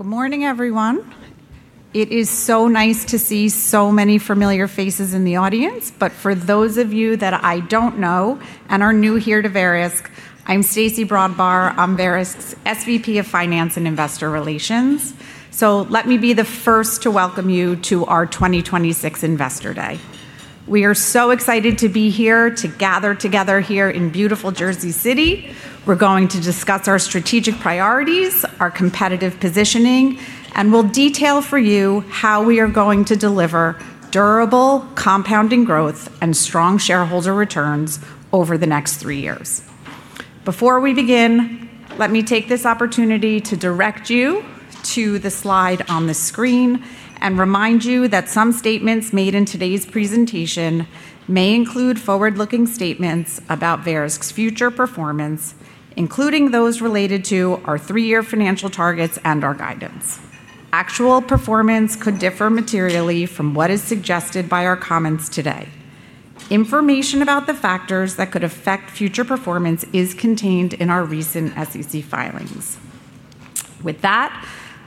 Good morning, everyone. It is so nice to see so many familiar faces in the audience, but for those of you that I don't know and are new here to Verisk, I'm Stacey Brodbar. I'm Verisk's SVP of Finance and Investor Relations. Let me be the first to welcome you to our 2026 Investor Day. We are so excited to be here, to gather together here in beautiful Jersey City. We're going to discuss our strategic priorities, our competitive positioning, and we'll detail for you how we are going to deliver durable compounding growth and strong shareholder returns over the next three years. Before we begin, let me take this opportunity to direct you to the slide on the screen and remind you that some statements made in today's presentation may include forward-looking statements about Verisk's future performance, including those related to our three-year financial targets and our guidance. Actual performance could differ materially from what is suggested by our comments today. Information about the factors that could affect future performance is contained in our recent SEC filings.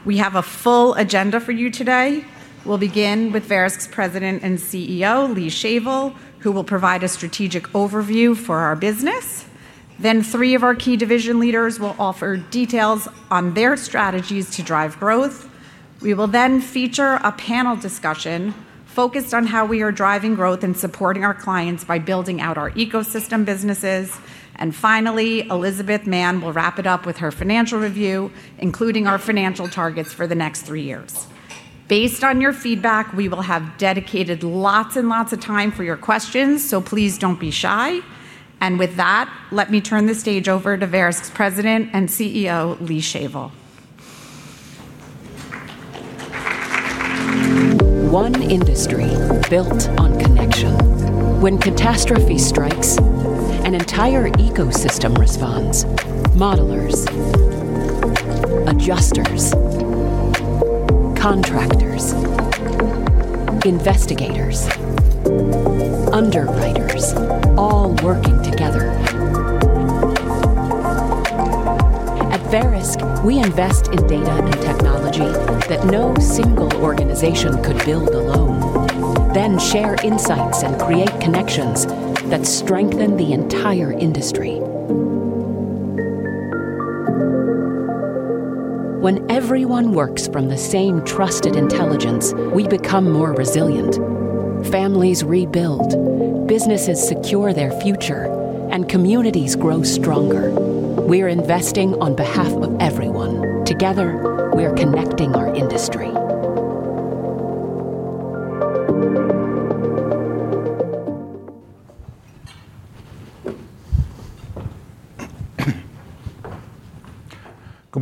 We have a full agenda for you today. We'll begin with Verisk's president and CEO, Lee Shavel, who will provide a strategic overview for our business. Three of our key division leaders will offer details on their strategies to drive growth. We will feature a panel discussion focused on how we are driving growth and supporting our clients by building out our ecosystem businesses. Finally, Elizabeth Mann will wrap it up with her financial review, including our financial targets for the next three years. Based on your feedback, we will have dedicated lots and lots of time for your questions, so please don't be shy. With that, let me turn the stage over to Verisk's President and CEO, Lee Shavel. One industry built on connection. When catastrophe strikes, an entire ecosystem responds. Modelers, adjusters, contractors, investigators, underwriters, all working together. At Verisk, we invest in data and technology that no single organization could build alone, then share insights and create connections that strengthen the entire industry. When everyone works from the same trusted intelligence, we become more resilient. Families rebuild, businesses secure their future, and communities grow stronger. We're investing on behalf of everyone. Together, we're connecting our industry.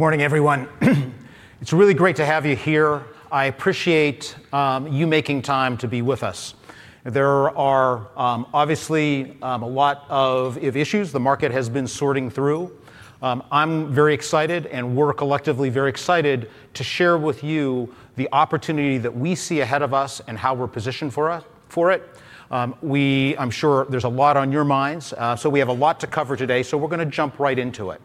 Good morning, everyone. It's really great to have you here. I appreciate you making time to be with us. There are obviously a lot of issues the market has been sorting through. I'm very excited and we're collectively very excited to share with you the opportunity that we see ahead of us and how we're positioned for it. I'm sure there's a lot on your minds, so we have a lot to cover today, so we're gonna jump right into it.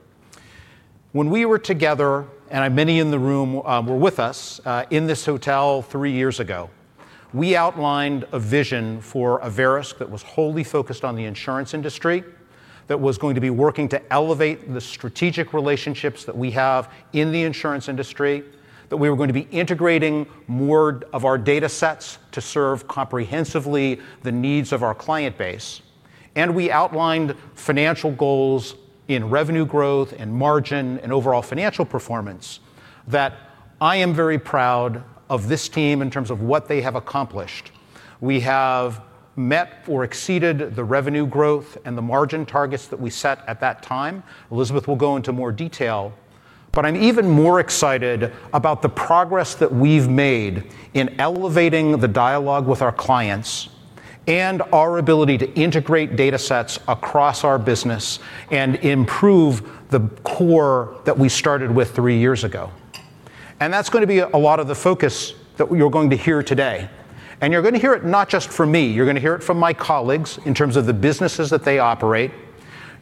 When we were together, and many in the room, were with us, in this hotel three years ago, we outlined a vision for a Verisk that was wholly focused on the insurance industry, that was going to be working to elevate the strategic relationships that we have in the insurance industry, that we were going to be integrating more of our datasets to serve comprehensively the needs of our client base. We outlined financial goals in revenue growth and margin and overall financial performance that I am very proud of this team in terms of what they have accomplished. We have met or exceeded the revenue growth and the margin targets that we set at that time. Elizabeth will go into more detail. I'm even more excited about the progress that we've made in elevating the dialogue with our clients and our ability to integrate datasets across our business and improve the core that we started with three years ago. That's going to be a lot of the focus that we are going to hear today. You're going to hear it not just from me, you're going to hear it from my colleagues in terms of the businesses that they operate.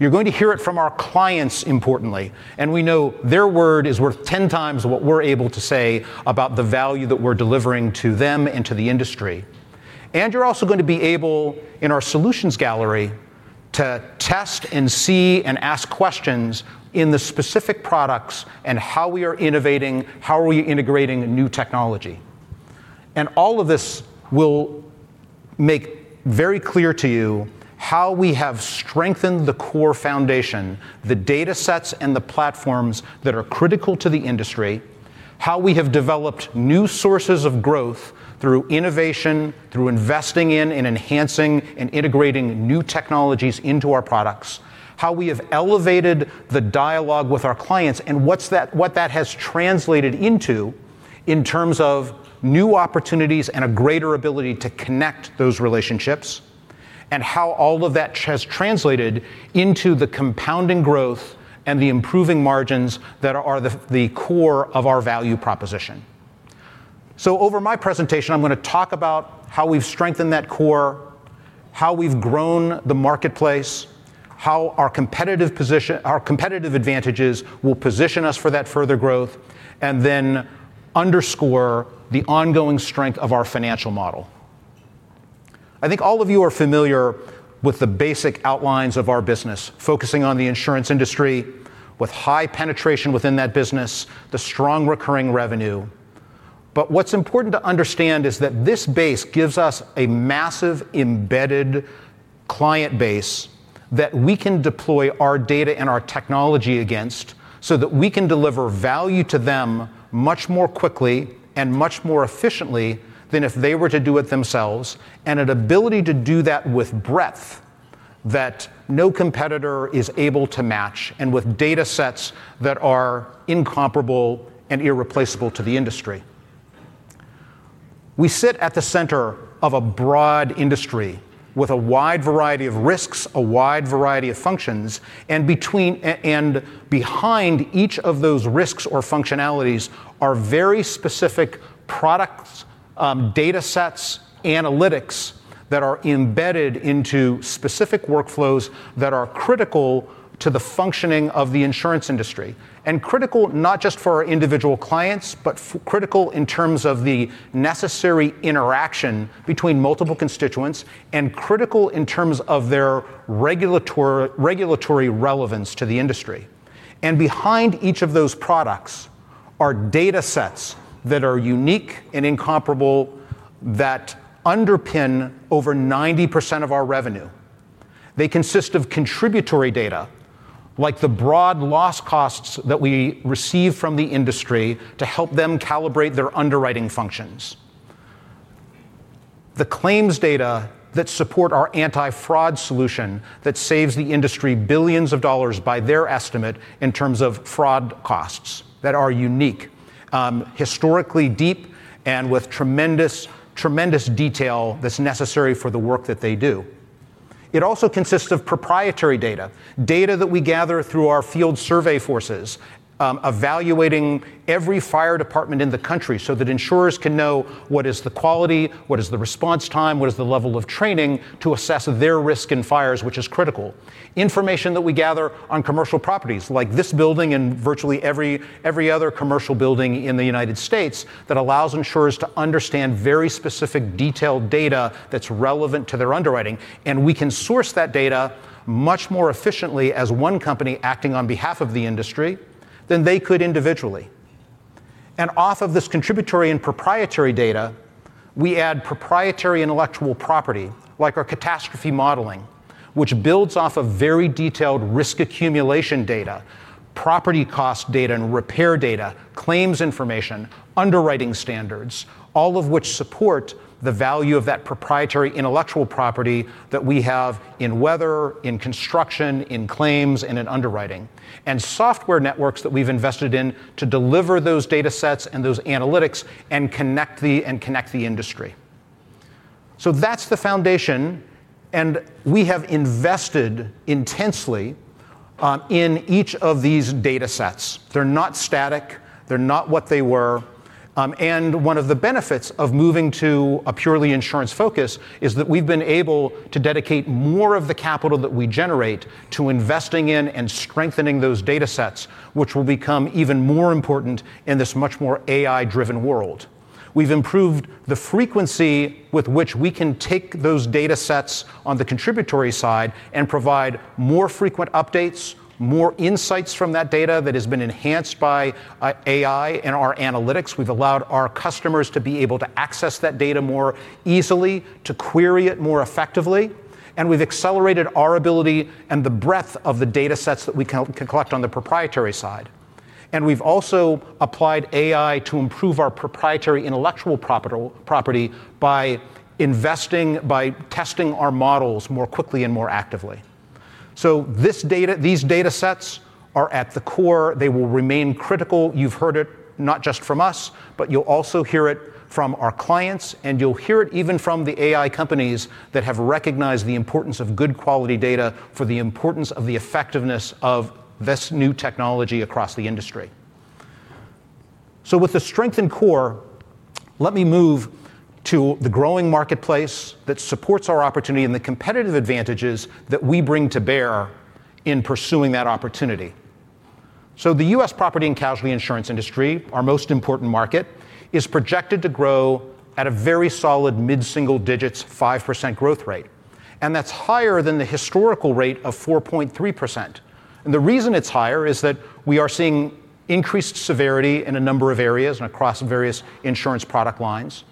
You're going to hear it from our clients, importantly, and we know their word is worth 10x what we're able to say about the value that we're delivering to them and to the industry. You're also going to be able, in our solutions gallery, to test and see and ask questions in the specific products and how we are innovating, how are we integrating new technology. All of this will make very clear to you how we have strengthened the core foundation, the datasets and the platforms that are critical to the industry, how we have developed new sources of growth through innovation, through investing in and enhancing and integrating new technologies into our products, how we have elevated the dialogue with our clients, what that has translated into in terms of new opportunities and a greater ability to connect those relationships, and how all of that has translated into the compounding growth and the improving margins that are the core of our value proposition. Over my presentation, I'm going to talk about how we've strengthened that core, how we've grown the marketplace, how our competitive advantages will position us for that further growth, then underscore the ongoing strength of our financial model. I think all of you are familiar with the basic outlines of our business, focusing on the insurance industry with high penetration within that business, the strong recurring revenue. What's important to understand is that this base gives us a massive embedded client base that we can deploy our data and our technology against so that we can deliver value to them much more quickly and much more efficiently than if they were to do it themselves, and an ability to do that with breadth that no competitor is able to match and with data sets that are incomparable and irreplaceable to the industry. We sit at the center of a broad industry with a wide variety of risks, a wide variety of functions. Between, behind each of those risks or functionalities are very specific products, data sets, analytics that are embedded into specific workflows that are critical to the functioning of the insurance industry. Critical not just for our individual clients, but critical in terms of the necessary interaction between multiple constituents and critical in terms of their regulatory relevance to the industry. Behind each of those products are data sets that are unique and incomparable that underpin over 90% of our revenue. They consist of contributory data, like the broad loss costs that we receive from the industry to help them calibrate their underwriting functions. The claims data that support our Anti-Fraud Solution that saves the industry billions of dollars by their estimate in terms of fraud costs that are unique, historically deep and with tremendous detail that's necessary for the work that they do. It also consists of proprietary data that we gather through our field survey forces, evaluating every fire department in the country so that insurers can know what the quality is, what is the response time, what is the level of training to assess their risk in fires, which is critical. Information that we gather on commercial properties like this building and virtually every other commercial building in the United States that allows insurers to understand very specific detailed data that's relevant to their underwriting. We can source that data much more efficiently as one company acting on behalf of the industry than they could individually. Off of this contributory and proprietary data, we add proprietary intellectual property like our catastrophe modeling, which builds off of very detailed risk accumulation data, property cost data and repair data, claims information, underwriting standards, all of which support the value of that proprietary intellectual property that we have in weather, in construction, in claims, and in underwriting. Software networks that we've invested in to deliver those data sets and those analytics and connect the industry. That's the foundation. We have invested intensely in each of these data sets. They're not static. They're not what they were. One of the benefits of moving to a purely insurance focus is that we've been able to dedicate more of the capital that we generate to investing in and strengthening those data sets, which will become even more important in this much more AI-driven world. We've improved the frequency with which we can take those data sets on the contributory side and provide more frequent updates, more insights from that data that has been enhanced by AI and our analytics. We've allowed our customers to be able to access that data more easily, to query it more effectively. We've accelerated our ability and the breadth of the data sets that we can collect on the proprietary side. We've also applied AI to improve our proprietary intellectual property by investing, by testing our models more quickly and more actively. These data sets are at the core. They will remain critical. You've heard it not just from us, but you'll also hear it from our clients, and you'll hear it even from the AI companies that have recognized the importance of good quality data for the importance of the effectiveness of this new technology across the industry. With the strengthened core, let me move to the growing marketplace that supports our opportunity and the competitive advantages that we bring to bear in pursuing that opportunity. The U.S. property and casualty insurance industry, our most important market, is projected to grow at a very solid mid-single-digit, 5% growth rate. That's higher than the historical rate of 4.3%. The reason it's higher is that we are seeing increased severity in a number of areas and across various insurance product lines.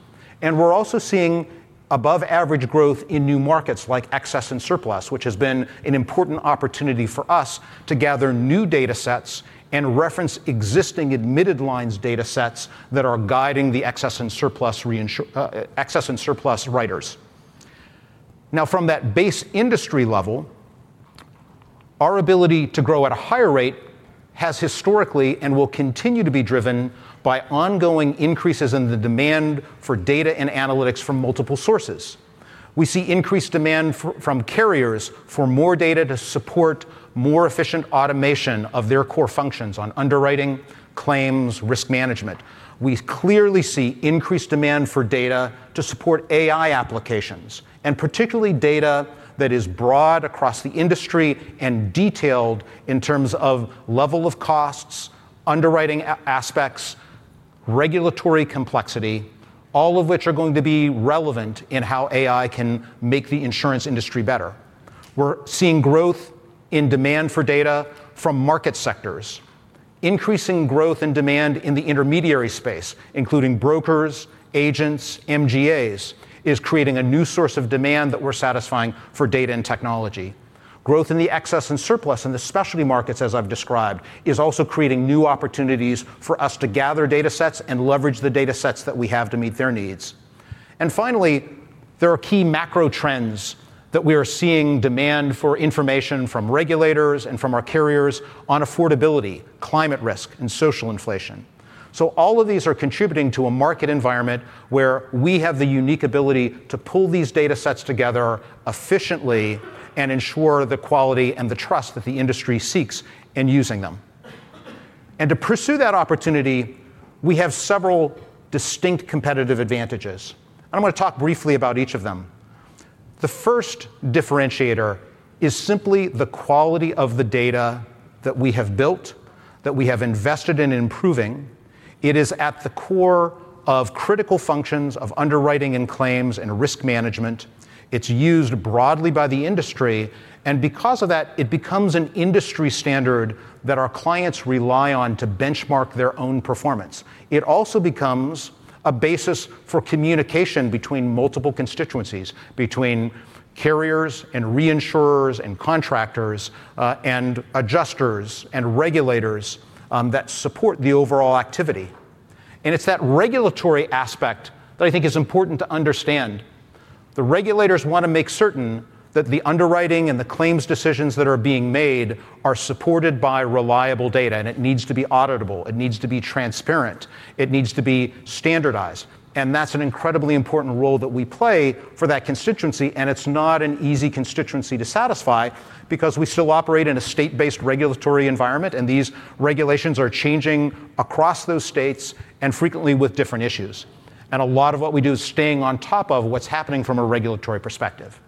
We're also seeing above average growth in new markets like excess and surplus, which has been an important opportunity for us to gather new data sets and reference existing admitted lines data sets that are guiding the excess and surplus writers. From that base industry level, our ability to grow at a higher rate has historically and will continue to be driven by ongoing increases in the demand for data and analytics from multiple sources. We see increased demand from carriers for more data to support more efficient automation of their core functions on underwriting, claims, risk management. We clearly see increased demand for data to support AI applications, particularly data that is broad across the industry and detailed in terms of level of costs, underwriting aspects, regulatory complexity, all of which are going to be relevant in how AI can make the insurance industry better. We're seeing growth in demand for data from market sectors. Increasing growth and demand in the intermediary space, including brokers, agents, MGAs, is creating a new source of demand that we're satisfying for data and technology. Growth in the excess and surplus in the specialty markets, as I've described, is also creating new opportunities for us to gather datasets and leverage the datasets that we have to meet their needs. Finally, there are key macro trends that we are seeing demand for information from regulators and from our carriers on affordability, climate risk and social inflation. All of these are contributing to a market environment where we have the unique ability to pull these datasets together efficiently and ensure the quality and the trust that the industry seeks in using them. To pursue that opportunity, we have several distinct competitive advantages. I'm going to talk briefly about each of them. The first differentiator is simply the quality of the data that we have built, that we have invested in improving. It is at the core of critical functions of underwriting and claims and risk management. It's used broadly by the industry and because of that, it becomes an industry standard that our clients rely on to benchmark their own performance. It also becomes a basis for communication between multiple constituencies, between carriers and reinsurers and contractors, and adjusters and regulators, that support the overall activity. It's that regulatory aspect that I think is important to understand. The regulators want to make certain that the underwriting and the claims decisions that are being made are supported by reliable data, and it needs to be auditable, it needs to be transparent, it needs to be standardized. That's an incredibly important role that we play for that constituency, and it's not an easy constituency to satisfy because we still operate in a state-based regulatory environment, and these regulations are changing across those states and frequently with different issues. A lot of what we do is staying on top of what's happening from a regulatory perspective.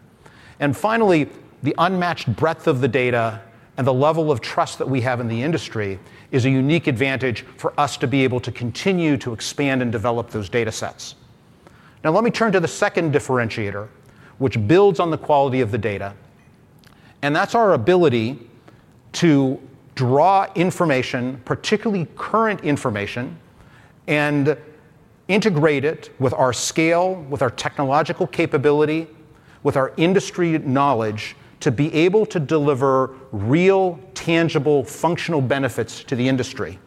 Finally, the unmatched breadth of the data and the level of trust that we have in the industry is a unique advantage for us to be able to continue to expand and develop those datasets. Let me turn to the second differentiator, which builds on the quality of the data, and that's our ability to draw information, particularly current information, and integrate it with our scale, with our technological capability, with our industry knowledge to be able to deliver real, tangible, functional benefits to the industry.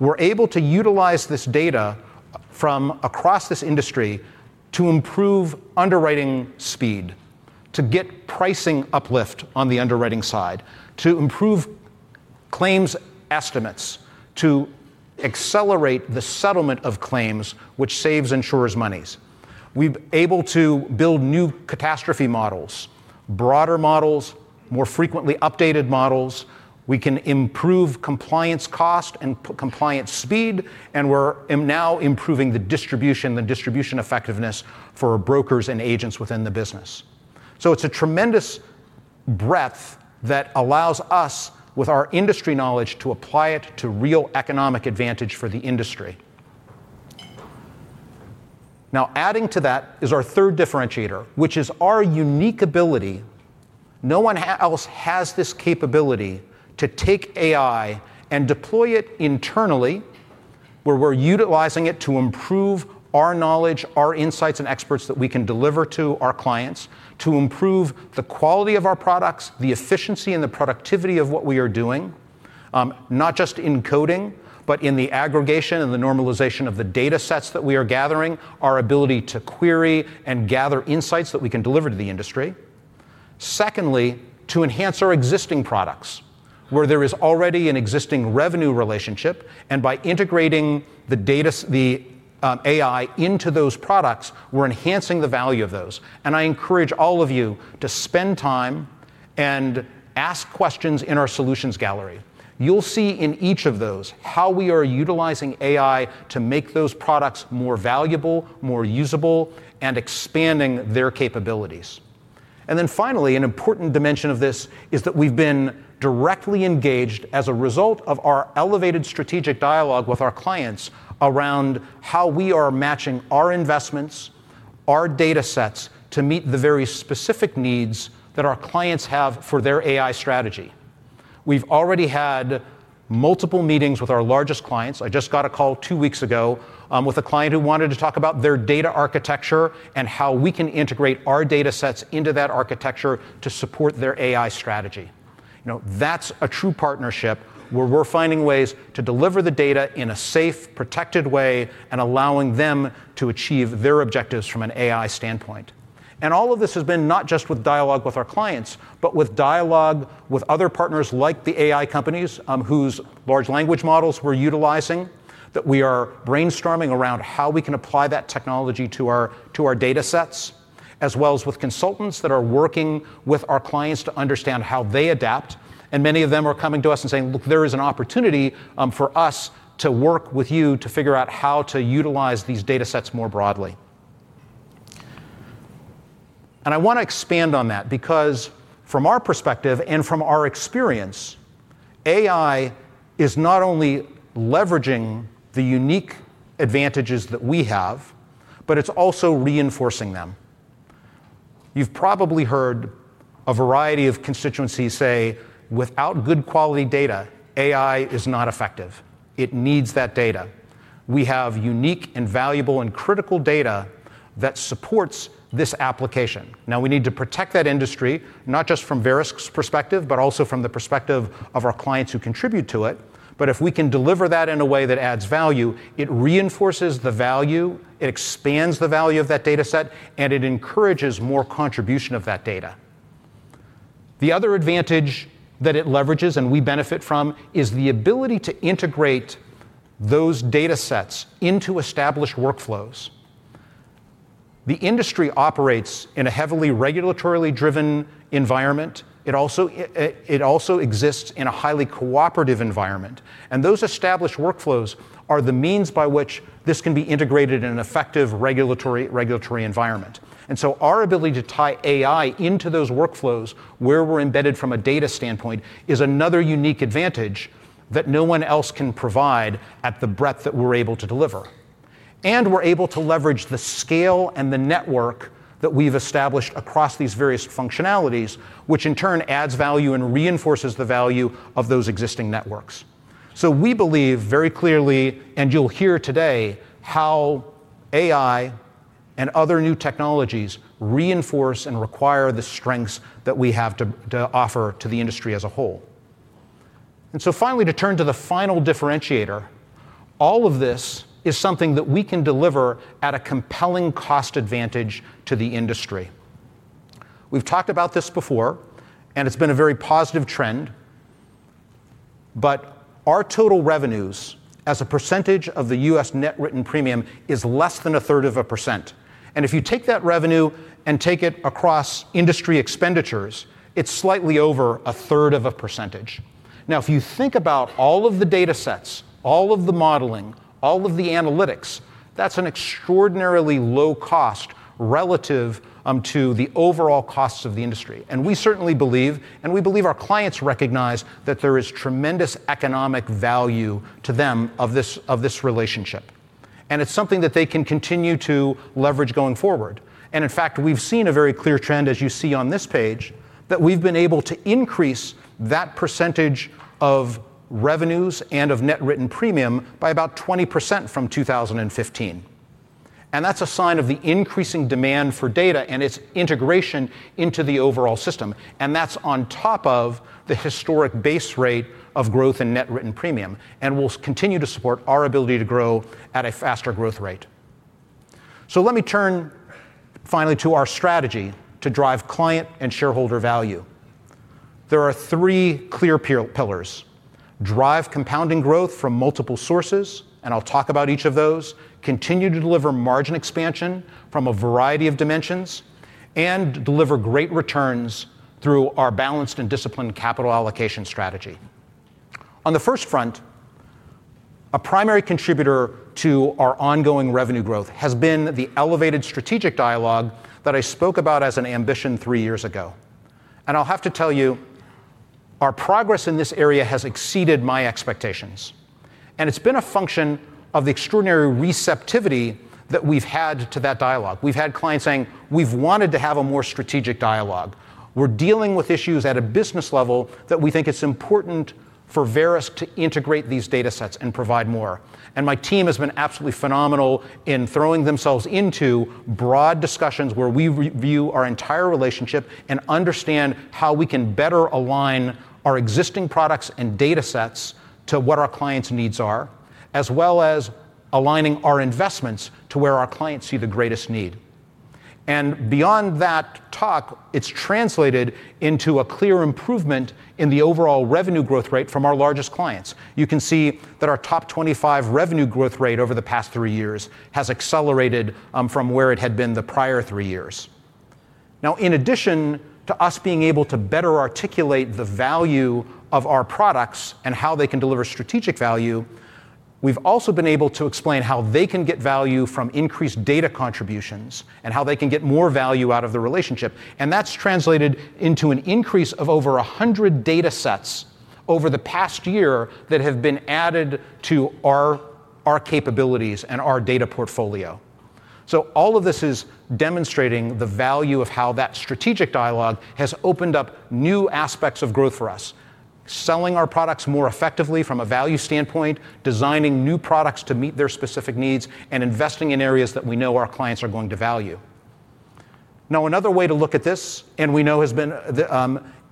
We're able to utilize this data from across this industry to improve underwriting speed, to get pricing uplift on the underwriting side, to improve claims estimates, to accelerate the settlement of claims which saves insurers monies. We've able to build new catastrophe models, broader models, more frequently updated models. We can improve compliance cost and compliance speed, and we're now improving the distribution effectiveness for brokers and agents within the business. It's a tremendous breadth that allows us with our industry knowledge to apply it to real economic advantage for the industry. Now adding to that is our third differentiator, which is our unique ability, no one else has this capability, to take AI and deploy it internally, where we're utilizing it to improve our knowledge, our insights and experts that we can deliver to our clients to improve the quality of our products, the efficiency and the productivity of what we are doing, not just in coding, but in the aggregation and the normalization of the datasets that we are gathering, our ability to query and gather insights that we can deliver to the industry. Secondly, to enhance our existing products where there is already an existing revenue relationship and by integrating the data the AI into those products, we're enhancing the value of those. I encourage all of you to spend time and ask questions in our solutions gallery. You'll see in each of those how we are utilizing AI to make those products more valuable, more usable and expanding their capabilities. Finally, an important dimension of this is that we've been directly engaged as a result of our elevated strategic dialogue with our clients around how we are matching our investments, our datasets to meet the very specific needs that our clients have for their AI strategy. We've already had multiple meetings with our largest clients. I just got a call two weeks ago with a client who wanted to talk about their data architecture and how we can integrate our datasets into that architecture to support their AI strategy. You know, that's a true partnership where we're finding ways to deliver the data in a safe, protected way and allowing them to achieve their objectives from an AI standpoint. All of this has been not just with dialogue with our clients, but with dialogue with other partners like the AI companies, whose large language models we're utilizing, that we are brainstorming around how we can apply that technology to our, to our datasets. With consultants that are working with our clients to understand how they adapt, and many of them are coming to us and saying, "Look, there is an opportunity for us to work with you to figure out how to utilize these data sets more broadly." I want to expand on that because from our perspective and from our experience, AI is not only leveraging the unique advantages that we have, but it's also reinforcing them. You've probably heard a variety of constituencies say, "Without good quality data, AI is not effective. It needs that data. We have unique and valuable and critical data that supports this application. We need to protect that industry, not just from Verisk's perspective, but also from the perspective of our clients who contribute to it. If we can deliver that in a way that adds value, it reinforces the value, it expands the value of that dataset, and it encourages more contribution of that data. The other advantage that it leverages, and we benefit from is the ability to integrate those datasets into established workflows. The industry operates in a heavily regulatorily-driven environment. It also exists in a highly cooperative environment, and those established workflows are the means by which this can be integrated in an effective regulatory environment. Our ability to tie AI into those workflows where we're embedded from a data standpoint is another unique advantage that no one else can provide at the breadth that we're able to deliver. We're able to leverage the scale and the network that we've established across these various functionalities, which in turn adds value and reinforces the value of those existing networks. We believe very clearly, and you'll hear today, how AI and other new technologies reinforce and require the strengths that we have to offer to the industry as a whole. Finally, to turn to the final differentiator, all of this is something that we can deliver at a compelling cost advantage to the industry. We've talked about this before, it's been a very positive trend, but our total revenues as a percentage of the U.S. net written premium is less than a third of a percent. If you take that revenue and take it across industry expenditures, it's slightly over a third of a percentage. Now, if you think about all of the datasets, all of the modeling, all of the analytics, that's an extraordinarily low cost relative to the overall costs of the industry. We certainly believe, and we believe our clients recognize, that there is tremendous economic value to them of this relationship. It's something that they can continue to leverage going forward. In fact, we've seen a very clear trend as you see on this page that we've been able to increase that percentage of revenues and of net written premium by about 20% from 2015. That's a sign of the increasing demand for data and its integration into the overall system, and that's on top of the historic base rate of growth in net written premium and will continue to support our ability to grow at a faster growth rate. Let me turn finally to our strategy to drive client and shareholder value. There are three clear pillars: drive compounding growth from multiple sources, and I'll talk about each of those, continue to deliver margin expansion from a variety of dimensions, and deliver great returns through our balanced and disciplined capital allocation strategy. On the first front, a primary contributor to our ongoing revenue growth has been the elevated strategic dialogue that I spoke about as an ambition three years ago. I'll have to tell you, our progress in this area has exceeded my expectations. It's been a function of the extraordinary receptivity that we've had to that dialogue. We've had clients saying, "We've wanted to have a more strategic dialogue. We're dealing with issues at a business level that we think it's important for Verisk to integrate these datasets and provide more." My team has been absolutely phenomenal in throwing themselves into broad discussions where we review our entire relationship and understand how we can better align our existing products and datasets to what our clients' needs are, as well as aligning our investments to where our clients see the greatest need. Beyond that talk, it's translated into a clear improvement in the overall revenue growth rate from our largest clients. You can see that our top 25 revenue growth rate over the past three years has accelerated from where it had been the prior three years. In addition to us being able to better articulate the value of our products and how they can deliver strategic value, we've also been able to explain how they can get value from increased data contributions and how they can get more value out of the relationship. That's translated into an increase of over 100 datasets over the past year that have been added to our capabilities and our data portfolio. All of this is demonstrating the value of how that strategic dialogue has opened up new aspects of growth for us. Selling our products more effectively from a value standpoint, designing new products to meet their specific needs, and investing in areas that we know our clients are going to value. Another way to look at this, and we know has been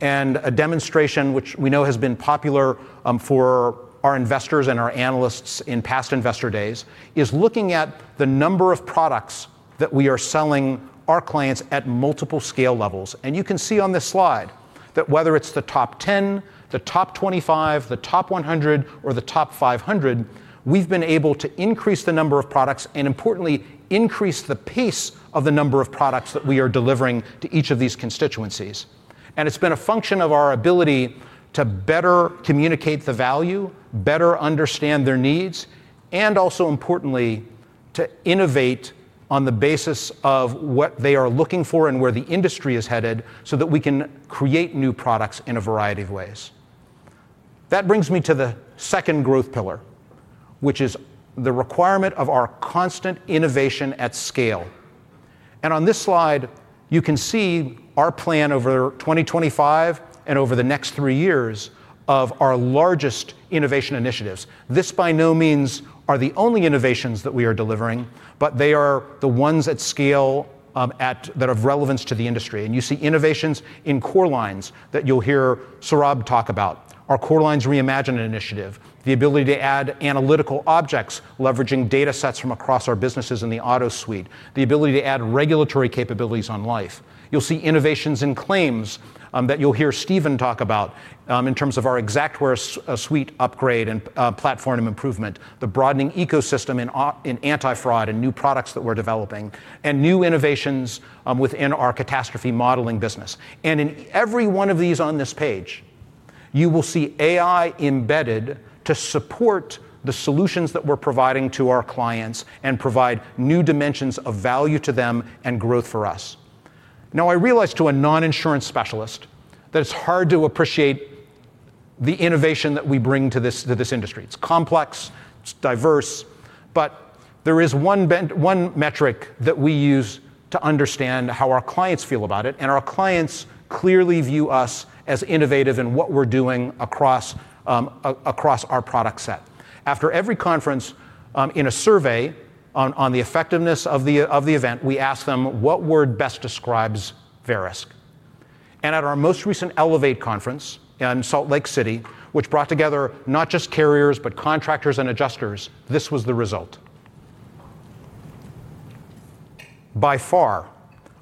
and a demonstration which we know has been popular for our investors and our analysts in past investor days, is looking at the number of products that we are selling our clients at multiple scale levels. You can see on this slide that whether it's the top 10, the top 25, the top 100, or the top 500, we've been able to increase the number of products and importantly, increase the pace of the number of products that we are delivering to each of these constituencies. It's been a function of our ability to better communicate the value, better understand their needs, and also importantly, to innovate on the basis of what they are looking for and where the industry is headed so that we can create new products in a variety of ways. That brings me to the second growth pillar, which is the requirement of our constant innovation at scale. On this slide, you can see our plan over 2025 and over the next three years of our largest innovation initiatives. This by no means are the only innovations that we are delivering, but they are the ones at scale that have relevance to the industry. You see innovations in core lines that you'll hear Saurabh talk about. Our Core Lines Reimagined initiative, the ability to add analytical objects, leveraging datasets from across our businesses in the auto suite, the ability to add regulatory capabilities on life. You'll see innovations in claims that you'll hear Steven talk about in terms of our Xactware suite upgrade and platform improvement, the broadening ecosystem in Anti-Fraud and new products that we're developing, and new innovations within our catastrophe modeling business. In every one of these on this page, you will see AI embedded to support the solutions that we're providing to our clients and provide new dimensions of value to them and growth for us. Now, I realize to a non-insurance specialist that it's hard to appreciate the innovation that we bring to this, to this industry. It's complex, it's diverse, but there is one metric that we use to understand how our clients feel about it, and our clients clearly view us as innovative in what we're doing across our product set. After every conference, in a survey on the effectiveness of the event, we ask them what word best describes Verisk. At our most recent Elevate conference in Salt Lake City, which brought together not just carriers, but contractors and adjusters, this was the result. By far,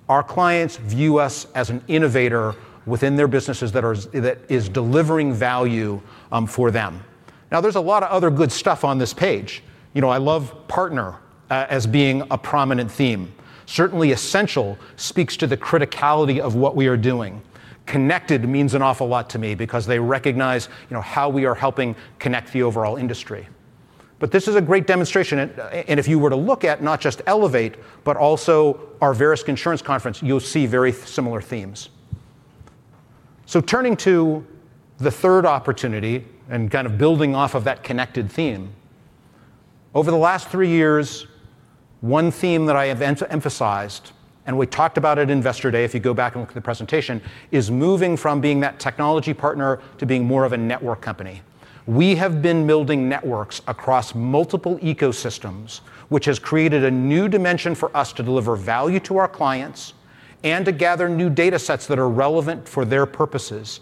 our clients view us as an innovator within their businesses that is delivering value for them. There's a lot of other good stuff on this page. You know, I love partner as being a prominent theme. Certainly, essential speaks to the criticality of what we are doing. Connected means an awful lot to me because they recognize, you know, how we are helping connect the overall industry. This is a great demonstration. If you were to look at not just Elevate, but also our Verisk Insurance Conference, you'll see very similar themes. Turning to the third opportunity and kind of building off of that connected theme. Over the last three years, one theme that I have emphasized, and we talked about at Investor Day, if you go back and look at the presentation, is moving from being that technology partner to being more of a network company. We have been building networks across multiple ecosystems, which has created a new dimension for us to deliver value to our clients and to gather new datasets that are relevant for their purposes,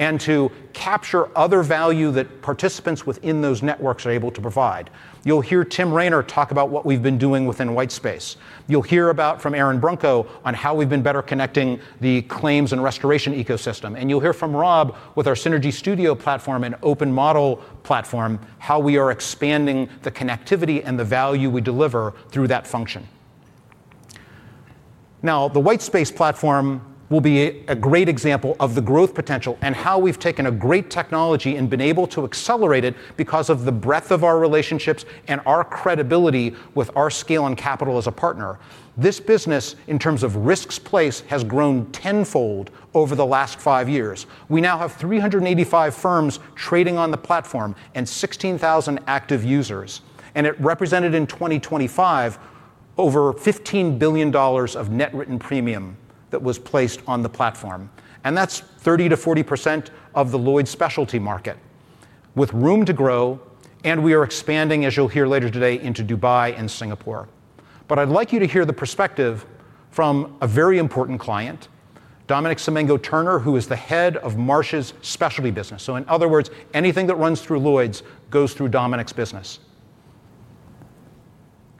and to capture other value that participants within those networks are able to provide. You'll hear Tim Rayner talk about what we've been doing within Whitespace. You'll hear about from Aaron Brunko on how we've been better connecting the claims and restoration ecosystem. You'll hear from Rob with our Verisk Synergy Studio platform and Open Model platform, how we are expanding the connectivity and the value we deliver through that function. The Whitespace platform will be a great example of the growth potential and how we've taken a great technology and been able to accelerate it because of the breadth of our relationships and our credibility with our scale and capital as a partner. This business, in terms of risks placed, has grown tenfold over the last five years. We now have 385 firms trading on the platform and 16,000 active users, it represented in 2025 over $15 billion of net written premium that was placed on the platform. That's 30%-40% of the Lloyd's specialty market with room to grow, we are expanding, as you'll hear later today, into Dubai and Singapore. I'd like you to hear the perspective from a very important client, Dominic Samengo-Turner, who is the head of Marsh's Specialty business. In other words, anything that runs through Lloyd's goes through Dominic's business.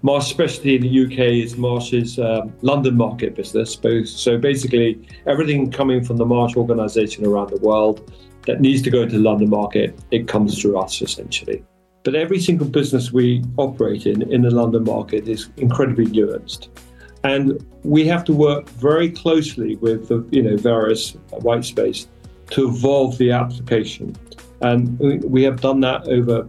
Marsh Specialty in the U.K. is Marsh's London market business. So basically, everything coming from the Marsh organization around the world that needs to go into the London market, it comes through us essentially. Every single business we operate in in the London market is incredibly nuanced, and we have to work very closely with the, you know, Verisk Whitespace to evolve the application. We have done that over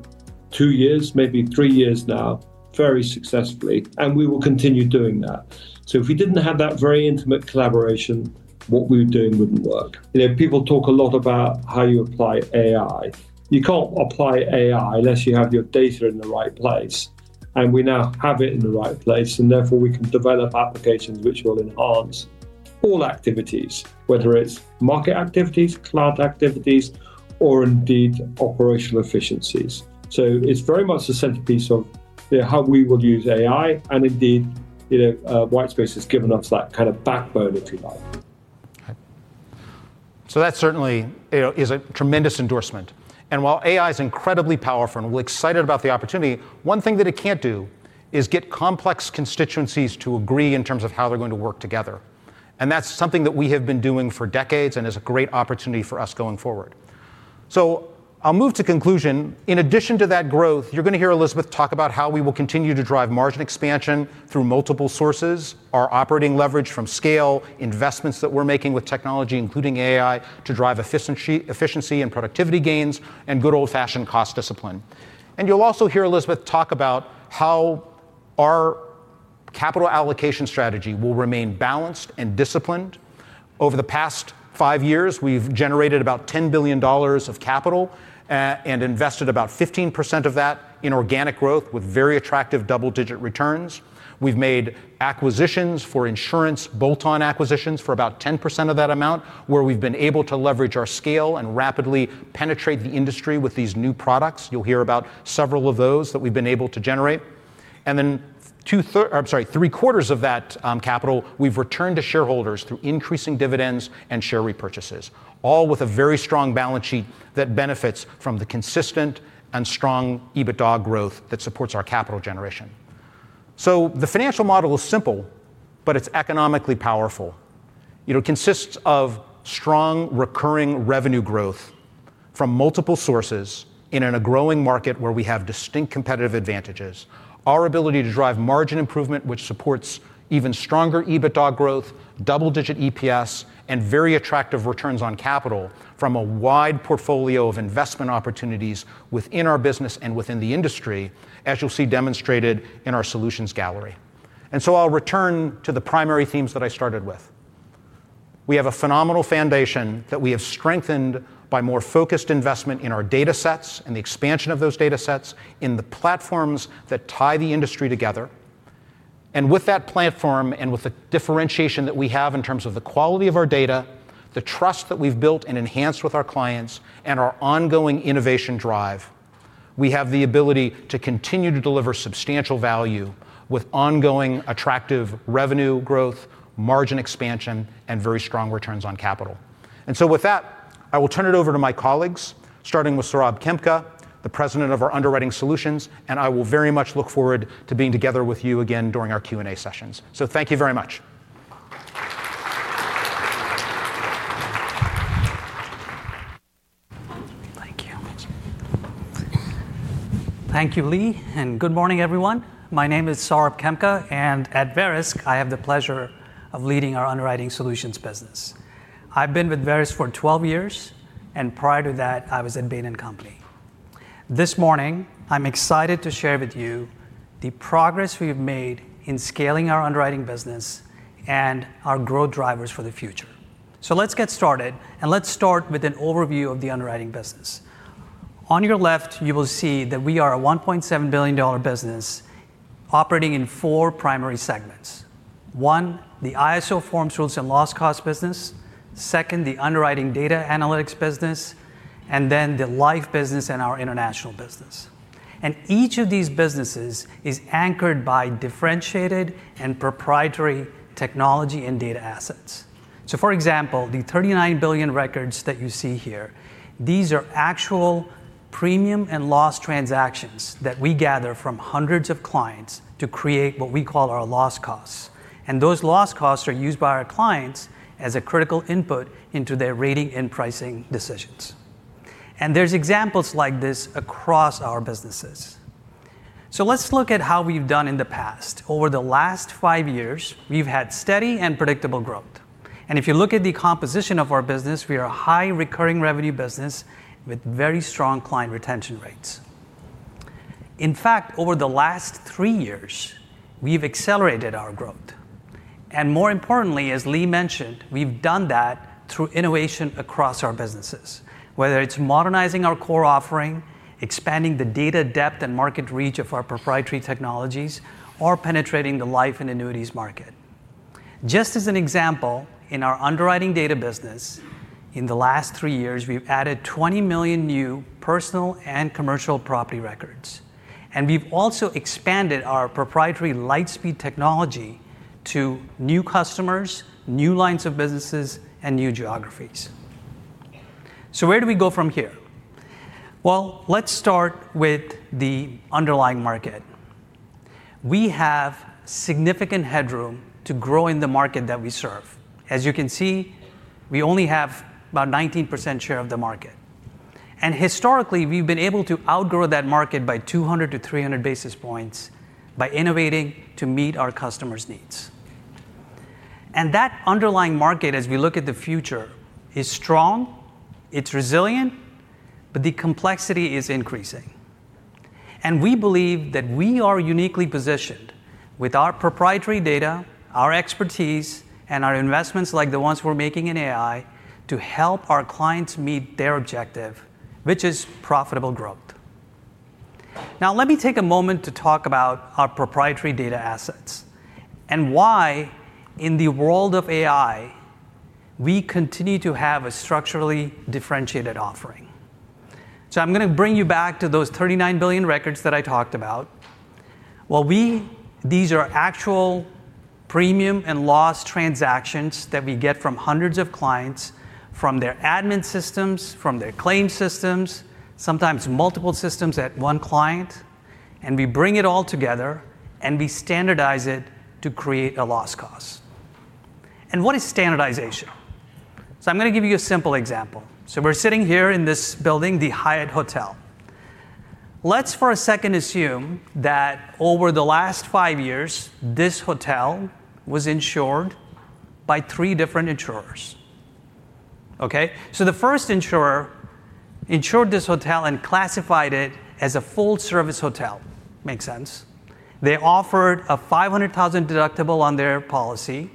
two years, maybe three years now, very successfully, and we will continue doing that. If we didn't have that very intimate collaboration, what we were doing wouldn't work. You know, people talk a lot about how you apply AI. You can't apply AI unless you have your data in the right place, and we now have it in the right place, and therefore we can develop applications which will enhance all activities, whether it's market activities, client activities, or indeed operational efficiencies. It's very much the centerpiece of, you know, how we will use AI, and indeed, you know, Whitespace has given us that kind of backbone, if you like. That certainly, you know, is a tremendous endorsement. While AI is incredibly powerful and we're excited about the opportunity, one thing that it can't do is get complex constituencies to agree in terms of how they're going to work together. That's something that we have been doing for decades and is a great opportunity for us going forward. I'll move to conclusion. In addition to that growth, you're gonna hear Elizabeth talk about how we will continue to drive margin expansion through multiple sources, our operating leverage from scale, investments that we're making with technology, including AI, to drive efficiency and productivity gains, and good old-fashioned cost discipline. You'll also hear Elizabeth talk about how our capital allocation strategy will remain balanced and disciplined. Over the past five years, we've generated about $10 billion of capital and invested about 15% of that in organic growth with very attractive double-digit returns. We've made acquisitions for insurance, bolt-on acquisitions for about 10% of that amount, where we've been able to leverage our scale and rapidly penetrate the industry with these new products. You'll hear about several of those that we've been able to generate. Sorry, three-quarters of that capital we've returned to shareholders through increasing dividends and share repurchases, all with a very strong balance sheet that benefits from the consistent and strong EBITDA growth that supports our capital generation. The financial model is simple, but it's economically powerful. You know, consists of strong recurring revenue growth from multiple sources in a growing market where we have distinct competitive advantages. Our ability to drive margin improvement, which supports even stronger EBITDA growth, double-digit EPS, and very attractive returns on capital from a wide portfolio of investment opportunities within our business and within the industry, as you'll see demonstrated in our solutions gallery. I'll return to the primary themes that I started with. We have a phenomenal foundation that we have strengthened by more focused investment in our datasets and the expansion of those datasets in the platforms that tie the industry together. With that platform, with the differentiation that we have in terms of the quality of our data, the trust that we've built and enhanced with our clients, and our ongoing innovation drive, we have the ability to continue to deliver substantial value with ongoing attractive revenue growth, margin expansion, and very strong returns on capital. With that, I will turn it over to my colleagues, starting with Saurabh Khemka, the President of our Underwriting Solutions, and I will very much look forward to being together with you again during our Q&A sessions. Thank you very much. Thank you. Thank you, Lee. Good morning, everyone. My name is Saurabh Khemka, and at Verisk, I have the pleasure of leading our Underwriting Solutions business. I've been with Verisk for 12 years, and prior to that, I was at Bain & Company. This morning, I'm excited to share with you the progress we've made in scaling our underwriting business and our growth drivers for the future. Let's get started, and let's start with an overview of the underwriting business. On your left, you will see that we are a $1.7 billion business operating in four primary segments. One, the ISO forms rules and loss cost business. Two. the underwriting data analytics business, and then the life business and our international business. Each of these businesses is anchored by differentiated and proprietary technology and data assets. For example, the 39 billion records that you see here, these are actual premium and loss transactions that we gather from hundreds of clients to create what we call our loss costs. Those loss costs are used by our clients as a critical input into their rating and pricing decisions. There's examples like this across our businesses. Let's look at how we've done in the past. Over the last five years, we've had steady and predictable growth. If you look at the composition of our business, we are a high recurring revenue business with very strong client retention rates. In fact, over the last three years, we've accelerated our growth. More importantly, as Lee mentioned, we've done that through innovation across our businesses, whether it's modernizing our core offering, expanding the data depth and market reach of our proprietary technologies, or penetrating the life and annuities market. Just as an example, in our underwriting data business, in the last three years, we've added $20 million new personal and commercial property records, and we've also expanded our proprietary LightSpeed technology to new customers, new lines of businesses, and new geographies. Where do we go from here? Well, let's start with the underlying market. We have significant headroom to grow in the market that we serve. As you can see, we only have about 19% share of the market. Historically, we've been able to outgrow that market by 200-300 basis points by innovating to meet our customers' needs. That underlying market, as we look at the future, is strong, it's resilient, but the complexity is increasing. We believe that we are uniquely positioned with our proprietary data, our expertise, and our investments like the ones we're making in AI to help our clients meet their objective, which is profitable growth. Now, let me take a moment to talk about our proprietary data assets and why in the world of AI, we continue to have a structurally differentiated offering. I'm going to bring you back to those 39 billion records that I talked about. These are actual Premium and loss transactions that we get from hundreds of clients from their admin systems, from their claim systems, sometimes multiple systems at one client, and we bring it all together and we standardize it to create a loss cost. What is standardization? I'm going to give you a simple example. We're sitting here in this building, the Hyatt Hotel. Let's for a second assume that over the last five years, this hotel was insured by three different insurers. Okay? The first insurer insured this hotel and classified it as a full-service hotel. Makes sense. They offered a $500,000 deductible on their policy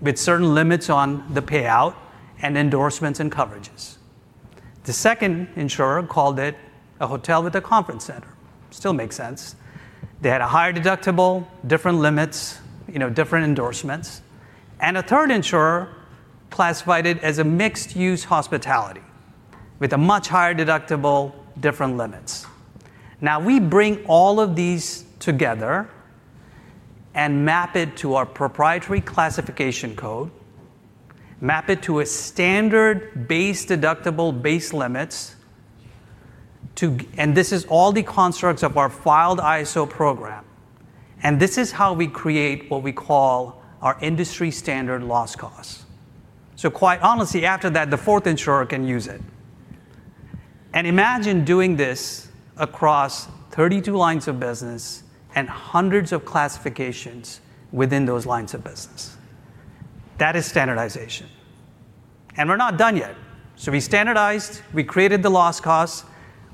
with certain limits on the payout and endorsements and coverages. The second insurer called it a hotel with a conference center. Still makes sense. They had a higher deductible, different limits, you know, different endorsements. A third insurer classified it as a mixed-use hospitality with a much higher deductible, different limits. We bring all of these together and map it to our proprietary classification code, map it to a standard base deductible, base limits. This is all the constructs of our filed ISO program. This is how we create what we call our industry-standard loss cost. Quite honestly, after that, the fourth insurer can use it. Imagine doing this across 32 lines of business and hundreds of classifications within those lines of business. That is standardization. We're not done yet. We standardized, we created the loss cost.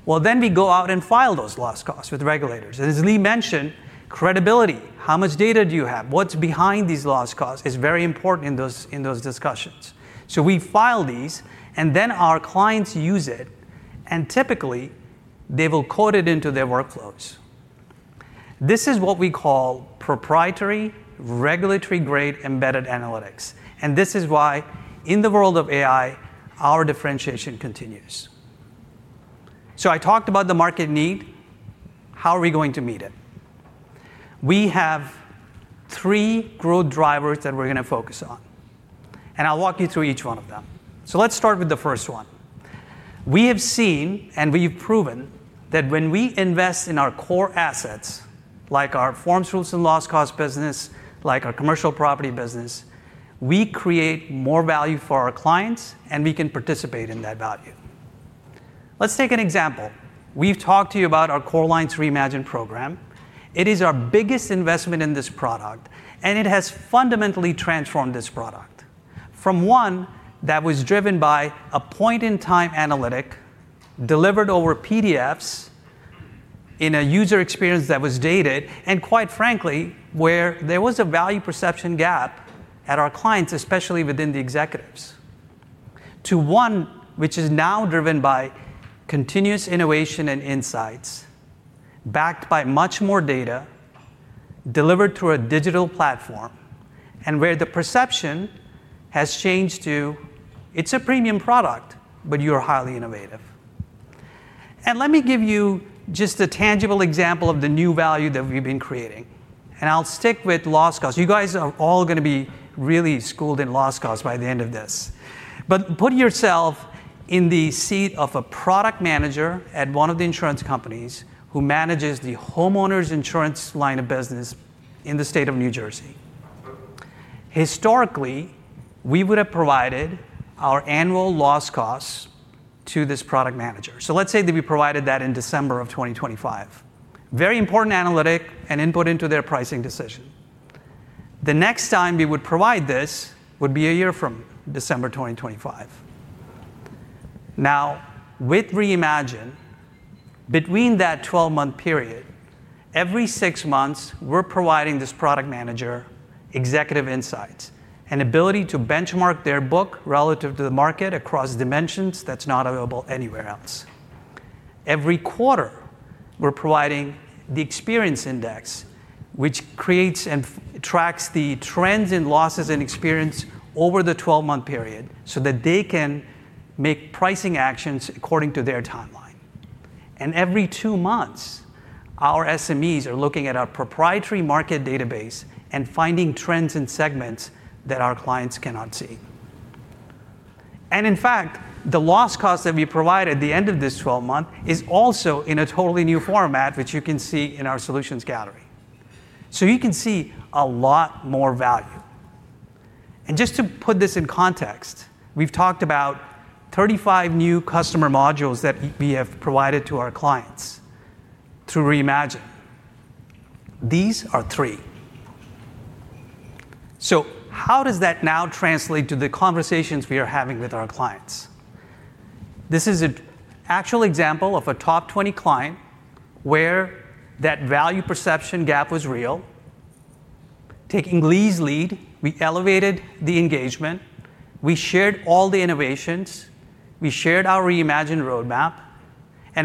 Well, then we go out and file those loss costs with regulators. As Lee mentioned, credibility, how much data do you have? What's behind these loss costs is very important in those discussions. We file these, and then our clients use it, and typically, they will code it into their workflows. This is what we call proprietary regulatory-grade embedded analytics, and this is why in the world of AI, our differentiation continues. I talked about the market need. How are we going to meet it? We have three growth drivers that we're going to focus on, and I'll walk you through each one of them. Let's start with the first one. We have seen, and we've proven, that when we invest in our core assets, like our forms, rules, and loss cost business, like our commercial property business, we create more value for our clients, and we can participate in that value. Let's take an example. We've talked to you about our Core Lines Reimagined program. It is our biggest investment in this product, and it has fundamentally transformed this product from one that was driven by a point-in-time analytic delivered over PDFs in a user experience that was dated, and quite frankly, where there was a value perception gap at our clients, especially within the executives, to one which is now driven by continuous innovation and insights backed by much more data delivered through a digital platform, and where the perception has changed to, "It's a premium product, but you are highly innovative." Let me give you just a tangible example of the new value that we've been creating, and I'll stick with loss cost. You guys are all going to be really schooled in loss cost by the end of this. Put yourself in the seat of a product manager at one of the insurance companies who manages the homeowners' insurance line of business in the state of New Jersey. Historically, we would have provided our annual loss costs to this product manager. Let's say that we provided that in December of 2025. Very important analytic and input into their pricing decision. The next time we would provide this would be a year from December 2025. With Reimagine, between that 12-month period, every 6 months, we're providing this product manager executive insights and ability to benchmark their book relative to the market across dimensions that's not available anywhere else. Every quarter, we're providing the experience index, which creates and tracks the trends in losses and experience over the 12-month period so that they can make pricing actions according to their timeline. Every two months, our SMEs are looking at our proprietary market database and finding trends and segments that our clients cannot see. In fact, the loss cost that we provide at the end of this 12-month is also in a totally new format, which you can see in our solutions gallery. You can see a lot more value. Just to put this in context, we've talked about 35 new customer modules that we have provided to our clients through Reimagine. These are three. How does that now translate to the conversations we are having with our clients? This is an actual example of a top 20 client where that value perception gap was real. Taking Lee's lead, we elevated the engagement, we shared all the innovations, we shared our Reimagined roadmap.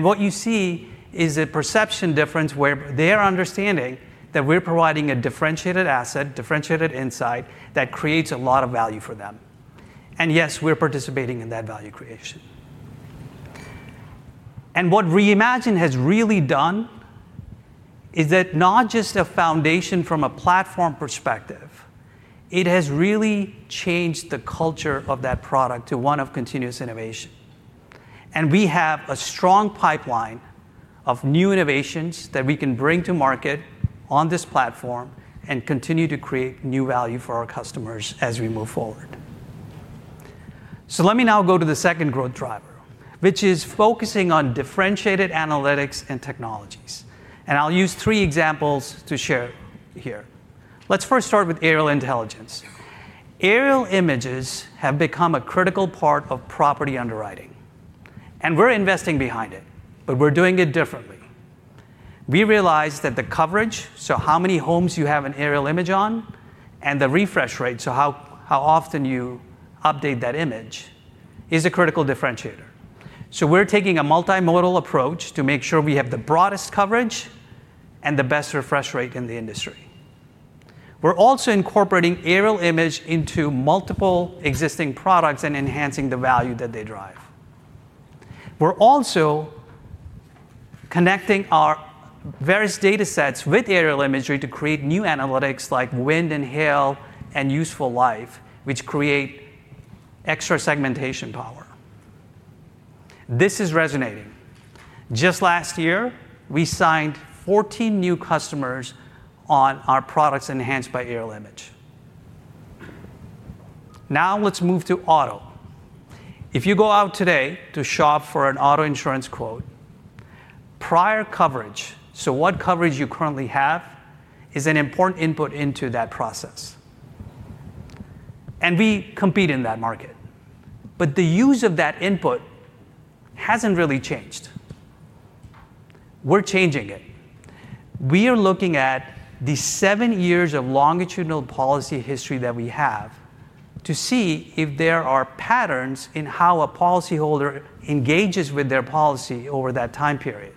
What you see is a perception difference where they're understanding that we're providing a differentiated asset, differentiated insight that creates a lot of value for them. Yes, we're participating in that value creation. What Reimagine has really done is that not just a foundation from a platform perspective, it has really changed the culture of that product to one of continuous innovation. We have a strong pipeline of new innovations that we can bring to market on this platform and continue to create new value for our customers as we move forward. Let me now go to the second growth driver, which is focusing on differentiated analytics and technologies. I'll use three examples to share here. Let's first start with aerial intelligence. Aerial images have become a critical part of property underwriting, and we're investing behind it, but we're doing it differently. We realize that the coverage, so how many homes you have an aerial image on, and the refresh rate, so how often you update that image, is a critical differentiator. We're taking a multimodal approach to make sure we have the broadest coverage and the best refresh rate in the industry. We're also incorporating aerial image into multiple existing products and enhancing the value that they drive. We're also connecting our various datasets with aerial imagery to create new analytics like wind and hail and useful life, which create extra segmentation power. This is resonating. Just last year, we signed 14 new customers on our products enhanced by aerial image. Now let's move to auto. If you go out today to shop for an auto insurance quote, prior coverage, so what coverage you currently have, is an important input into that process. We compete in that market. The use of that input hasn't really changed. We're changing it. We are looking at the seven years of longitudinal policy history that we have to see if there are patterns in how a policyholder engages with their policy over that time period.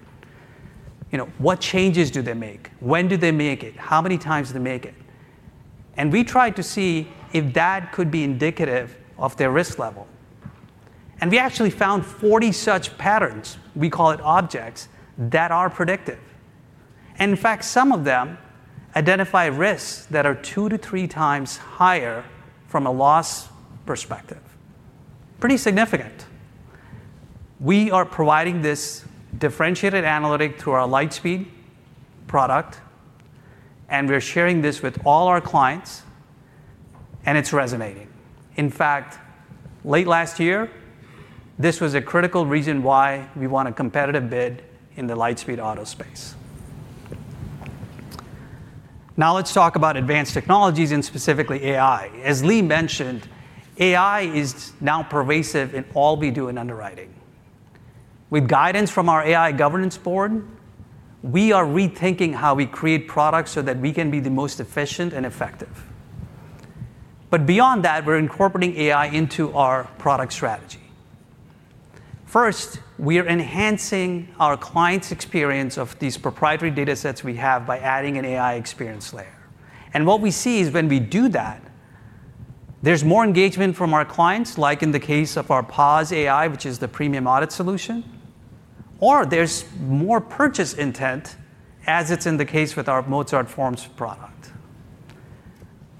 You know, what changes do they make? When do they make it? How many times do they make it? We try to see if that could be indicative of their risk level. We actually found 40 such patterns, we call it objects, that are predictive. In fact, some of them identify risks that are 2x to 3x higher from a loss perspective. Pretty significant. We are providing this differentiated analytic through our LightSpeed product. We're sharing this with all our clients, and it's resonating. In fact, late last year, this was a critical reason why we won a competitive bid in the LightSpeed auto space. Let's talk about advanced technologies and specifically AI. As Lee mentioned, AI is now pervasive in all we do in underwriting. With guidance from our AI governance board, we are rethinking how we create products so that we can be the most efficient and effective. Beyond that, we're incorporating AI into our product strategy. First, we are enhancing our clients' experience of these proprietary datasets we have by adding an AI experience layer. What we see is when we do that, there's more engagement from our clients, like in the case of our PAAS AI, which is the premium audit solution, or there's more purchase intent, as it's in the case with our Mozart Forms product.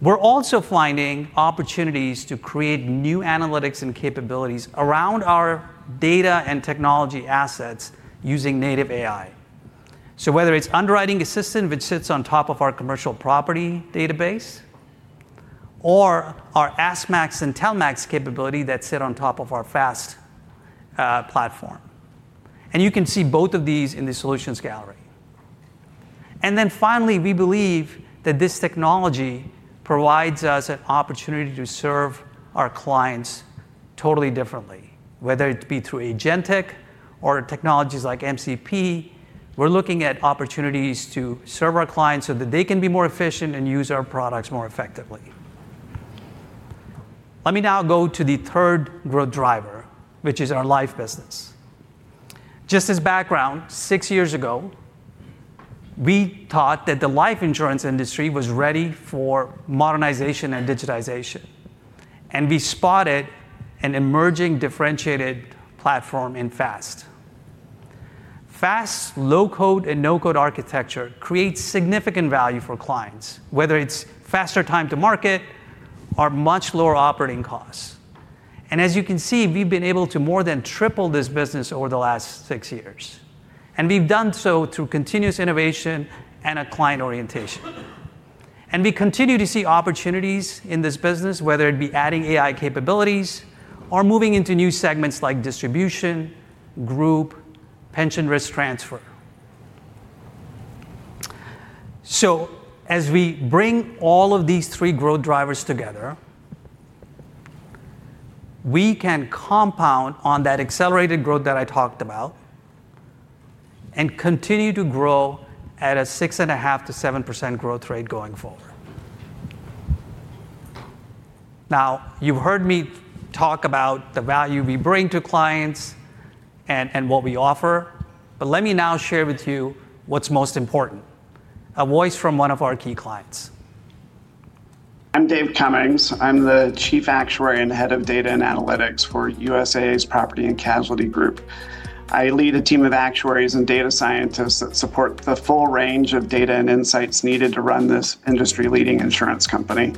We're also finding opportunities to create new analytics and capabilities around our data and technology assets using native AI. Whether it's Underwriting Assistant, which sits on top of our commercial property database, or our AskMax and TellMax capability that sit on top of our FAST platform. You can see both of these in the solutions gallery. Finally, we believe that this technology provides us an opportunity to serve our clients totally differently. Whether it be through agentic or technologies like MCP, we're looking at opportunities to serve our clients so that they can be more efficient and use our products more effectively. Let me now go to the third growth driver, which is our life business. Just as background, six years ago, we thought that the life insurance industry was ready for modernization and digitization. We spotted an emerging differentiated platform in Fast. Fast's low-code and no-code architecture creates significant value for clients, whether it's faster time to market or much lower operating costs. As you can see, we've been able to more than triple this business over the last six years. We've done so through continuous innovation and a client orientation. We continue to see opportunities in this business, whether it be adding AI capabilities or moving into new segments like distribution, group, pension risk transfer. As we bring all of these three growth drivers together, we can compound on that accelerated growth that I talked about and continue to grow at a 6.5%-7% growth rate going forward. You've heard me talk about the value we bring to clients and what we offer. Let me now share with you what's most important, a voice from one of our key clients. I'm Dave Cummings. I'm the Chief Actuary and Head of Data and Analytics for USAA's Property and Casualty Group. I lead a team of actuaries and data scientists that support the full range of data and insights needed to run this industry-leading insurance company,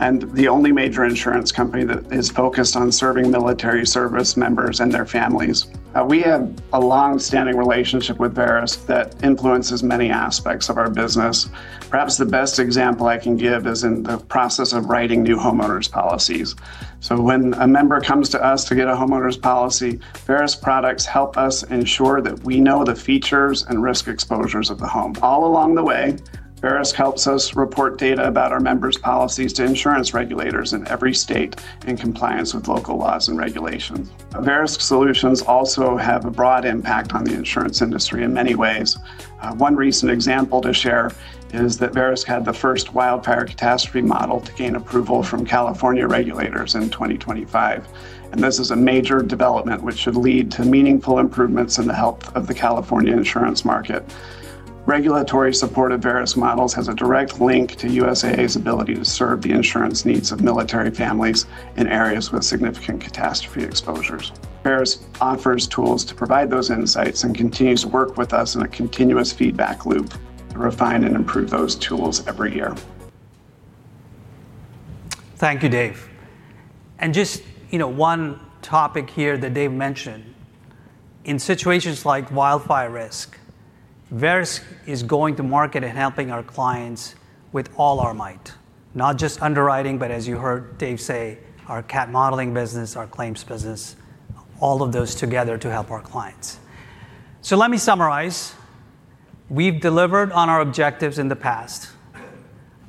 and the only major insurance company that is focused on serving military service members and their families. We have a long-standing relationship with Verisk that influences many aspects of our business. Perhaps the best example I can give is in the process of writing new homeowners policies. When a member comes to us to get a homeowners policy, Verisk products help us ensure that we know the features and risk exposures of the home. All along the way, Verisk helps us report data about our members' policies to insurance regulators in every state in compliance with local laws and regulations. Verisk solutions also have a broad impact on the insurance industry in many ways. One recent example to share is that Verisk had the first wildfire catastrophe model to gain approval from California regulators in 2025. This is a major development which should lead to meaningful improvements in the health of the California insurance market. Regulatory support of Verisk's models has a direct link to USAA's ability to serve the insurance needs of military families in areas with significant catastrophe exposures. Verisk offers tools to provide those insights and continues to work with us in a continuous feedback loop to refine and improve those tools every year. Thank you, Dave. Just, you know, one topic here that Dave mentioned. In situations like wildfire risk, Verisk is going to market and helping our clients with all our might. Not just underwriting, but as you heard Dave say, our cat modeling business, our claims business, all of those together to help our clients. Let me summarize. We've delivered on our objectives in the past.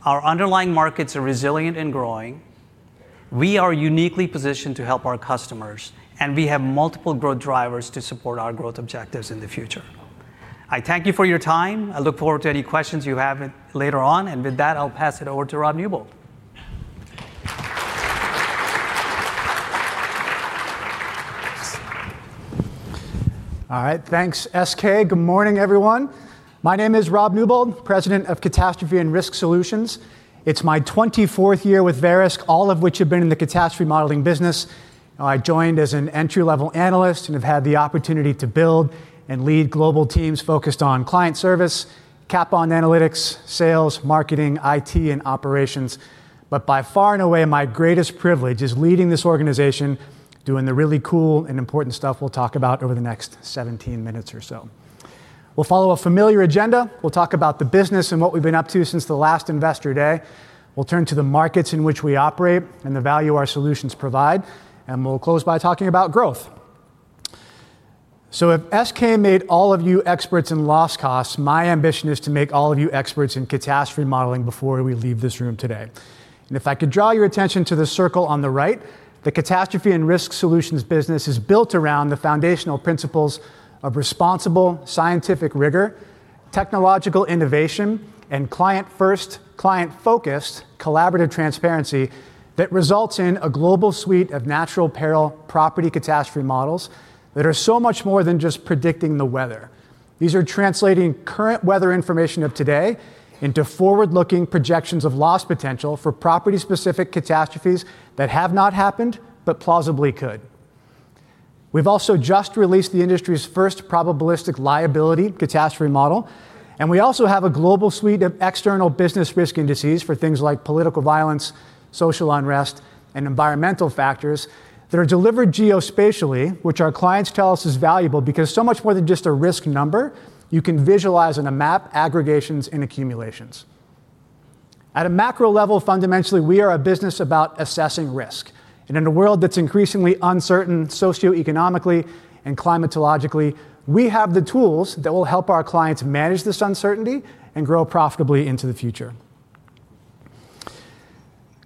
Our underlying markets are resilient and growing. We are uniquely positioned to help our customers, and we have multiple growth drivers to support our growth objectives in the future. I thank you for your time. I look forward to any questions you have later on, and with that, I'll pass it over to Rob Newbold. All right, thanks, SK. Good morning, everyone. My name is Rob Newbold, President of Catastrophe and Risk Solutions. It's my twenty-fourth year with Verisk, all of which have been in the catastrophe modeling business. I joined as an entry-level analyst and have had the opportunity to build and lead global teams focused on client service, cap on analytics, sales, marketing, IT, and operations. By far and away, my greatest privilege is leading this organization doing the really cool and important stuff we'll talk about over the next 17 minutes or so. We'll follow a familiar agenda. We'll talk about the business and what we've been up to since the last Investor Day. We'll turn to the markets in which we operate and the value our solutions provide, and we'll close by talking about growth. If SK made all of you experts in loss costs, my ambition is to make all of you experts in catastrophe modeling before we leave this room today. If I could draw your attention to the circle on the right, the Catastrophe and Risk Solutions business is built around the foundational principles of responsible scientific rigor, technological innovation, and client first, client-focused, collaborative transparency that results in a global suite of natural peril property catastrophe models that are so much more than just predicting the weather. These are translating current weather information of today into forward-looking projections of loss potential for property-specific catastrophes that have not happened but plausibly could. We've also just released the industry's first probabilistic liability catastrophe model. We also have a global suite of external business risk indices for things like political violence, social unrest, and environmental factors that are delivered geospatially, which our clients tell us is valuable because so much more than just a risk number, you can visualize on a map aggregations and accumulations. At a macro level, fundamentally, we are a business about assessing risk. In a world that's increasingly uncertain socioeconomically and climatologically, we have the tools that will help our clients manage this uncertainty and grow profitably into the future.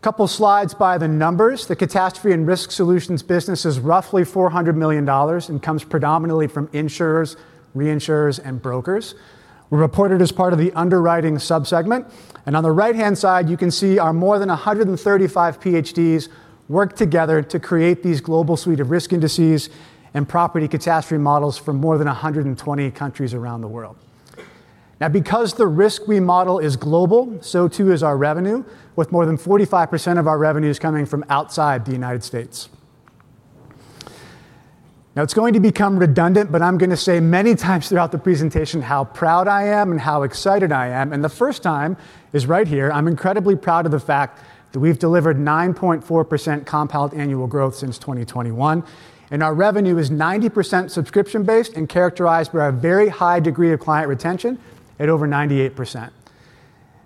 A couple slides by the numbers. The Catastrophe and Risk Solutions business is roughly $400 million and comes predominantly from insurers, reinsurers, and brokers. We're reported as part of the Underwriting subsegment. On the right-hand side, you can see our more than 135 PhDs work together to create these global suites of risk indices and property catastrophe models for more than 120 countries around the world. Because the risk we model is global, so too is our revenue, with more than 45% of our revenues coming from outside the United States. It's going to become redundant, but I'm going to say many times throughout the presentation how proud I am and how excited I am. The first time is right here. I'm incredibly proud of the fact that we've delivered 9.4% compound annual growth since 2021, and our revenue is 90% subscription-based and characterized by a very high degree of client retention at over 98%.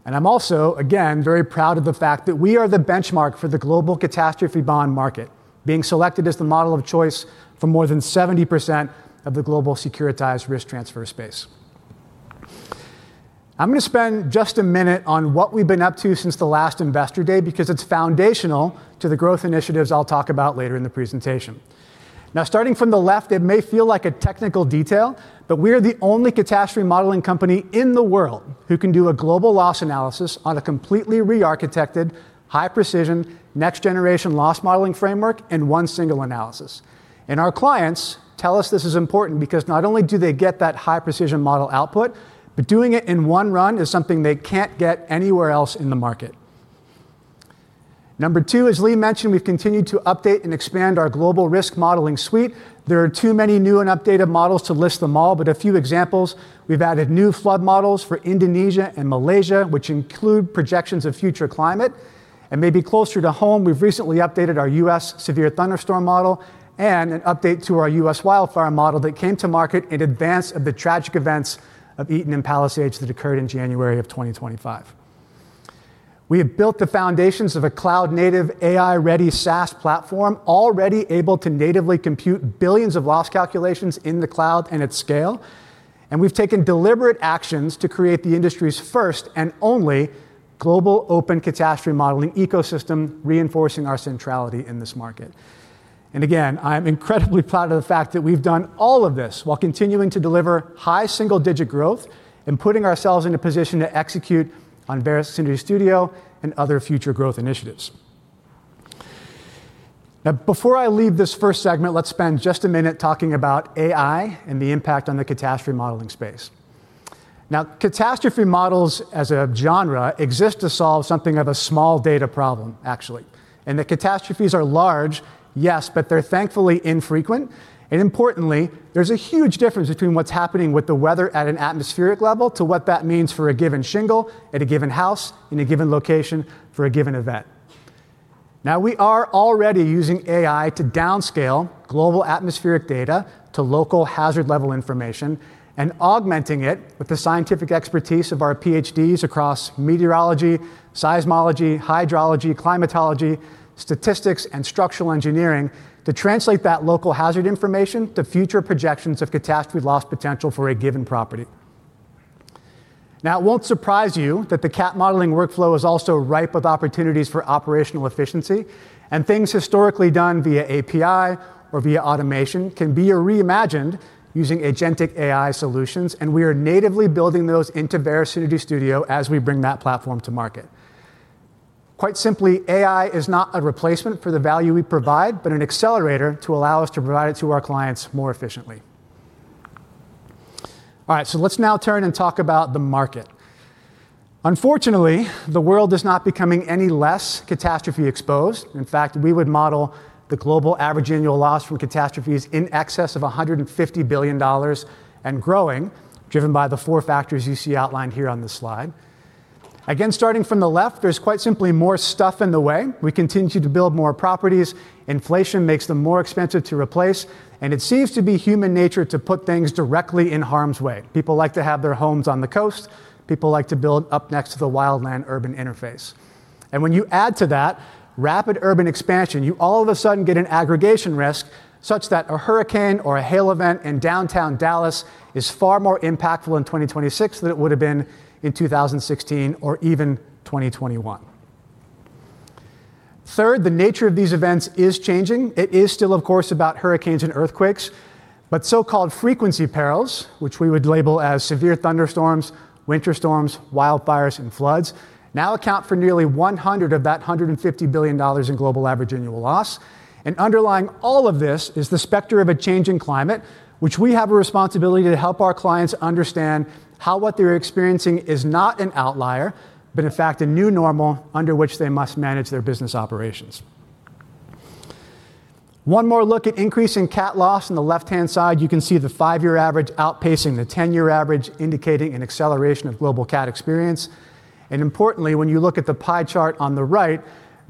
I'm also, again, very proud of the fact that we are the benchmark for the global catastrophe bond market, being selected as the model of choice for more than 70% of the global securitized risk transfer space. I'm going to spend just a minute on what we've been up to since the last Investor Day because it's foundational to the growth initiatives I'll talk about later in the presentation. Starting from the left, it may feel like a technical detail, but we're the only catastrophe modeling company in the world who can do a global loss analysis on a completely re-architected, high precision, next generation loss modeling framework in one single analysis. Our clients tell us this is important because not only do they get that high precision model output but doing it in one run is something they can't get anywhere else in the market. Number two, as Lee mentioned, we've continued to update and expand our global risk modeling suite. There are too many new and updated models to list them all, but a few examples, we've added new flood models for Indonesia and Malaysia, which include projections of future climate. Maybe closer to home, we've recently updated our U.S. severe thunderstorm model and an update to our U.S. wildfire model that came to market in advance of the tragic events of Eaton and Palisades that occurred in January 2025. We have built the foundations of a cloud-native, AI-ready SaaS platform already able to natively compute billions of loss calculations in the cloud and at scale. We've taken deliberate actions to create the industry's first and only global open catastrophe modeling ecosystem, reinforcing our centrality in this market. Again, I am incredibly proud of the fact that we've done all of this while continuing to deliver high single-digit growth and putting ourselves in a position to execute on Verisk Synergy Studio and other future growth initiatives. Now, before I leave this first segment, let's spend just a minute talking about AI and the impact on the catastrophe modeling space. Now, catastrophe models as a genre exist to solve something of a small data problem, actually. The catastrophes are large, yes, but they're thankfully infrequent. Importantly, there's a huge difference between what's happening with the weather at an atmospheric level to what that means for a given shingle at a given house in a given location for a given event. We are already using AI to downscale global atmospheric data to local hazard level information and augmenting it with the scientific expertise of our PhDs across meteorology, seismology, hydrology, climatology, statistics, and structural engineering to translate that local hazard information to future projections of catastrophe loss potential for a given property. It won't surprise you that the cat modeling workflow is also ripe with opportunities for operational efficiency, things historically done via API or via automation can be reimagined using agentic AI solutions, we are natively building those into Verisk Synergy Studio as we bring that platform to market. Quite simply, AI is not a replacement for the value we provide, but an accelerator to allow us to provide it to our clients more efficiently. Let's now turn and talk about the market. Unfortunately, the world is not becoming any less catastrophe exposed. In fact, we would model the global average annual loss from catastrophes in excess of $150 billion and growing, driven by the four factors you see outlined here on this slide. Again, starting from the left, there's quite simply more stuff in the way. We continue to build more properties. Inflation makes them more expensive to replace, and it seems to be human nature to put things directly in harm's way. People like to have their homes on the coast. People like to build up next to the wildland urban interface. When you add to that rapid urban expansion, you all of a sudden get an aggregation risk such that a hurricane or a hail event in downtown Dallas is far more impactful in 2026 than it would have been in 2016 or even 2021. Third, the nature of these events is changing. It is still, of course, about hurricanes and earthquakes, but so-called frequency perils, which we would label as severe thunderstorms, winter storms, wildfires, and floods now account for nearly 100 of that $150 billion in global average annual loss. Underlying all of this is the specter of a changing climate, which we have a responsibility to help our clients understand how what they're experiencing is not an outlier, but in fact a new normal under which they must manage their business operations. One more look at increase in cat loss. In the left-hand side, you can see the 5-year average outpacing the 10-year average, indicating an acceleration of global cat experience. Importantly, when you look at the pie chart on the right,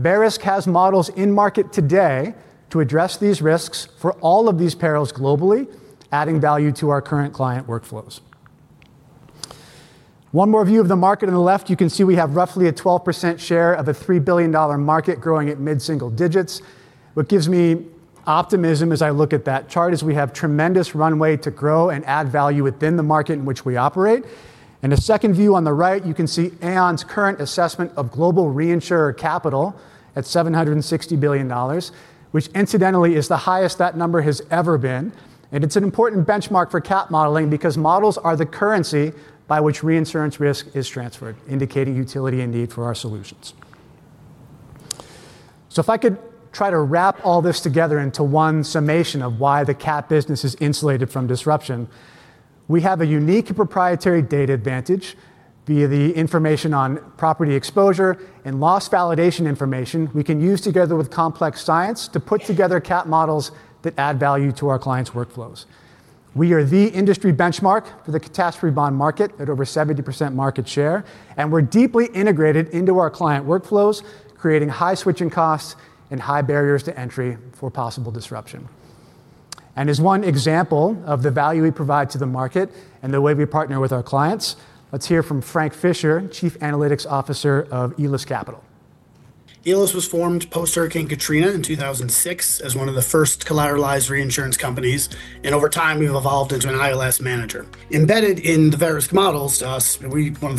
Verisk has models in market today to address these risks for all of these perils globally, adding value to our current client workflows. One more view of the market on the left, you can see we have roughly a 12% share of a $3 billion market growing at mid-single digits. What gives me optimism as I look at that chart is we have tremendous runway to grow and add value within the market in which we operate. In a second view on the right, you can see Aon's current assessment of global reinsurer capital at $760 billion, which incidentally is the highest that number has ever been. It's an important benchmark for cat modeling because models are the currency by which reinsurance risk is transferred, indicating utility and need for our solutions. If I could try to wrap all this together into one summation of why the cat business is insulated from disruption. We have a unique proprietary data advantage via the information on property exposure and loss validation information we can use together with complex science to put together cat models that add value to our clients' workflows. We are the industry benchmark for the catastrophe bond market at over 70% market share, and we're deeply integrated into our client workflows, creating high switching costs and high barriers to entry for possible disruption. As one example of the value we provide to the market and the way we partner with our clients, let's hear from Frank Fischer, Chief Analytics Officer of Aeolus Capital. ELIS was formed post-Hurricane Katrina in 2006 as one of the first collateralized reinsurance companies, and over time, we've evolved into an ILS manager. Embedded in the Verisk models to us,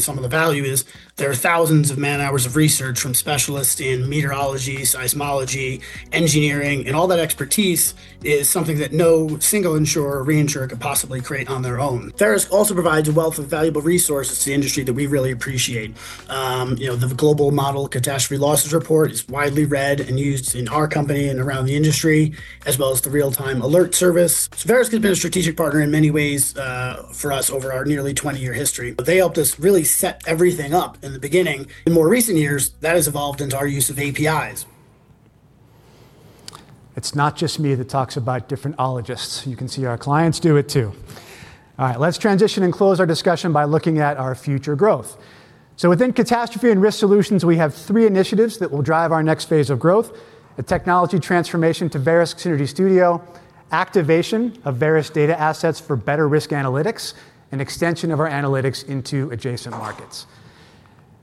some of the value is there are thousands of man-hours of research from specialists in meteorology, seismology, engineering, and all that expertise is something that no single insurer or reinsurer could possibly create on their own. Verisk also provides a wealth of valuable resources to the industry that we really appreciate. You know, the Global Modeled Catastrophe Losses report is widely read and used in our company and around the industry, as well as the real-time alert service. Verisk has been a strategic partner in many ways for us over our nearly 20-year history. They helped us really set everything up in the beginning. In more recent years, that has evolved into our use of APIs. It's not just me that talks about different ologists. You can see our clients do it too. All right, let's transition and close our discussion by looking at our future growth. Within Catastrophe and Risk Solutions, we have 3 initiatives that will drive our next phase of growth: a technology transformation to Verisk Synergy Studio, activation of Verisk data assets for better risk analytics, and extension of our analytics into adjacent markets.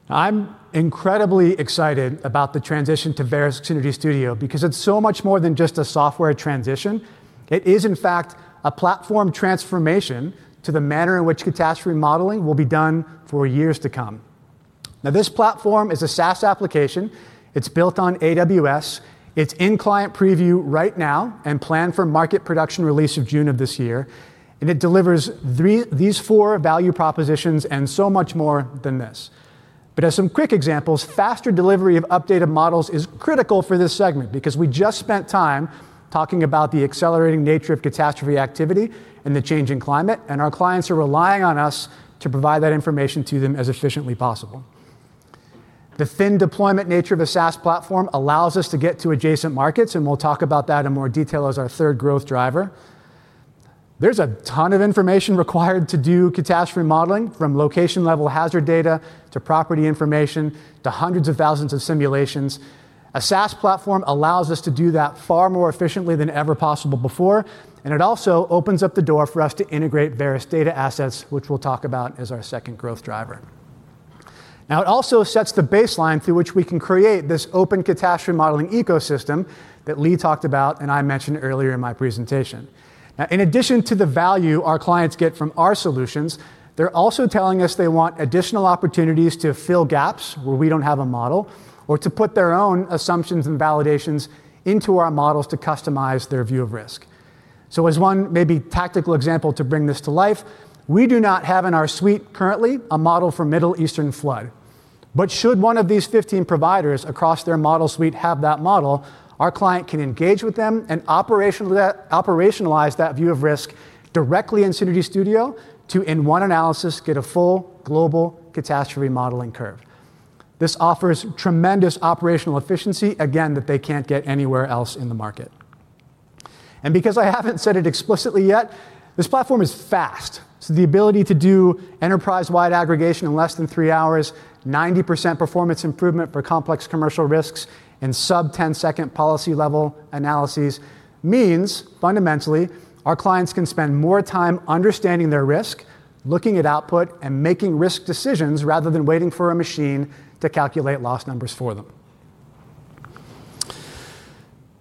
I'm incredibly excited about the transition to Verisk Synergy Studio because it's so much more than just a software transition. It is in fact a platform transformation to the manner in which catastrophe modeling will be done for years to come. This platform is a SaaS application. It's built on AWS. It's in client preview right now and planned for market production release of June of this year. It delivers these four value propositions and so much more than this. As some quick examples, faster delivery of updated models is critical for this segment because we just spent time talking about the accelerating nature of catastrophe activity and the changing climate, and our clients are relying on us to provide that information to them as efficiently possible. The thin deployment nature of a SaaS platform allows us to get to adjacent markets, and we'll talk about that in more detail as our third growth driver. There's a ton of information required to do catastrophe modeling, from location-level hazard data to property information to hundreds of thousands of simulations. A SaaS platform allows us to do that far more efficiently than ever possible before, and it also opens up the door for us to integrate Verisk data assets, which we'll talk about as our second growth driver. It also sets the baseline through which we can create this open catastrophe modeling ecosystem that Lee talked about, and I mentioned earlier in my presentation. In addition to the value our clients get from our solutions, they're also telling us they want additional opportunities to fill gaps where we don't have a model or to put their own assumptions and validations into our models to customize their view of risk. As one maybe tactical example to bring this to life, we do not have in our suite currently a model for Middle Eastern flood. Should one of these 15 providers across their model suite have that model, our client can engage with them and operationalize that view of risk directly in Verisk Synergy Studio to, in one analysis, get a full global catastrophe modeling curve. This offers tremendous operational efficiency, again, that they can't get anywhere else in the market. Because I haven't said it explicitly yet, this platform is fast. The ability to do enterprise-wide aggregation in less than three hours, 90% performance improvement for complex commercial risks, and sub 10-second policy-level analyses means fundamentally our clients can spend more time understanding their risk, looking at output, and making risk decisions rather than waiting for a machine to calculate loss numbers for them.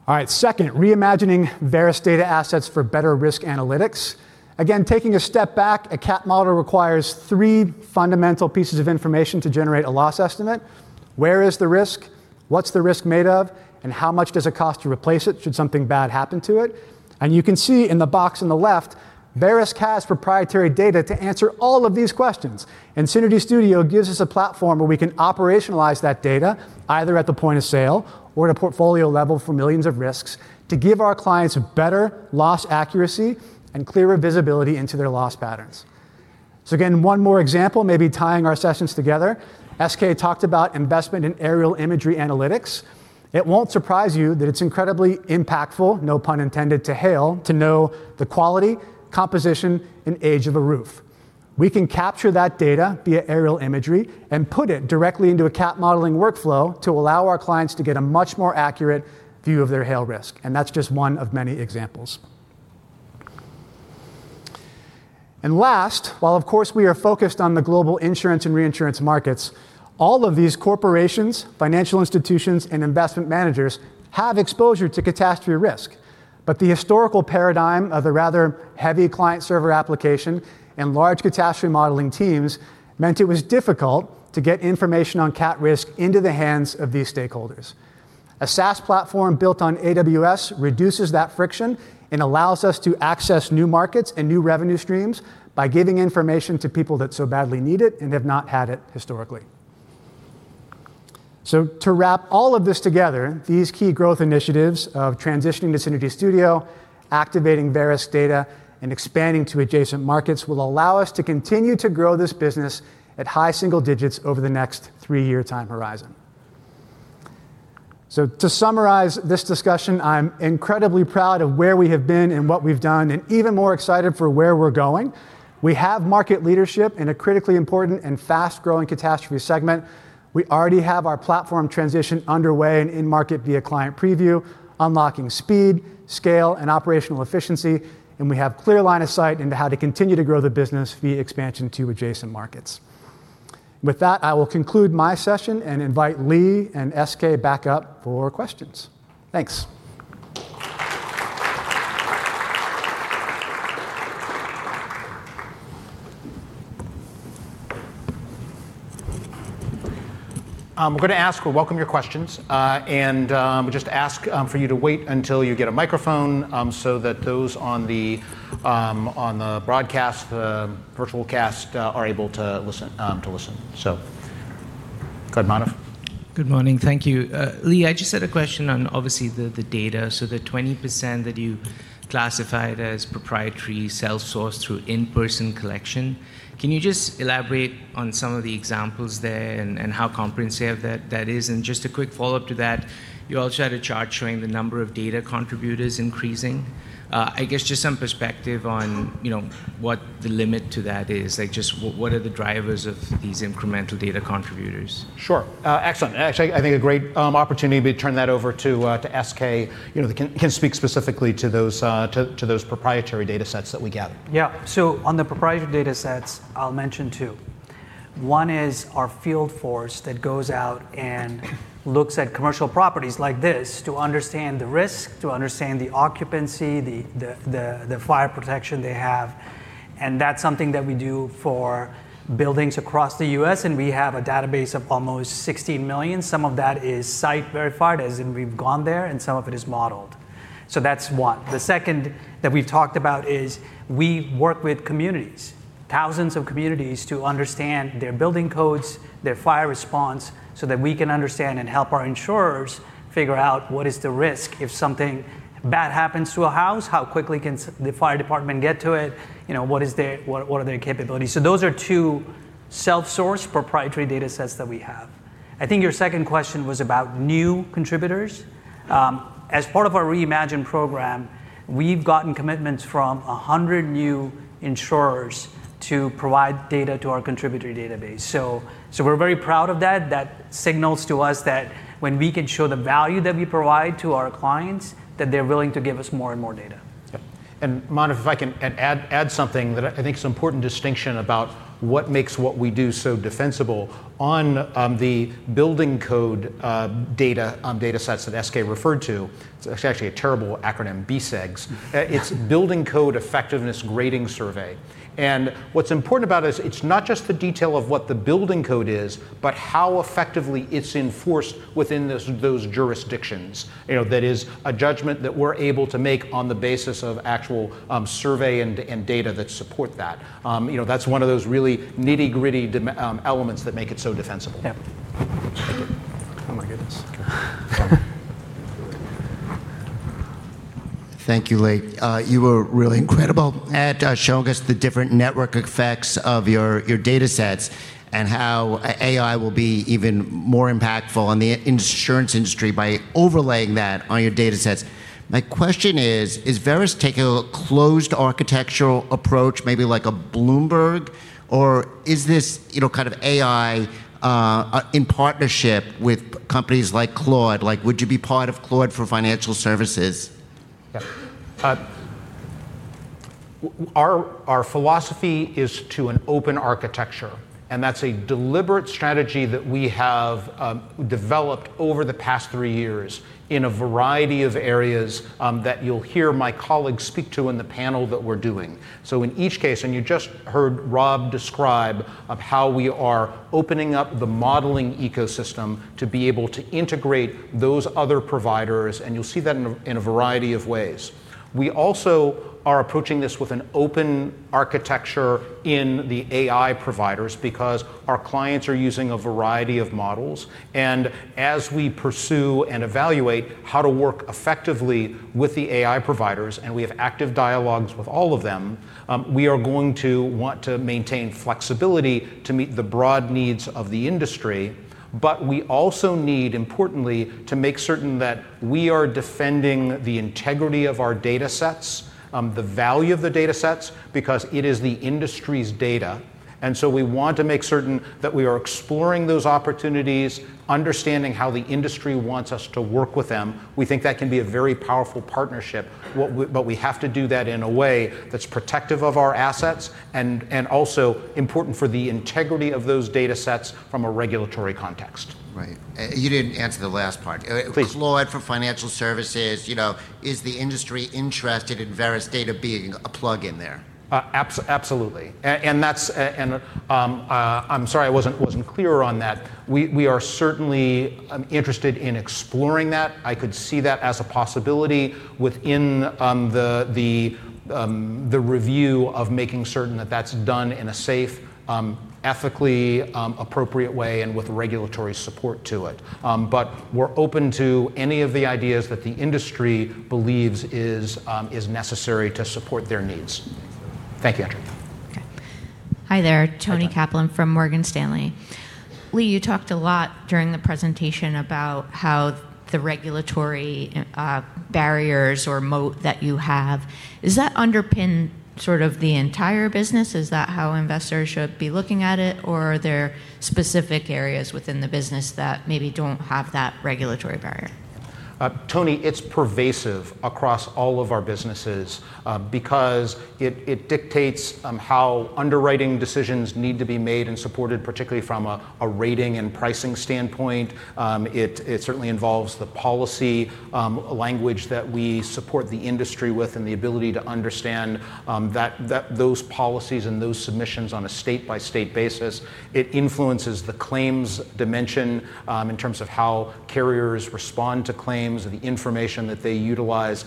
All right, second, reimagining Verisk data assets for better risk analytics. Again, taking a step back, a cat model requires three fundamental pieces of information to generate a loss estimate: where is the risk? What's the risk made of? How much does it cost to replace it should something bad happen to it? You can see in the box on the left, Verisk has proprietary data to answer all of these questions. Synergy Studio gives us a platform where we can operationalize that data, either at the point of sale or at a portfolio level for millions of risks to give our clients better loss accuracy and clearer visibility into their loss patterns. Again, one more example maybe tying our sessions together. SK talked about investment in aerial imagery analytics. It won't surprise you that it's incredibly impactful, no pun intended to hail, to know the quality, composition, and age of a roof. We can capture that data via aerial imagery and put it directly into a cat modeling workflow to allow our clients to get a much more accurate view of their hail risk. That's just one of many examples. Last, while of course we are focused on the global insurance and reinsurance markets, all of these corporations, financial institutions, and investment managers have exposure to catastrophe risk. The historical paradigm of the rather heavy client-server application and large catastrophe modeling teams meant it was difficult to get information on cat risk into the hands of these stakeholders. A SaaS platform built on AWS reduces that friction and allows us to access new markets and new revenue streams by giving information to people that so badly need it and have not had it historically. To wrap all of this together, these key growth initiatives of transitioning to Synergy Studio, activating Verisk's data, and expanding to adjacent markets will allow us to continue to grow this business at high single digits over the next three-year time horizon. To summarize this discussion, I'm incredibly proud of where we have been and what we've done, and even more excited for where we're going. We have market leadership in a critically important and fast-growing catastrophe segment. We already have our platform transition underway and in market via client preview, unlocking speed, scale, and operational efficiency, and we have clear line of sight into how to continue to grow the business via expansion to adjacent markets. With that, I will conclude my session and invite Lee and SK back up for questions. Thanks. We welcome your questions. We just ask for you to wait until you get a microphone, so that those on the broadcast, the virtual cast, are able to listen. Good morning. Thank you. Lee, I just had a question on obviously the data. The 20% that you classified as proprietary self-sourced through in-person collection, can you just elaborate on some of the examples there and how comprehensive that is? Just a quick follow-up to that, you also had a chart showing the number of data contributors increasing. I guess just some perspective on, you know, what the limit to that is. Like, just what are the drivers of these incremental data contributors? Sure. excellent. Actually, I think a great opportunity to turn that over to SK, you know, that can speak specifically to those proprietary data sets that we gather. Yeah. On the proprietary data sets, I'll mention two. One is our field force that goes out and looks at commercial properties like this to understand the risk, to understand the occupancy, the fire protection they have, and that's something that we do for buildings across the U.S., and we have a database of almost 60 million. Some of that is site verified, as in we've gone there, and some of it is modeled. That's one. The second that we've talked about is we work with communities, thousands of communities, to understand their building codes, their fire response, so that we can understand and help our insurers figure out what is the risk. If something bad happens to a house, how quickly can the fire department get to it? You know, what are their capabilities? Those are two self-sourced proprietary data sets that we have. I think your second question was about new contributors. As part of our Reimagine program, we've gotten commitments from 100 new insurers to provide data to our contributor database. We're very proud of that. That signals to us that when we can show the value that we provide to our clients, that they're willing to give us more and more data. Yeah. Manav, if I can add something that I think is an important distinction about what makes what we do so defensible. On the building code data sets that SK referred to, it's actually a terrible acronym, BCEGS. It's Building Code Effectiveness Grading Survey. What's important about it is it's not just the detail of what the building code is, but how effectively it's enforced within those jurisdictions. You know, that is a judgment that we're able to make on the basis of actual survey and data that support that. You know, that's one of those real nitty-gritty elements that make it so defensible. Yeah. Oh, my goodness. Thank you, Lee. You were really incredible at showing us the different network effects of your data sets and how AI will be even more impactful on the insurance industry by overlaying that on your data sets. My question is Verisk taking a closed architectural approach, maybe like a Bloomberg? Is this, you know, kind of AI in partnership with companies like Claude? Like, would you be part of Claude for financial services? Yeah. Our philosophy is to an open architecture. That's a deliberate strategy that we have developed over the past three years in a variety of areas that you'll hear my colleagues speak to in the panel that we're doing. In each case, you just heard Rob describe of how we are opening up the modeling ecosystem to be able to integrate those other providers, and you'll see that in a variety of ways. We also are approaching this with an open architecture in the AI providers because our clients are using a variety of models. As we pursue and evaluate how to work effectively with the AI providers, and we have active dialogues with all of them, we are going to want to maintain flexibility to meet the broad needs of the industry. We also need, importantly, to make certain that we are defending the integrity of our data sets, the value of the data sets, because it is the industry's data. We want to make certain that we are exploring those opportunities, understanding how the industry wants us to work with them. We think that can be a very powerful partnership, but we have to do that in a way that's protective of our assets and also important for the integrity of those data sets from a regulatory context. Right. You didn't answer the last part. Please. Claude for financial services, you know, is the industry interested in Verisk data being a plug-in there? Absolutely. That's, and I'm sorry I wasn't clear on that. We are certainly interested in exploring that. I could see that as a possibility within the review of making certain that that's done in a safe, ethically appropriate way and with regulatory support to it. We're open to any of the ideas that the industry believes is necessary to support their needs. Thanks, Lee. Okay. Hi there. Toni Kaplan from Morgan Stanley. Lee, you talked a lot during the presentation about how the regulatory barriers or moat that you have. Does that underpin sort of the entire business? Is that how investors should be looking at it? Or are there specific areas within the business that maybe don't have that regulatory barrier? Toni, it's pervasive across all of our businesses, because it dictates how underwriting decisions need to be made and supported, particularly from a rating and pricing standpoint. It certainly involves the policy language that we support the industry with and the ability to understand that those policies and those submissions on a state-by-state basis. It influences the claims dimension, in terms of how carriers respond to claims and the information that they utilize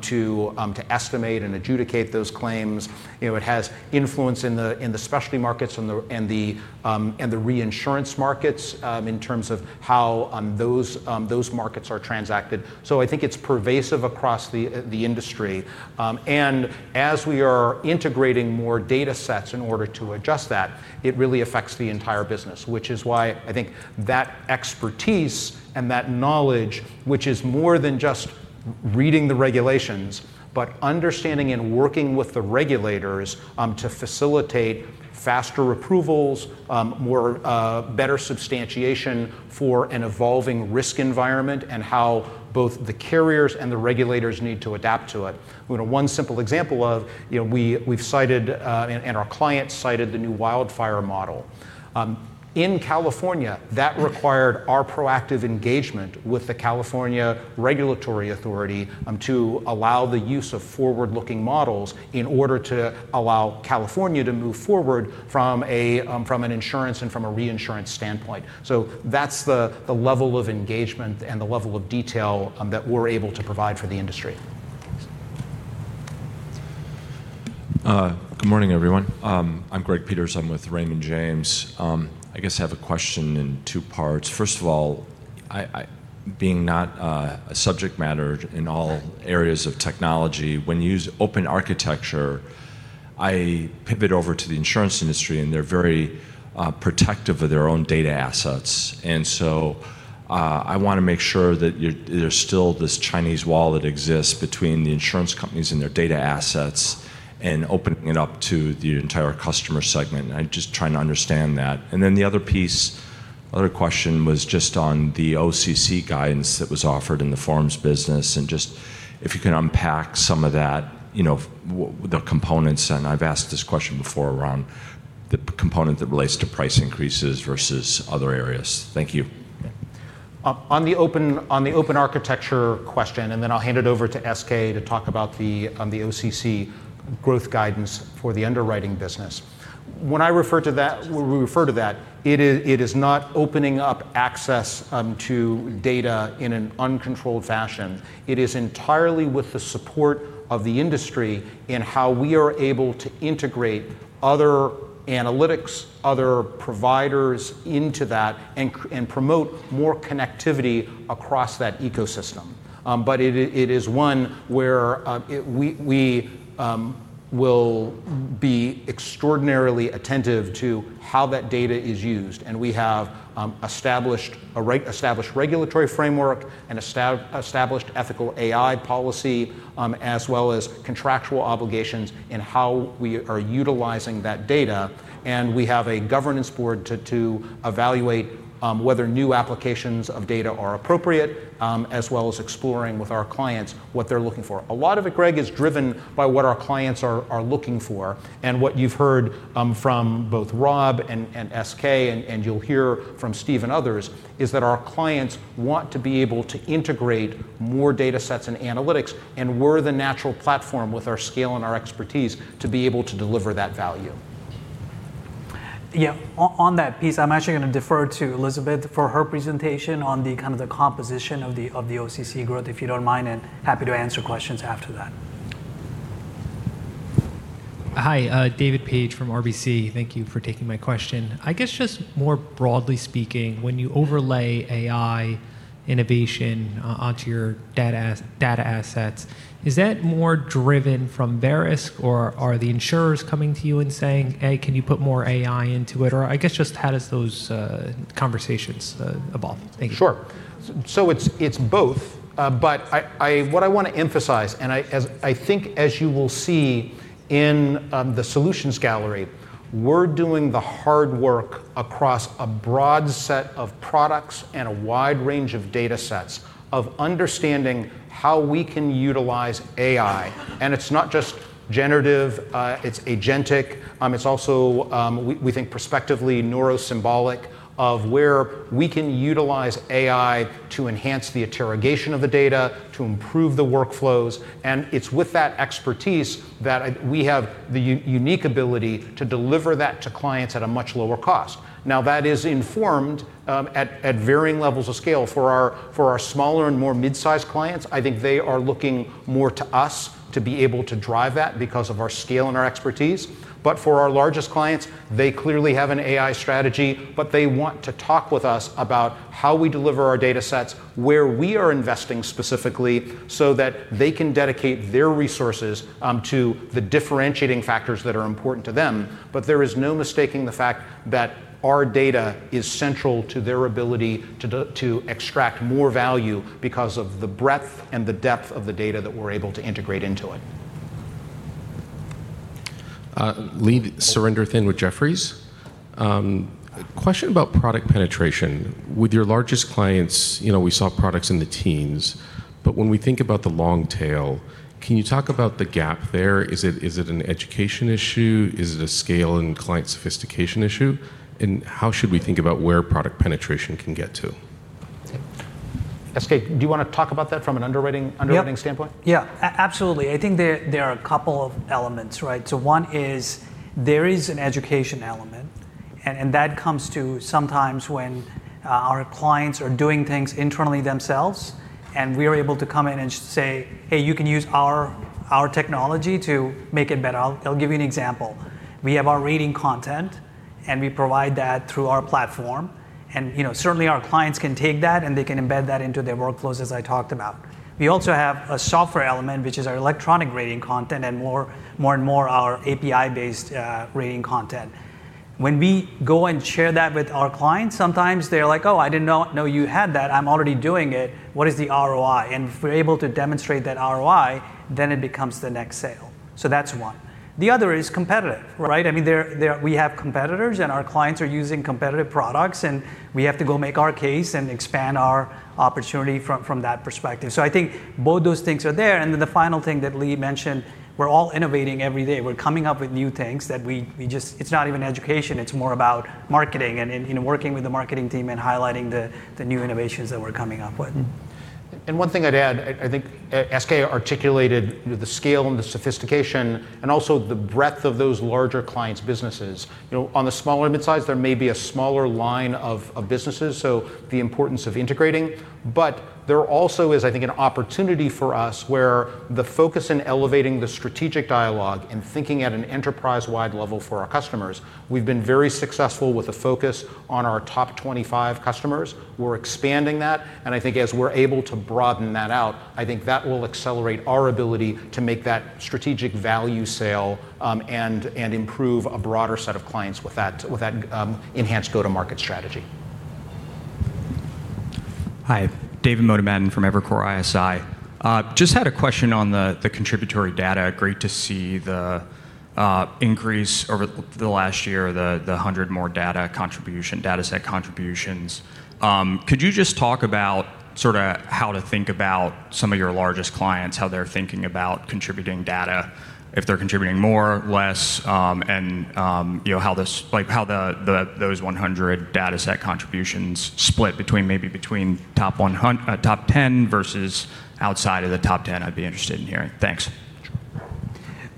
to estimate and adjudicate those claims. You know, it has influence in the specialty markets and the reinsurance markets, in terms of how those markets are transacted. I think it's pervasive across the industry. as we are integrating more datasets in order to adjust that, it really affects the entire business, which is why I think that expertise and that knowledge, which is more than just reading the regulations, but understanding and working with the regulators, to facilitate faster approvals, more better substantiation for an evolving risk environment and how both the carriers and the regulators need to adapt to it. You know, one simple example of, you know, we've cited and our clients cited the new wildfire model. In California, that required our proactive engagement with the California Regulatory Authority, to allow the use of forward-looking models in order to allow California to move forward from an insurance and from a reinsurance standpoint. That's the level of engagement and the level of detail that we're able to provide for the industry. Good morning, everyone. I'm Greg Peters. I'm with Raymond James. I guess I have a question in two parts. First of all, I being not a subject matter in all areas of technology, when you use open architecture, I pivot over to the insurance industry, they're very protective of their own data assets. I want to make sure that there's still this Chinese wall that exists between the insurance companies and their data assets and opening it up to the entire customer segment. I'm just trying to understand that. The other question was just on the OCC guidance that was offered in the forms business and just if you can unpack some of that, you know, the components, I've asked this question before around the component that relates to price increases versus other areas. Thank you. On the open architecture question, then I'll hand it over to SK to talk about the OCC growth guidance for the underwriting business. When I refer to that, when we refer to that, it is not opening up access to data in an uncontrolled fashion. It is entirely with the support of the industry in how we are able to integrate other analytics, other providers into that and promote more connectivity across that ecosystem. It is one where we will be extraordinarily attentive to how that data is used, and we have established a regulatory framework and established ethical AI policy as well as contractual obligations in how we are utilizing that data. We have a governance board to evaluate whether new applications of data are appropriate, as well as exploring with our clients what they're looking for. A lot of it, Greg, is driven by what our clients are looking for. What you've heard from both Rob and SK and you'll hear from Steve and others, is that our clients want to be able to integrate more datasets and analytics, and we're the natural platform with our scale and our expertise to be able to deliver that value. Yeah. On that piece, I'm actually going to defer to Elizabeth for her presentation on the kind of the composition of the OCC growth, if you don't mind. Happy to answer questions after that. Hi. David Paige from RBC. Thank you for taking my question. I guess just more broadly speaking, when you overlay AI innovation onto your data assets, is that more driven from Verisk, or are the insurers coming to you and saying, "Hey, can you put more AI into it?" Or I guess just how does those conversations evolve? Thank you. Sure. It's both. What I want to emphasize, and as I think as you will see in the solutions gallery, we're doing the hard work across a broad set of products and a wide range of datasets of understanding how we can utilize AI. It's not just generative, it's agentic, it's also, we think perspectively neuro-symbolic of where we can utilize AI to enhance the interrogation of the data, to improve the workflows, and it's with that expertise that we have the unique ability to deliver that to clients at a much lower cost. That is informed at varying levels of scale. For our smaller and more mid-sized clients, I think they are looking more to us to be able to drive that because of our scale and our expertise. For our largest clients, they clearly have an AI strategy, but they want to talk with us about how we deliver our datasets, where we are investing specifically, so that they can dedicate their resources to the differentiating factors that are important to them. There is no mistaking the fact that our data is central to their ability to extract more value because of the breadth and the depth of the data that we're able to integrate into it. Surinder Thind with Jefferies. Question about product penetration. With your largest clients, you know, we saw products in the teens, but when we think about the long tail, can you talk about the gap there? Is it an education issue? Is it a scale and client sophistication issue? How should we think about where product penetration can get to? SK, do you want to talk about that from an underwriting standpoint? Absolutely. I think there are a couple of elements, right? One is there is an education element, and that comes to sometimes when our clients are doing things internally themselves, and we're able to come in and say, "Hey, you can use our technology to make it better." I'll give you an example. We have our rating content. We provide that through our platform, and, you know, certainly our clients can take that and they can embed that into their workflows as I talked about. We also have a software element, which is our electronic rating content and more and more our API-based rating content. When we go and share that with our clients, sometimes they're like, "Oh, I did not know you had that. I'm already doing it. What is the ROI?" If we're able to demonstrate that ROI, then it becomes the next sale. That's one. The other is competitive, right? I mean, there we have competitors. Our clients are using competitive products. We have to go make our case and expand our opportunity from that perspective. I think both those things are there. The final thing that Lee mentioned, we're all innovating every day. We're coming up with new things that it's not even education; it's more about marketing and working with the marketing team and highlighting the new innovations that we're coming up with. One thing I'd add, I think SK articulated the scale and the sophistication and also the breadth of those larger clients' businesses. You know, on the small and mid-size, there may be a smaller line of businesses, so the importance of integrating. There also is, I think, an opportunity for us where the focus in elevating the strategic dialogue and thinking at an enterprise-wide level for our customers, we've been very successful with a focus on our top 25 customers. We're expanding that, and I think as we're able to broaden that out, I think that will accelerate our ability to make that strategic value sale, and improve a broader set of clients with that, with that enhanced go-to-market strategy. Hi. David Motemaden from Evercore ISI. Just had a question on the contributory data. Great to see the increase over the last year, the 100 more data contribution, dataset contributions. Could you just talk about sort of how to think about some of your largest clients, how they're thinking about contributing data, if they're contributing more, less, and, you know, like how the, those 100 dataset contributions split between maybe between top 10 versus outside of the top 10, I'd be interested in hearing. Thanks.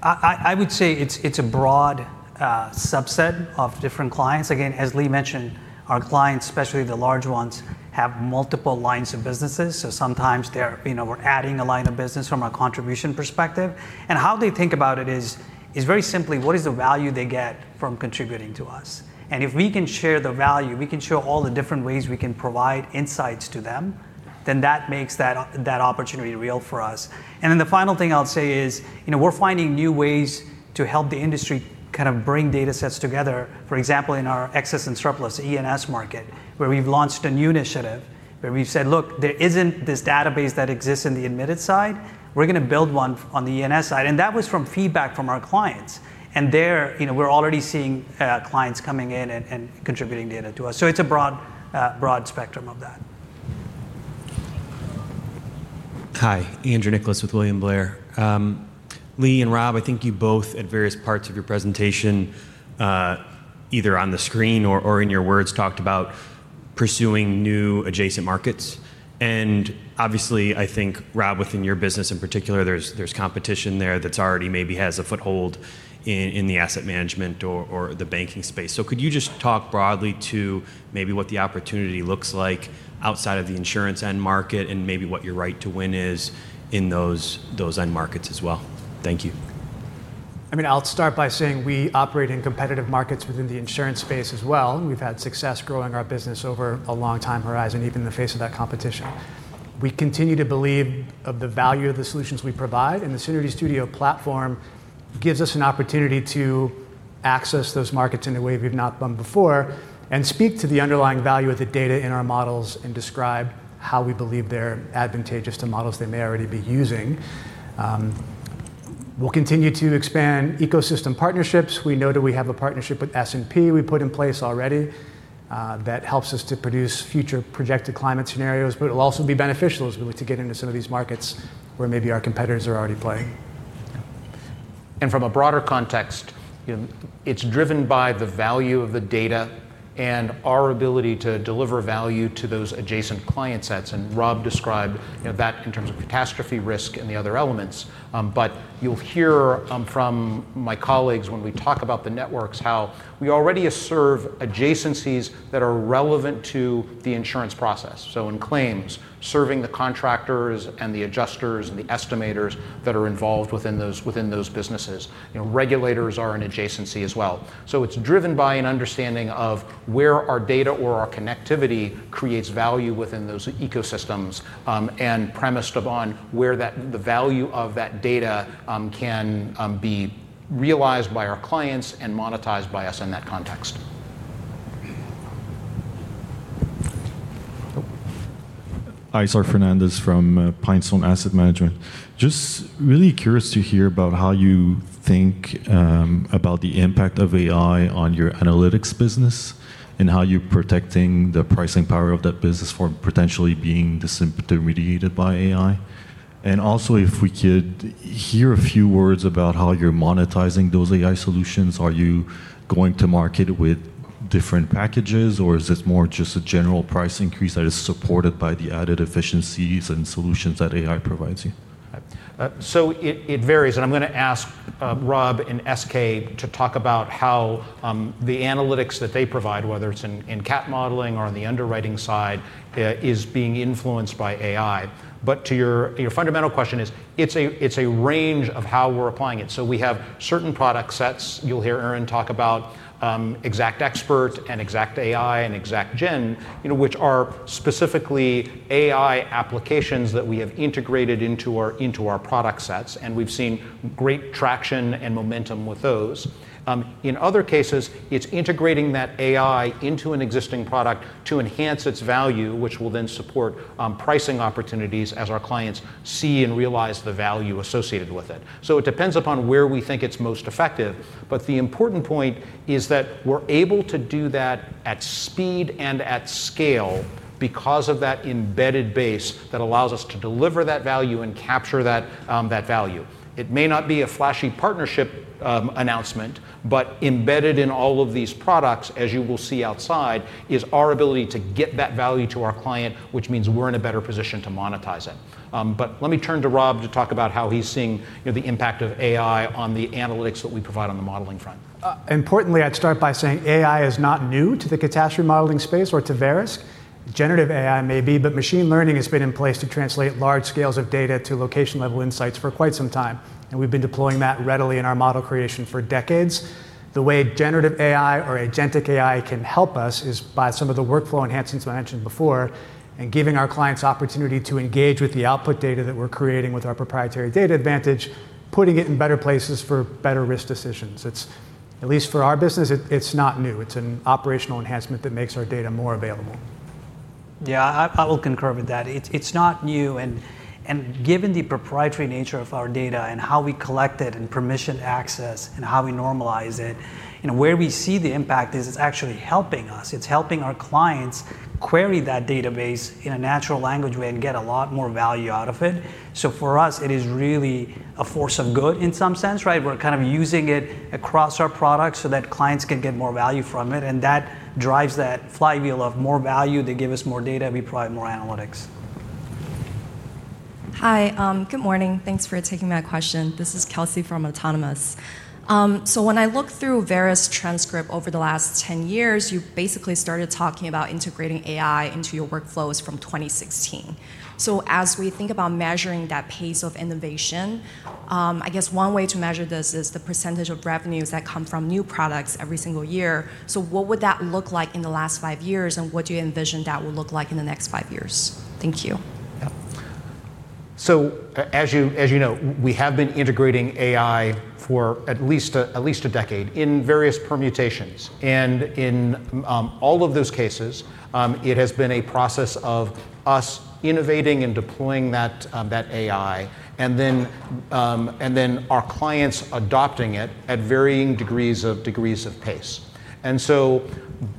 I would say it's a broad subset of different clients. Again, as Lee mentioned, our clients, especially the large ones, have multiple lines of businesses, so sometimes they're, you know, we're adding a line of business from a contribution perspective. How they think about it is very simply what is the value they get from contributing to us. If we can share the value, we can show all the different ways we can provide insights to them, then that makes that opportunity real for us. The final thing I'll say is, you know, we're finding new ways to help the industry kind of bring datasets together. For example, in our excess and surplus E&S market, where we've launched a new initiative, where we've said, "Look, there isn't this database that exists in the admitted side. We're going to build one on the ENS side. That was from feedback from our clients. There, you know, we're already seeing clients coming in and contributing data to us. It's a broad spectrum of that. Hi. Andrew Nicholas with William Blair. Lee and Rob, I think you both at various parts of your presentation, either on the screen or in your words, talked about pursuing new adjacent markets. Obviously, I think, Rob, within your business in particular, there's competition there that's already maybe has a foothold in the asset management or the banking space. Could you just talk broadly to maybe what the opportunity looks like outside of the insurance end market and maybe what your right to win is in those end markets as well? Thank you. I mean, I'll start by saying we operate in competitive markets within the insurance space as well, and we've had success growing our business over a long-time horizon, even in the face of that competition. We continue to believe of the value of the solutions we provide. The Verisk Synergy Studio platform gives us an opportunity to access those markets in a way we've not done before and speak to the underlying value of the data in our models and describe how we believe they're advantageous to model they may already be using. We'll continue to expand ecosystem partnerships. We know that we have a partnership with S&P we put in place already that helps us to produce future projected climate scenarios, but it'll also be beneficial as we look to get into some of these markets where maybe our competitors are already playing. From a broader context, you know, it's driven by the value of the data and our ability to deliver value to those adjacent client sets. Rob described, you know, that in terms of catastrophe risk and the other elements. You'll hear from my colleagues when we talk about the networks, how we already serve adjacencies that are relevant to the insurance process. In claims, serving the contractors and the adjusters and the estimators that are involved within those businesses. You know, regulators are an adjacency as well. It's driven by an understanding of where our data or our connectivity creates value within those ecosystems, and premised upon where that the value of that data can be realized by our clients and monetized by us in that context. Ayssar Fernandez from PineStone Asset Management, just really curious to hear about how you think about the impact of AI on your analytics business and how you're protecting the pricing power of that business from potentially being disintermediated by AI. Also, if we could hear a few words about how you're monetizing those AI solutions. Are you going to market with different packages, or is this more just a general price increase that is supported by the added efficiencies and solutions that AI provides you? It varies, and I'm gonna ask Rob and SK to talk about how the analytics that they provide, whether it's in CAT modeling or on the underwriting side, is being influenced by AI. To your fundamental question is, it's a range of how we're applying it. We have certain product sets. You'll hear Aaron talk about XactXpert and XactAI and XactGen, you know, which are specifically AI applications that we have integrated into our product sets, and we've seen great traction and momentum with those. In other cases, it's integrating that AI into an existing product to enhance its value, which will then support pricing opportunities as our clients see and realize the value associated with it. It depends upon where we think it's most effective. The important point is that we're able to do that at speed and at scale because of that embedded base that allows us to deliver that value and capture that value. It may not be a flashy partnership announcement, but embedded in all of these products, as you will see outside, is our ability to get that value to our client, which means we're in a better position to monetize it. Let me turn to Rob to talk about how he's seeing, you know, the impact of AI on the analytics that we provide on the modeling front. Importantly, I'd start by saying AI is not new to the catastrophe modeling space or to Verisk. Generative AI may be, but machine learning has been in place to translate large scales of data to location-level insights for quite some time, and we've been deploying that readily in our model creation for decades. The way generative AI or agentic AI can help us is by some of the workflow enhancements I mentioned before and giving our clients opportunity to engage with the output data that we're creating with our proprietary data advantage, putting it in better places for better risk decisions. It's, at least for our business, it's not new. It's an operational enhancement that makes our data more available. Yeah. I will concur with that. It's not new and given the proprietary nature of our data and how we collect it and permission access and how we normalize it, you know, where we see the impact is it's actually helping us. It's helping our clients query that database in a natural language way and get a lot more value out of it. For us, it is really a force of good in some sense, right? We're kind of using it across our products so that clients can get more value from it. That drives that flywheel of more value. They give us more data; we provide more analytics. Hi. Good morning. Thanks for taking my question. This is Kelsey from Autonomous. When I look through Verisk transcript over the last 10 years, you basically started talking about integrating AI into your workflows from 2016. As we think about measuring that pace of innovation, I guess one way to measure this is the percentage of revenues that come from new products every single year. What would that look like in the last 5 years, and what do you envision that will look like in the next 5 years? Thank you. Yeah. As you know, we have been integrating AI for at least a decade in various permutations. In all of those cases, it has been a process of us innovating and deploying that AI and then our clients adopting it at varying degrees of pace.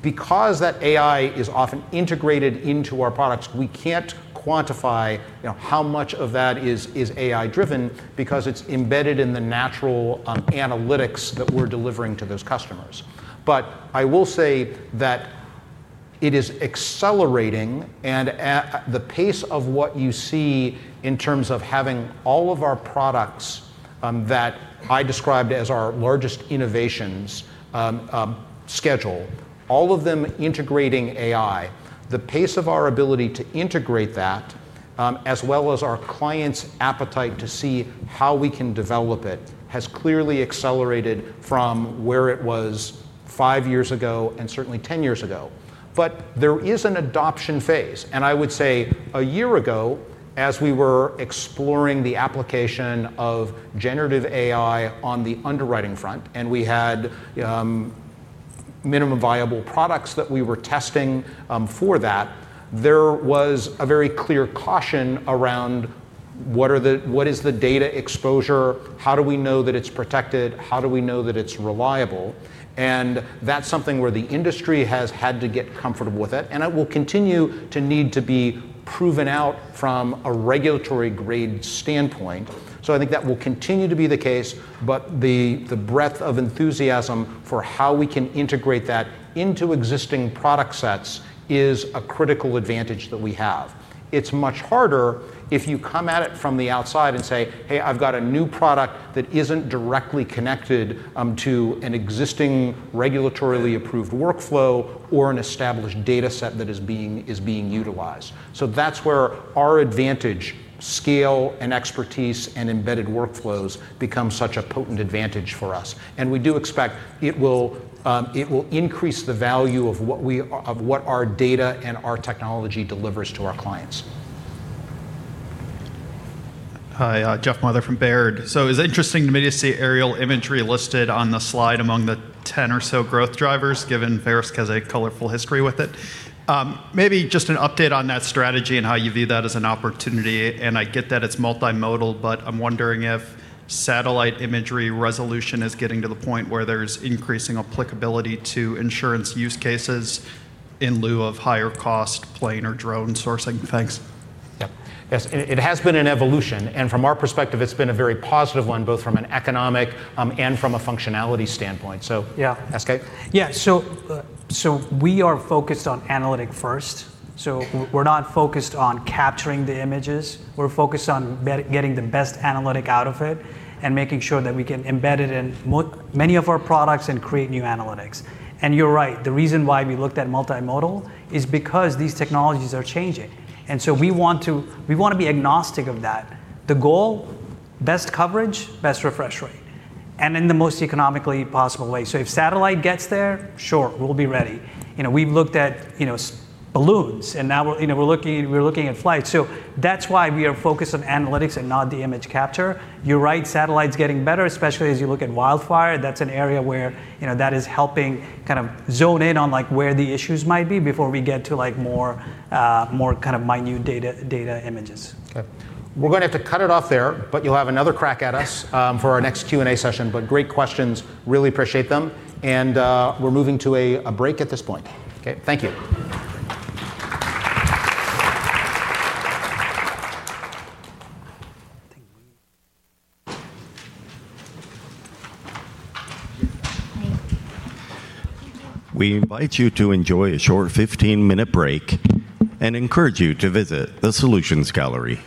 Because that AI is often integrated into our products, we can't quantify, you know, how much of that is AI-driven because it's embedded in the natural analytics that we're delivering to those customers. I will say that it is accelerating and the pace of what you see in terms of having all of our products, that I described as our largest innovations, schedule, all of them integrating AI. The pace of our ability to integrate that, as well as our clients' appetite to see how we can develop it, has clearly accelerated from where it was five years ago and certainly 10 years ago. There is an adoption phase, and I would say a year ago, as we were exploring the application of generative AI on the underwriting front, and we had minimum viable products that we were testing for that, there was a very clear caution around what is the data exposure? How do we know that it's protected? How do we know that it's reliable? That's something where the industry has had to get comfortable with it, and it will continue to need to be proven out from a regulatory grade standpoint. I think that will continue to be the case, but the breadth of enthusiasm for how we can integrate that into existing product sets is a critical advantage that we have. It's much harder if you come at it from the outside and say, "Hey, I've got a new product that isn't directly connected to an existing regulatorily approved workflow or an established data set that is being utilized." That's where our advantage, scale and expertise and embedded workflows become such a potent advantage for us, and we do expect it will, it will increase the value of what our data and our technology delivers to our clients. Hi, Jeffrey Meuler from Baird. It's interesting to me to see aerial imagery listed on the slide among the 10 or so growth drivers, given Verisk has a colorful history with it. Maybe just an update on that strategy and how you view that as an opportunity. I get that it's multimodal, but I'm wondering if satellite imagery resolution is getting to the point where there's increasing applicability to insurance use cases in lieu of higher cost plane or drone sourcing. Thanks. Yep. Yes, it has been an evolution and from our perspective, it's been a very positive one, both from an economic and from a functionality standpoint. Yeah, SK? Yeah, we are focused on analytic first. We're not focused on capturing the images. We're focused on getting the best analytic out of it and making sure that we can embed it in many of our products and create new analytics. You're right, the reason why we looked at multimodal is because these technologies are changing. We want to be agnostic of that. The goal, best coverage, best refresh rate, and in the most economically possible way. If satellite gets there, sure, we'll be ready. We've looked at balloons and now we're looking at flight. That's why we are focused on analytics and not the image capture. You're right, satellite's getting better, especially as you look at wildfire. That's an area where that is helping kind of zone in on where the issues might be before we get to more kind of minute data images. We're going to have to cut it off there, but you'll have another crack at us for our next Q&A session. Great questions, really appreciate them. We're moving to a break at this point. Okay, thank you. We invite you to enjoy a short 15-minute break and encourage you to visit the solutions gallery.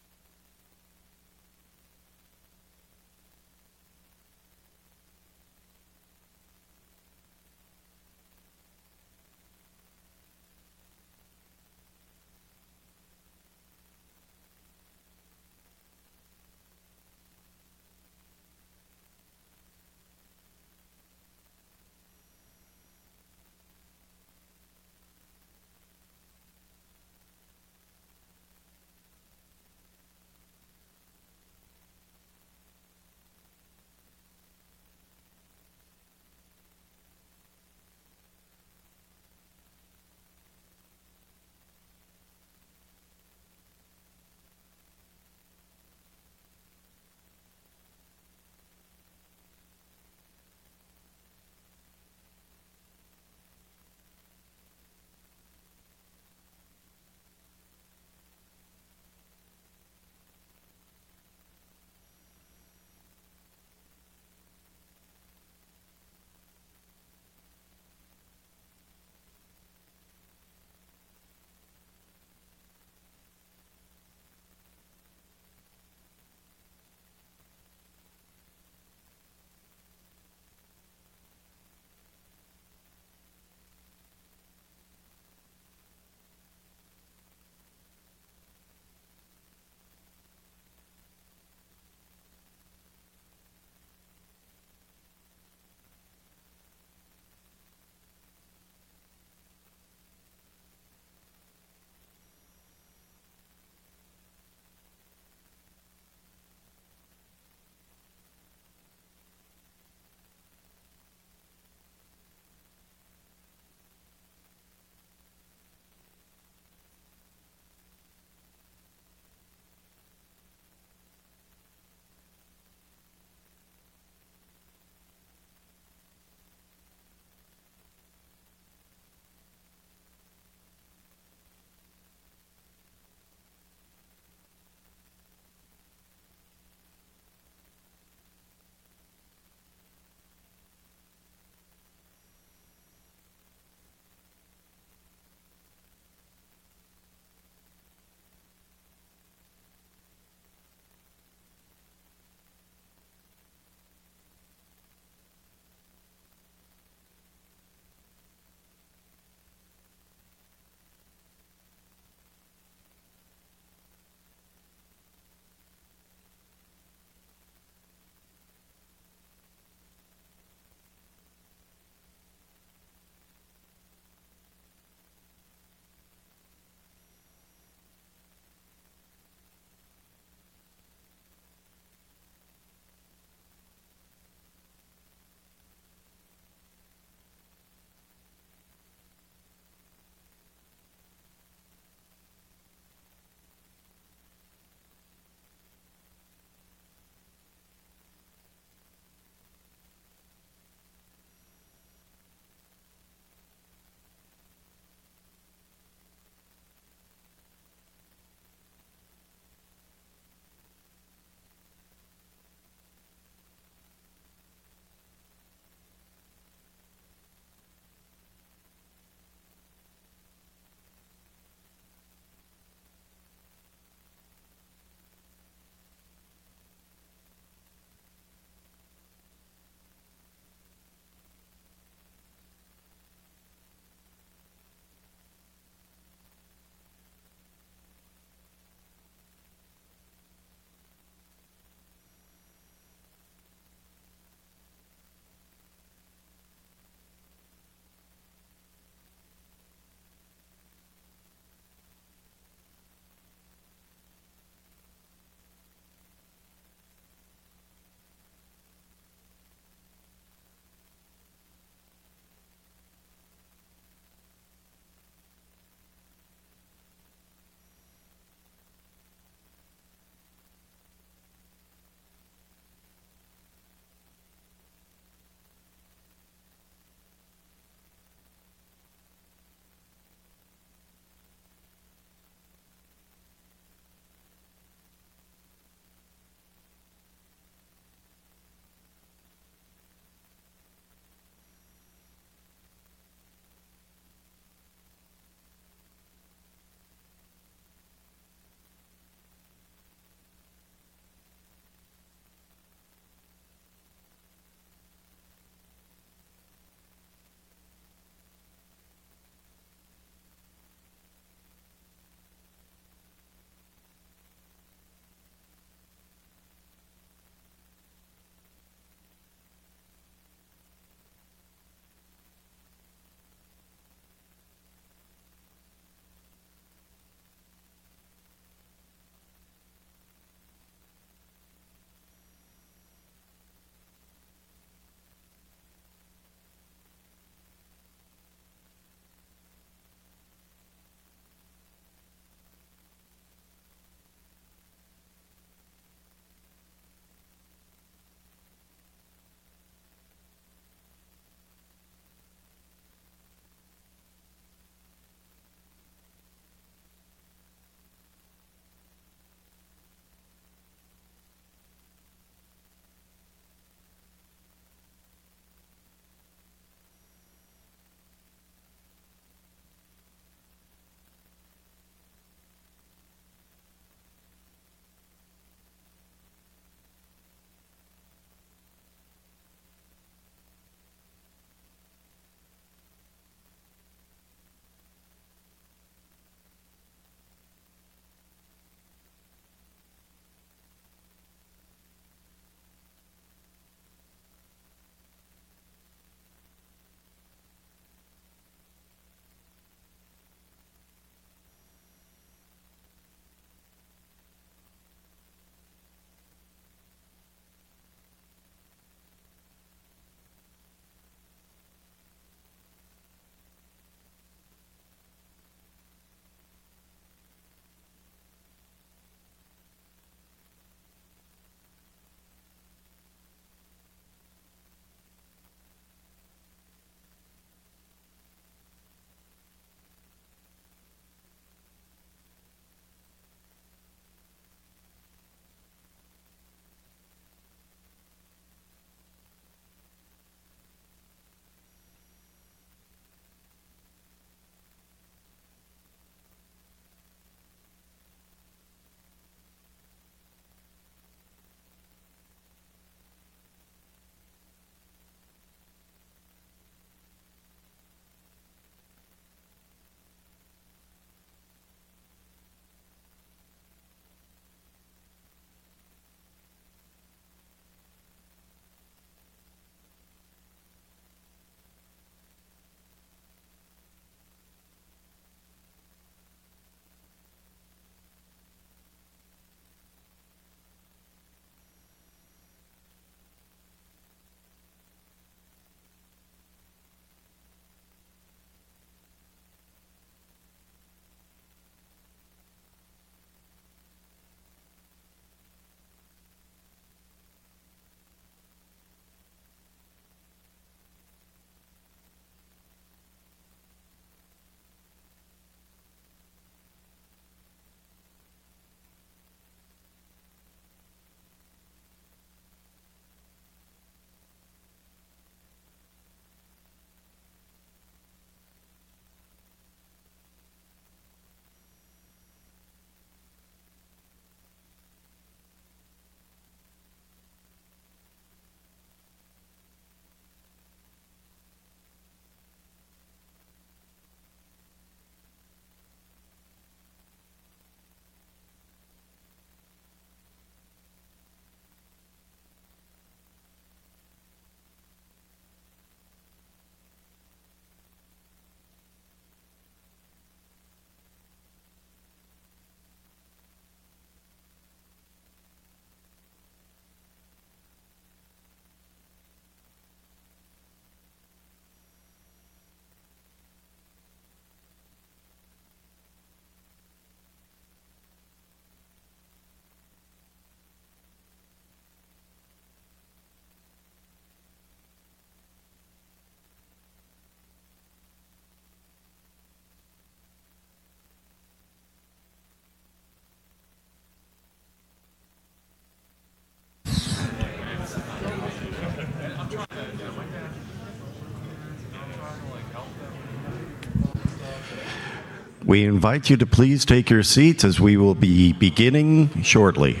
We invite you to please take your seats as we will be beginning shortly.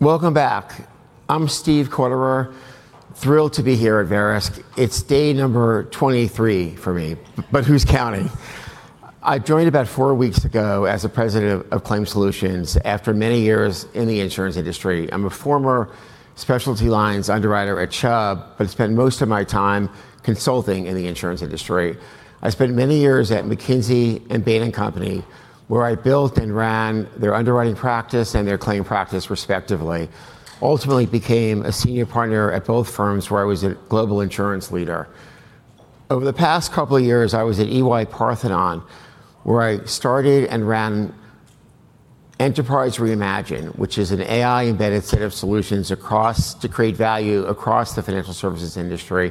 Welcome back. I'm Steve Kauderer. Thrilled to be here at Verisk. It's day number 23 for me, but who's counting? I joined about four weeks ago as the President of Claims Solutions after many years in the insurance industry. I'm a former specialty lines underwriter at Chubb but spent most of my time consulting in the insurance industry. I spent many years at McKinsey and Bain & Company, where I built and ran their underwriting practice and their claim practice respectively. Ultimately became a senior partner at both firms, where I was a global insurance leader. Over the past couple of years, I was at EY-Parthenon, where I started and ran Enterprise Reimagine, which is an AI-embedded set of solutions to create value across the financial services industry,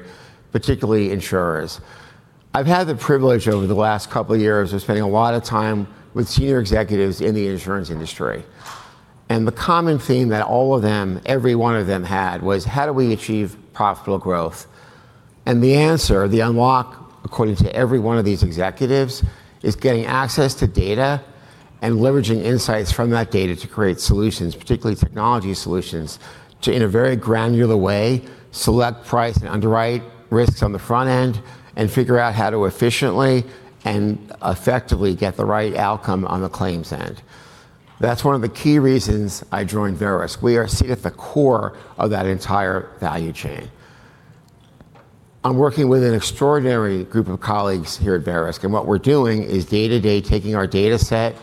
particularly insurers. I've had the privilege over the last couple of years of spending a lot of time with senior executives in the insurance industry, the common theme that all of them, every one of them had, was: How do we achieve profitable growth? The answer, the unlock, according to every one of these executives, is getting access to data and leveraging insights from that data to create solutions, particularly technology solutions, to, in a very granular way, select, price and underwrite risks on the front end and figure out how to efficiently and effectively get the right outcome on the claims end. That's one of the key reasons I joined Verisk. We are seated at the core of that entire value chain. I'm working with an extraordinary group of colleagues here at Verisk, what we're doing is day-to-day taking our dataset,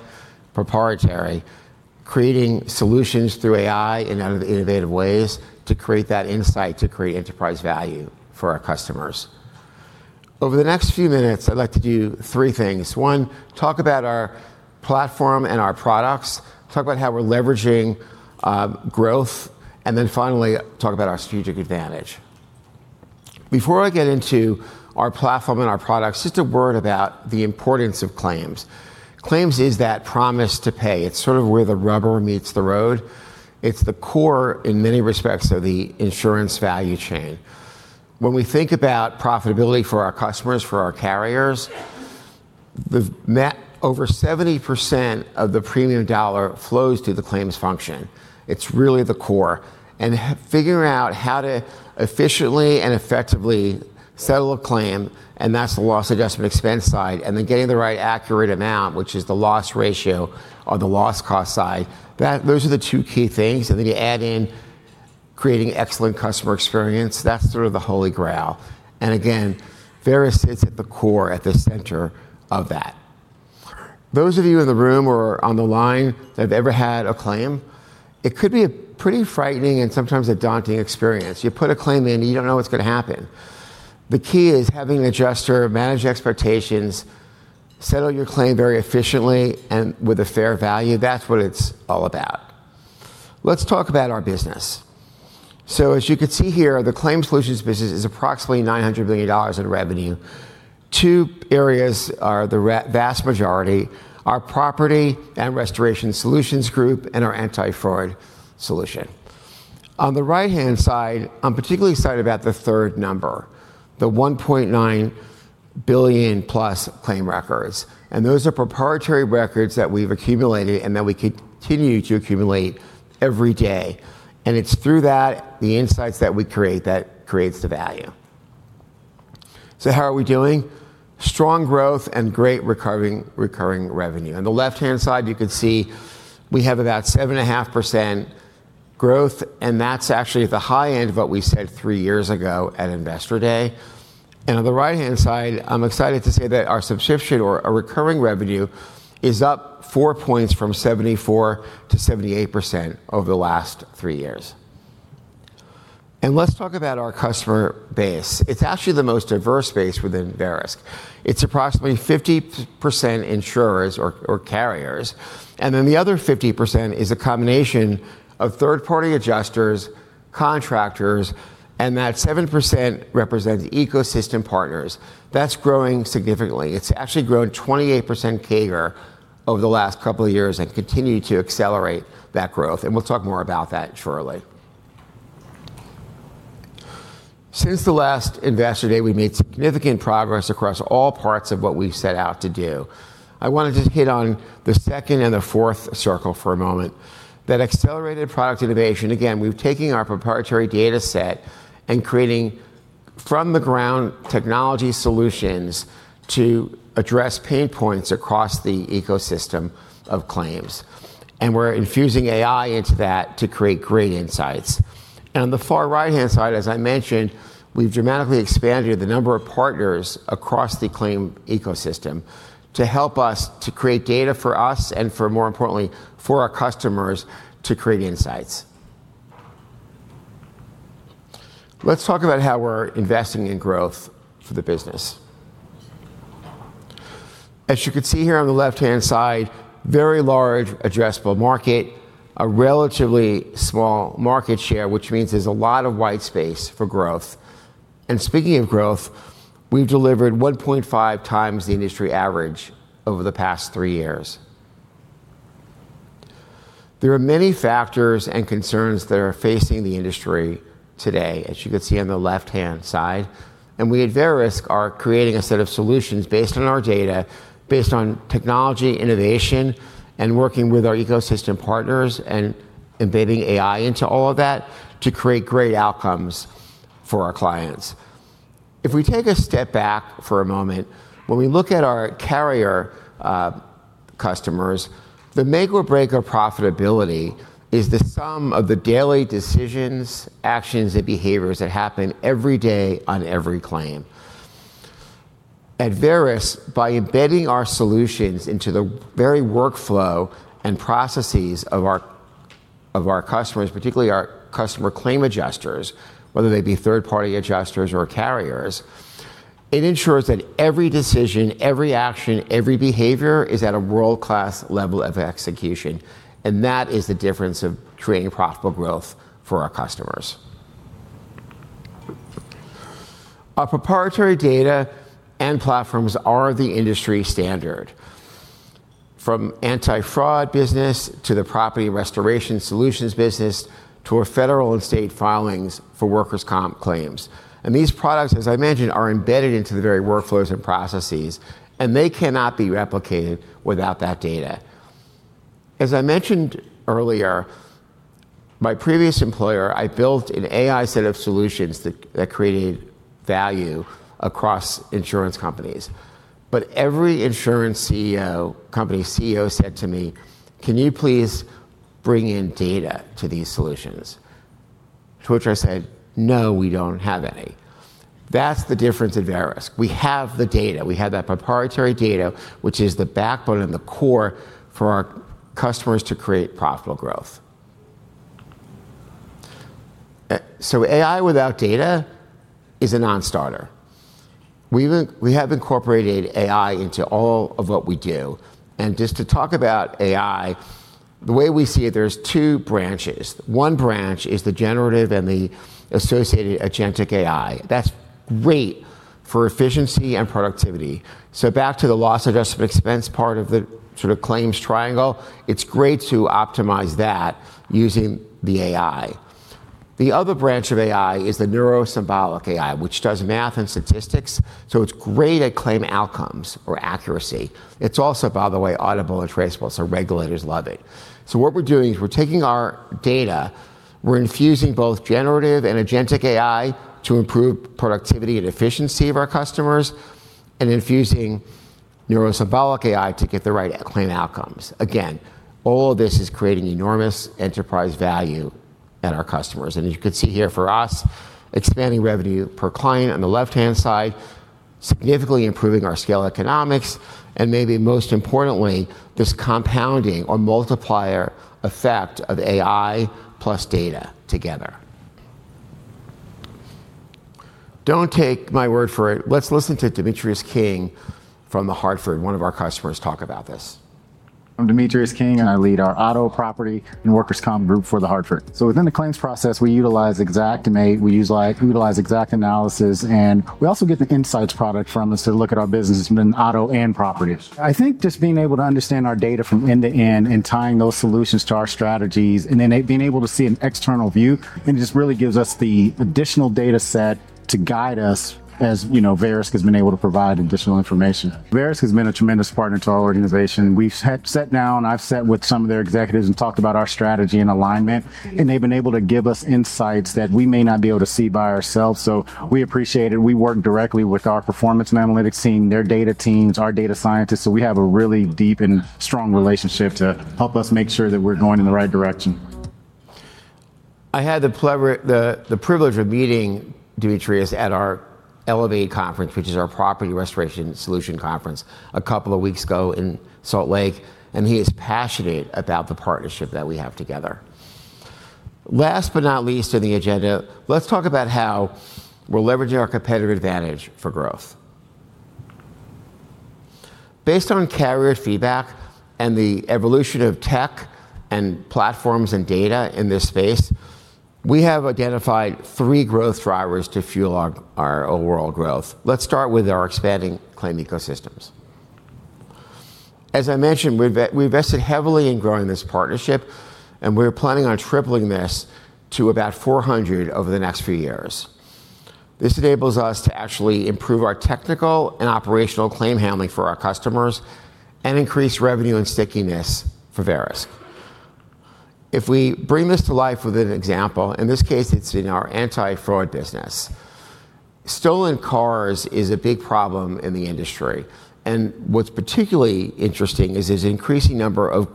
proprietary, creating solutions through AI in innovative ways to create that insight to create enterprise value for our customers. Over the next three minutes, I'd like to do three things. One, talk about our platform and our products, talk about how we're leveraging growth, finally, talk about our strategic advantage. Before I get into our platform and our products, just a word about the importance of claims. Claims is that promise to pay. It's sort of where the rubber meets the road. It's the core, in many respects, of the insurance value chain. When we think about profitability for our customers, for our carriers, over 70% of the premium dollar flows to the claims function. It's really the core. Figuring out how to efficiently and effectively settle a claim, that's the loss adjustment expense side, getting the right accurate amount, which is the loss ratio or the loss cost side, those are the two key things. You add in creating excellent customer experience, that's sort of the holy grail. Again, Verisk sits at the core, at the center of that. Those of you in the room or on the line that have ever had a claim, it could be a pretty frightening and sometimes a daunting experience. You put a claim in, you don't know what's gonna happen. The key is having an adjuster manage expectations, settle your claim very efficiently and with a fair value. That's what it's all about. Let's talk about our business. As you can see here, the Claims Solutions business is approximately $900 billion in revenue. Two areas are the vast majority are Property and Restoration Solutions group and our Anti-Fraud Solutions. On the right-hand side, I'm particularly excited about the third number, the 1.9 billion+ claim records. Those are proprietary records that we've accumulated and that we continue to accumulate every day. It's through that, the insights that we create, that creates the value. How are we doing? Strong growth and great recurring revenue. On the left-hand side, you can see we have about 7.5% growth, and that's actually at the high end of what we said three years ago at Investor Day. On the right-hand side, I'm excited to say that our subscription or our recurring revenue is up 4 points from 74% to 78% over the last three years. Let's talk about our customer base. It's actually the most diverse base within Verisk. It's approximately 50% insurers or carriers, and then the other 50% is a combination of third-party adjusters, contractors, and that 7% represents ecosystem partners. That's growing significantly. It's actually grown 28% CAGR over the last couple of years and continue to accelerate that growth, and we'll talk more about that shortly. Since the last Investor Day, we've made significant progress across all parts of what we set out to do. I want to just hit on the second and the fourth circle for a moment. That accelerated product innovation, again, we're taking our proprietary data set and creating from the ground technology solutions to address pain points across the ecosystem of claims, and we're infusing AI into that to create great insights. On the far right-hand side, as I mentioned, we've dramatically expanded the number of partners across the claim ecosystem to help us to create data for us and for more importantly, for our customers to create insights. Let's talk about how we're investing in growth for the business. As you can see here on the left-hand side, very large addressable market, a relatively small market share, which means there's a lot of white space for growth. Speaking of growth, we've delivered 1.5x the industry average over the past three years. There are many factors and concerns that are facing the industry today, as you can see on the left-hand side. We at Verisk are creating a set of solutions based on our data, based on technology, innovation, and working with our ecosystem partners and embedding AI into all of that to create great outcomes for our clients. If we take a step back for a moment, when we look at our carrier customers, the make or break of profitability is the sum of the daily decisions, actions, and behaviors that happen every day on every claim. At Verisk, by embedding our solutions into the very workflow and processes of our customers, particularly our customer claim adjusters, whether they be third-party adjusters or carriers, it ensures that every decision, every action, every behavior is at a world-class level of execution, and that is the difference of creating profitable growth for our customers. Our proprietary data and platforms are the industry standard. From Anti-Fraud business to the Property Restoration Solutions business to our federal and state filings for workers' comp claims. These products, as I mentioned, are embedded into the very workflows and processes, and they cannot be replicated without that data. As I mentioned earlier, my previous employer, I built an AI set of solutions that created value across insurance companies. Every insurance CEO, company CEO said to me, "Can you please bring in data to these solutions?" To which I said, "No, we don't have any." That's the difference at Verisk. We have the data. We have that proprietary data, which is the backbone and the core for our customers to create profitable growth. AI without data is a non-starter. We have incorporated AI into all of what we do. Just to talk about AI, the way we see it, there's two branches. One branch is the generative and the associated agentic AI. That's great for efficiency and productivity. Back to the loss adjustment expense part of the sort of claims triangle, it's great to optimize that using the AI. The other branch of AI is the neuro-symbolic AI, which does math and statistics, so it's great at claim outcomes or accuracy. It's also, by the way, auditable and traceable, so regulators love it. What we're doing is we're taking our data; we're infusing both generative and agentic AI to improve productivity and efficiency of our customers and infusing neuro-symbolic AI to get the right claim outcomes. All of this is creating enormous enterprise value at our customers. As you can see here for us, expanding revenue per client on the left-hand side, significantly improving our scale economics, and maybe most importantly, this compounding or multiplier effect of AI plus data together. Don't take my word for it. Let's listen to Dimitrius King from The Hartford, one of our customers, talk about this. I'm Dimitrius King. I lead our auto, property, and workers' comp group for The Hartford. Within the claims process, we utilize Xactimate, we utilize XactAnalysis, and we also get the insights product from us to look at our business in auto and properties. I think just being able to understand our data from end to end and tying those solutions to our strategies and then being able to see an external view, it just really gives us the additional data set to guide us as, you know, Verisk has been able to provide additional information. Verisk has been a tremendous partner to our organization. We've sat down and I've sat with some of their executives and talked about our strategy and alignment, and they've been able to give us insights that we may not be able to see by ourselves. We appreciate it. We work directly with our performance and analytics team, their data teams, our data scientists, so we have a really deep and strong relationship to help us make sure that we're going in the right direction. I had the privilege of meeting Dimitrius at our Elevate conference, which is our property restoration solution conference a couple of weeks ago in Salt Lake, and he is passionate about the partnership that we have together. Last but not least on the agenda, let's talk about how we're leveraging our competitive advantage for growth. Based on carrier feedback and the evolution of tech and platforms and data in this space, we have identified three growth drivers to fuel our overall growth. Let's start with our expanding claim ecosystems. As I mentioned, we've invested heavily in growing this partnership, and we're planning on tripling this to about 400 over the next few years. This enables us to actually improve our technical and operational claim handling for our customers and increase revenue and stickiness for Verisk. If we bring this to life with an example, in this case it's in our anti-fraud business. Stolen cars is a big problem in the industry and what's particularly interesting is this increasing number of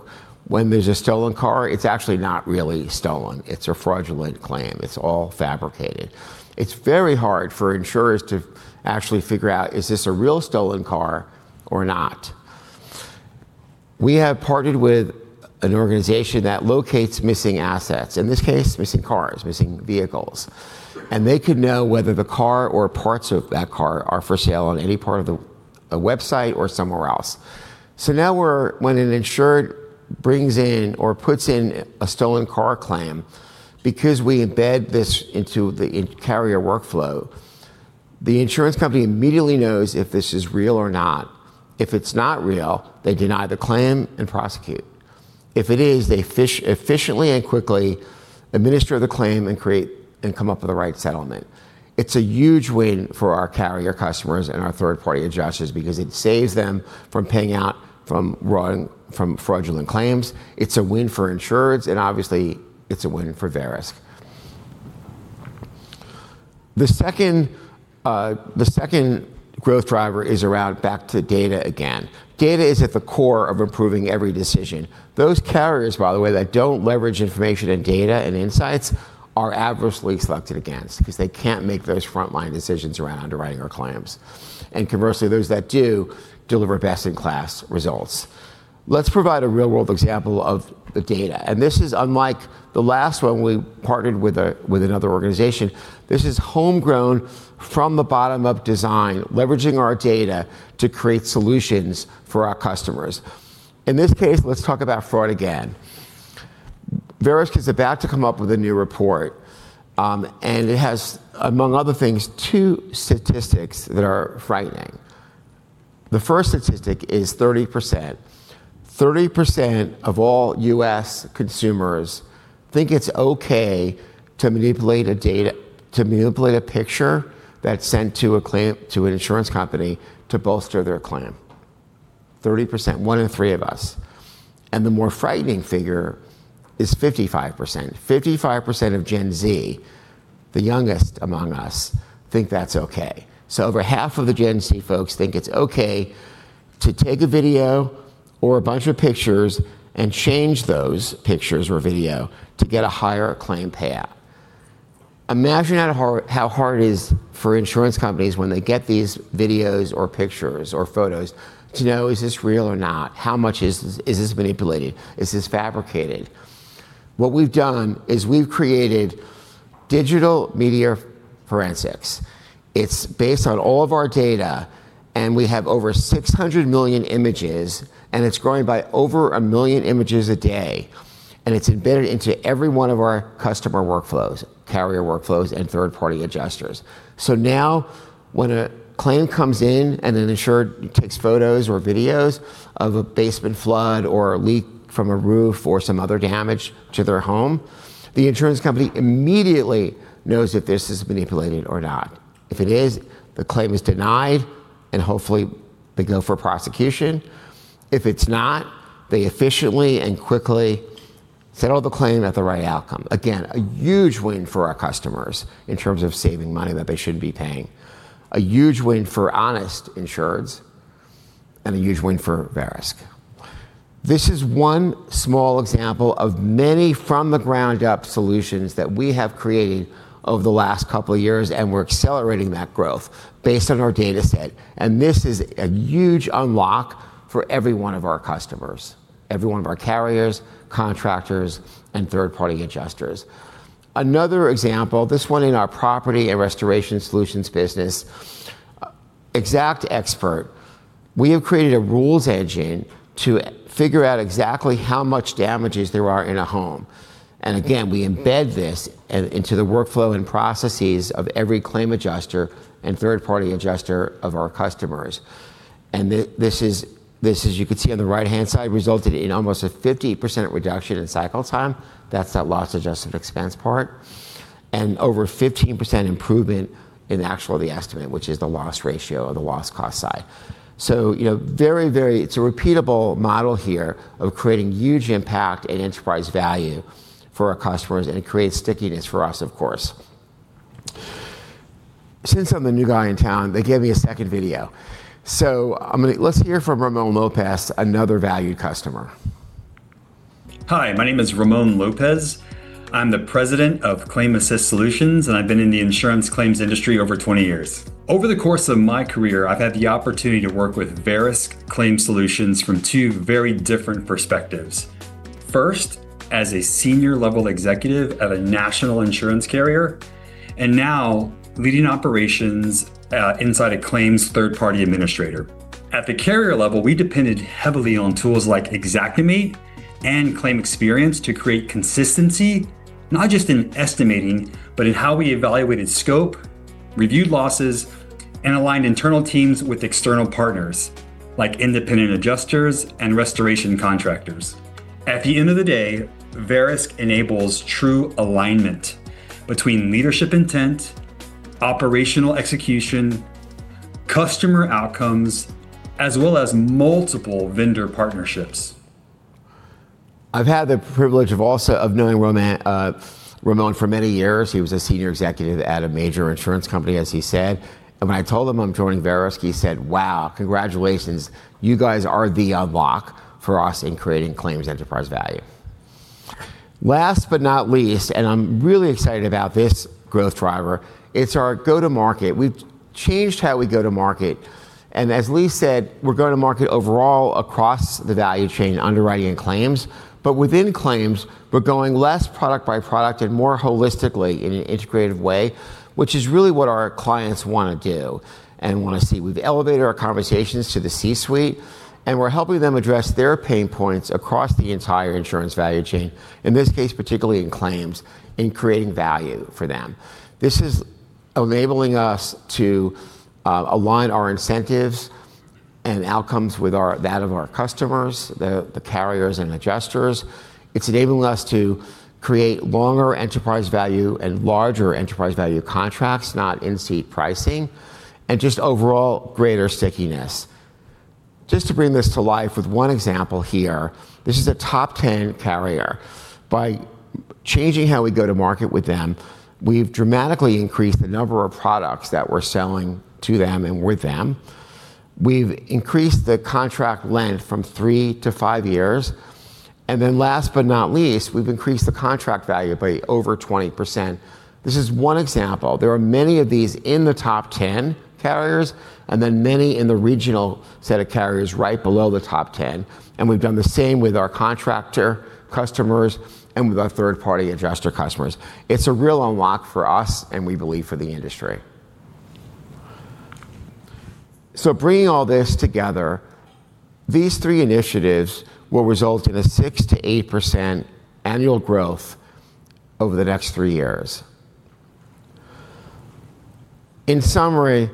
when there's a stolen car, it's actually not really stolen. It's a fraudulent claim. It's all fabricated. It's very hard for insurers to actually figure out, is this a real stolen car or not? We have partnered with an organization that locates missing assets, in this case, missing cars, missing vehicles. They could know whether the car or parts of that car are for sale on any part of a website or somewhere else. Now when an insured brings in or puts in a stolen car claim, because we embed this into the in-carrier workflow, the insurance company immediately knows if this is real or not. If it's not real, they deny the claim and prosecute. If it is, they efficiently and quickly administer the claim and create and come up with the right settlement. It's a huge win for our carrier customers and our third-party adjusters because it saves them from paying out from fraudulent claims. It's a win for insureds, obviously it's a win for Verisk. The second, the second growth driver is around back to data again. Data is at the core of improving every decision. Those carriers, by the way, that don't leverage information and data and insights are adversely selected against because they can't make those frontline decisions around underwriting or claims. Conversely, those that do deliver best-in-class results. Let's provide a real-world example of the data, and this is unlike the last one. We partnered with another organization. This is homegrown from the bottom up design, leveraging our data to create solutions for our customers. In this case, let's talk about fraud again. Verisk is about to come up with a new report. It has, among other things, two statistics that are frightening. The first statistic is 30%. 30% of all U.S. consumers think it's okay to manipulate a data, to manipulate a picture that's sent to an insurance company to bolster their claim. 30%, one in three of us. The more frightening figure is 55%. 55% of Gen Z, the youngest among us, think that's okay. Over half of the Gen Z folks think it's okay to take a video or a bunch of pictures and change those pictures or video to get a higher claim payout. Imagine how hard it is for insurance companies when they get these videos or pictures or photos to know, is this real or not? How much is this manipulated? Is this fabricated? What we've done is we've created Digital Media Forensics. It's based on all of our data, and we have over 600 million images, and it's growing by over 1 million images a day, and it's embedded into every one of our customer workflows, carrier workflows and third-party adjusters. Now when a claim comes in and an insured takes photos or videos of a basement flood or a leak from a roof or some other damage to their home, the insurance company immediately knows if this is manipulated or not. If it is, the claim is denied and hopefully they go for prosecution. If it's not, they efficiently and quickly settle the claim at the right outcome. A huge win for our customers in terms of saving money that they shouldn't be paying. A huge win for honest insureds and a huge win for Verisk. This is one small example of many from the ground up solutions that we have created over the last couple of years, and we're accelerating that growth based on our dataset. This is a huge unlock for every one of our customers, every one of our carriers, contractors and third-party adjusters. Another example, this one in our Property and Restoration Solutions business, XactXpert, we have created a rules engine to figure out exactly how much damages there are in a home. Again, we embed this into the workflow and processes of every claim adjuster and third-party adjuster of our customers. This is you could see on the right-hand side, resulted in almost a 50% reduction in cycle time. That's that loss adjusted expense part and over 15% improvement in the actual, the estimate, which is the loss ratio or the loss cost side. You know, very, it's a repeatable model here of creating huge impact and enterprise value for our customers and it creates stickiness for us, of course. Since I'm the new guy in town, they gave me a second video. I'm going to let's hear from Ramon Lopez, another valued customer. Hi, my name is Ramon Lopez. I'm the President of Claim Assist Solutions. I've been in the insurance claims industry over 20 years. Over the course of my career, I've had the opportunity to work with Verisk Claim Solutions from two very different perspectives. First, as a senior level executive of a national insurance carrier, now leading operations inside a claims third party administrator. At the carrier level, we depended heavily on tools like Xactimate and ClaimXperience to create consistency, not just in estimating, but in how we evaluated scope, reviewed losses, and aligned internal teams with external partners like independent adjusters and restoration contractors. At the end of the day, Verisk enables true alignment between leadership intent, operational execution, customer outcomes, as well as multiple vendor partnerships. I've had the privilege of also knowing Ramon for many years. He was a senior executive at a major insurance company, as he said. When I told him I'm joining Verisk, he said, "Wow, congratulations. You guys are the unlock for us in creating claims enterprise value." Last but not least, and I'm really excited about this growth driver, it's our go-to-market. We've changed how we go to market, and as Lee said, we're going to market overall across the value chain, underwriting and claims. Within claims, we're going less product by product and more holistically in an integrated way, which is really what our clients want to do and want to see. We've elevated our conversations to the C-suite, and we're helping them address their pain points across the entire insurance value chain, in this case, particularly in claims and creating value for them. This is enabling us to align our incentives and outcomes with that of our customers, the carriers and adjusters. It's enabling us to create longer enterprise value and larger enterprise value contracts, not in-seat pricing, and just overall greater stickiness. Just to bring this to life with one example here, this is a top 10 carrier. By changing how we go to market with them, we've dramatically increased the number of products that we're selling to them and with them. We've increased the contract length from three to five years. Last but not least, we've increased the contract value by over 20%. This is one example. There are many of these in the top 10 carriers, and then many in the regional set of carriers right below the top 10. We've done the same with our contractor customers and with our third-party adjuster customers. It's a real unlock for us and we believe for the industry. Bringing all this together, these three initiatives will result in a 6%-8% annual growth over the next three years. In summary,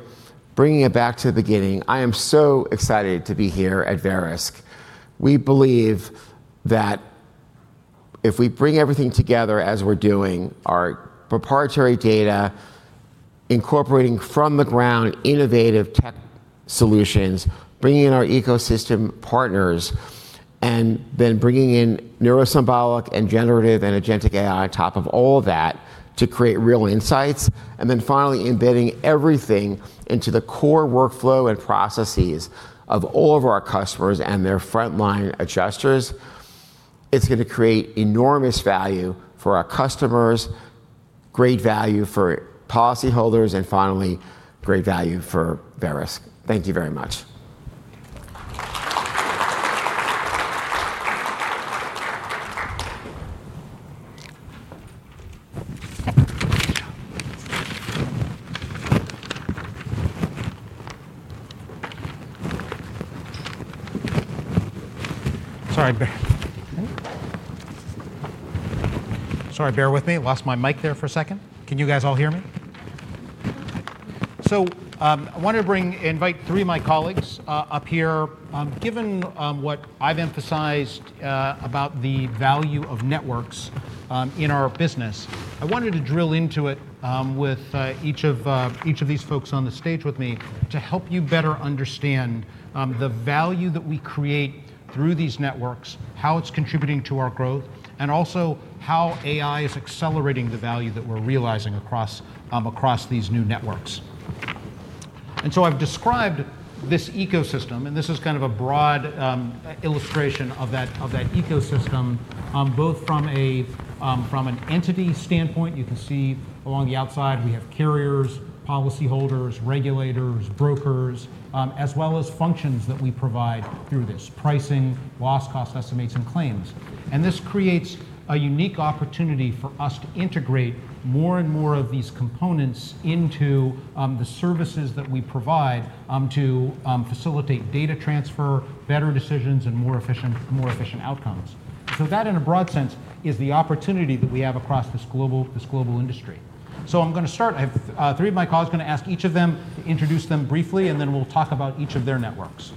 bringing it back to the beginning, I am so excited to be here at Verisk. We believe that if we bring everything together as we're doing our proprietary data, incorporating from-the-ground innovative tech solutions, bringing in our ecosystem partners, and then bringing in neuro-symbolic and generative and agentic AI on top of all that to create real insights, and then finally embedding everything into the core workflow and processes of all of our customers and their frontline adjusters, it's going to create enormous value for our customers, great value for policyholders, and finally, great value for Verisk. Thank you very much. Sorry, bear with me. Lost my mic there for a second. Can you guys all hear me? I want to bring, invite three of my colleagues up here. Given what I've emphasized about the value of networks in our business, I wanted to drill into it with each of these folks on the stage with me to help you better understand the value that we create through these networks, how it's contributing to our growth, and also how AI is accelerating the value that we're realizing across these new networks. I've described this ecosystem, and this is kind of a broad illustration of that ecosystem, both from an entity standpoint. You can see along the outside, we have carriers, policyholders, regulators, brokers, as well as functions that we provide through this: pricing, loss cost estimates, and claims. This creates a unique opportunity for us to integrate more and more of these components into the services that we provide to facilitate data transfer, better decisions, and more efficient, more efficient outcomes. That in a broad sense is the opportunity that we have across this global, this global industry. I'm going to start. I have three of my colleagues, going to ask each of them to introduce them briefly, and then we'll talk about each of their networks.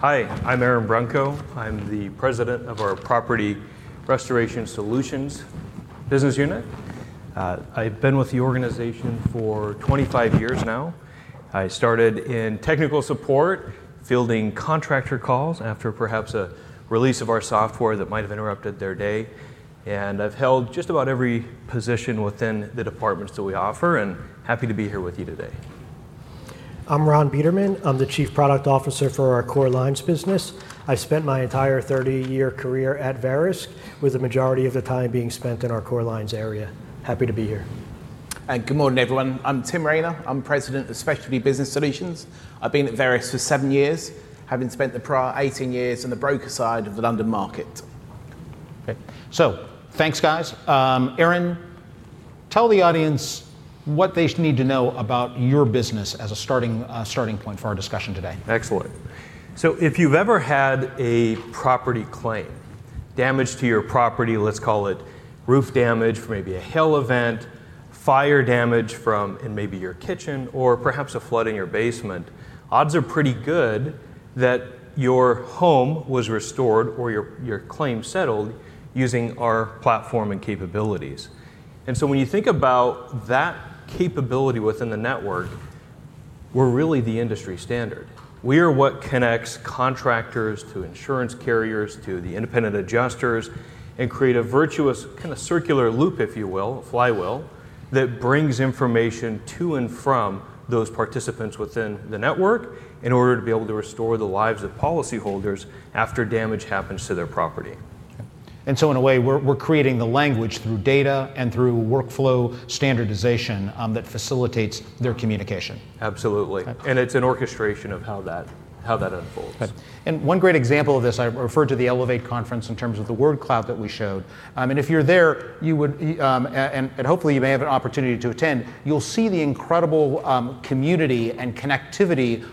Hi, I'm Aaron Brunko. I'm the President of our Property Estimating Solutions business unit. I've been with the organization for 25 years now. I started in technical support, fielding contractor calls after perhaps a release of our software that might have interrupted their day. I've held just about every position within the departments that we offer, and happy to be here with you today. I'm Ron Beiderman. I'm the chief product officer for our core lines business. I spent my entire 30-year career at Verisk, with the majority of the time being spent in our core lines area. Happy to be here. Good morning, everyone. I'm Tim Rayner. I'm president of Specialty Business Solutions. I've been at Verisk for seven years, having spent the prior 18 years on the broker side of the London market. Okay. Thanks, guys. Aaron, tell the audience what they need to know about your business as a starting point for our discussion today. Excellent. If you've ever had a property claim, damage to your property, let's call it roof damage, maybe a hail event, fire damage in maybe your kitchen or perhaps a flood in your basement, odds are pretty good that your home was restored or your claim settled using our platform and capabilities. When you think about that capability within the network, we're really the industry standard. We are what connects contractors to insurance carriers to the independent adjusters and create a virtuous kind of circular loop, if you will, a flywheel, that brings information to and from those participants within the network in order to be able to restore the lives of policyholders after damage happens to their property. In a way, we're creating the language through data and through workflow standardization that facilitates their communication. Absolutely. Okay. It's an orchestration of how that unfolds. Okay. One great example of this, I referred to the Elevate conference in terms of the word cloud that we showed. If you're there, you would and hopefully you may have an opportunity to attend, you'll see the incredible community and connectivity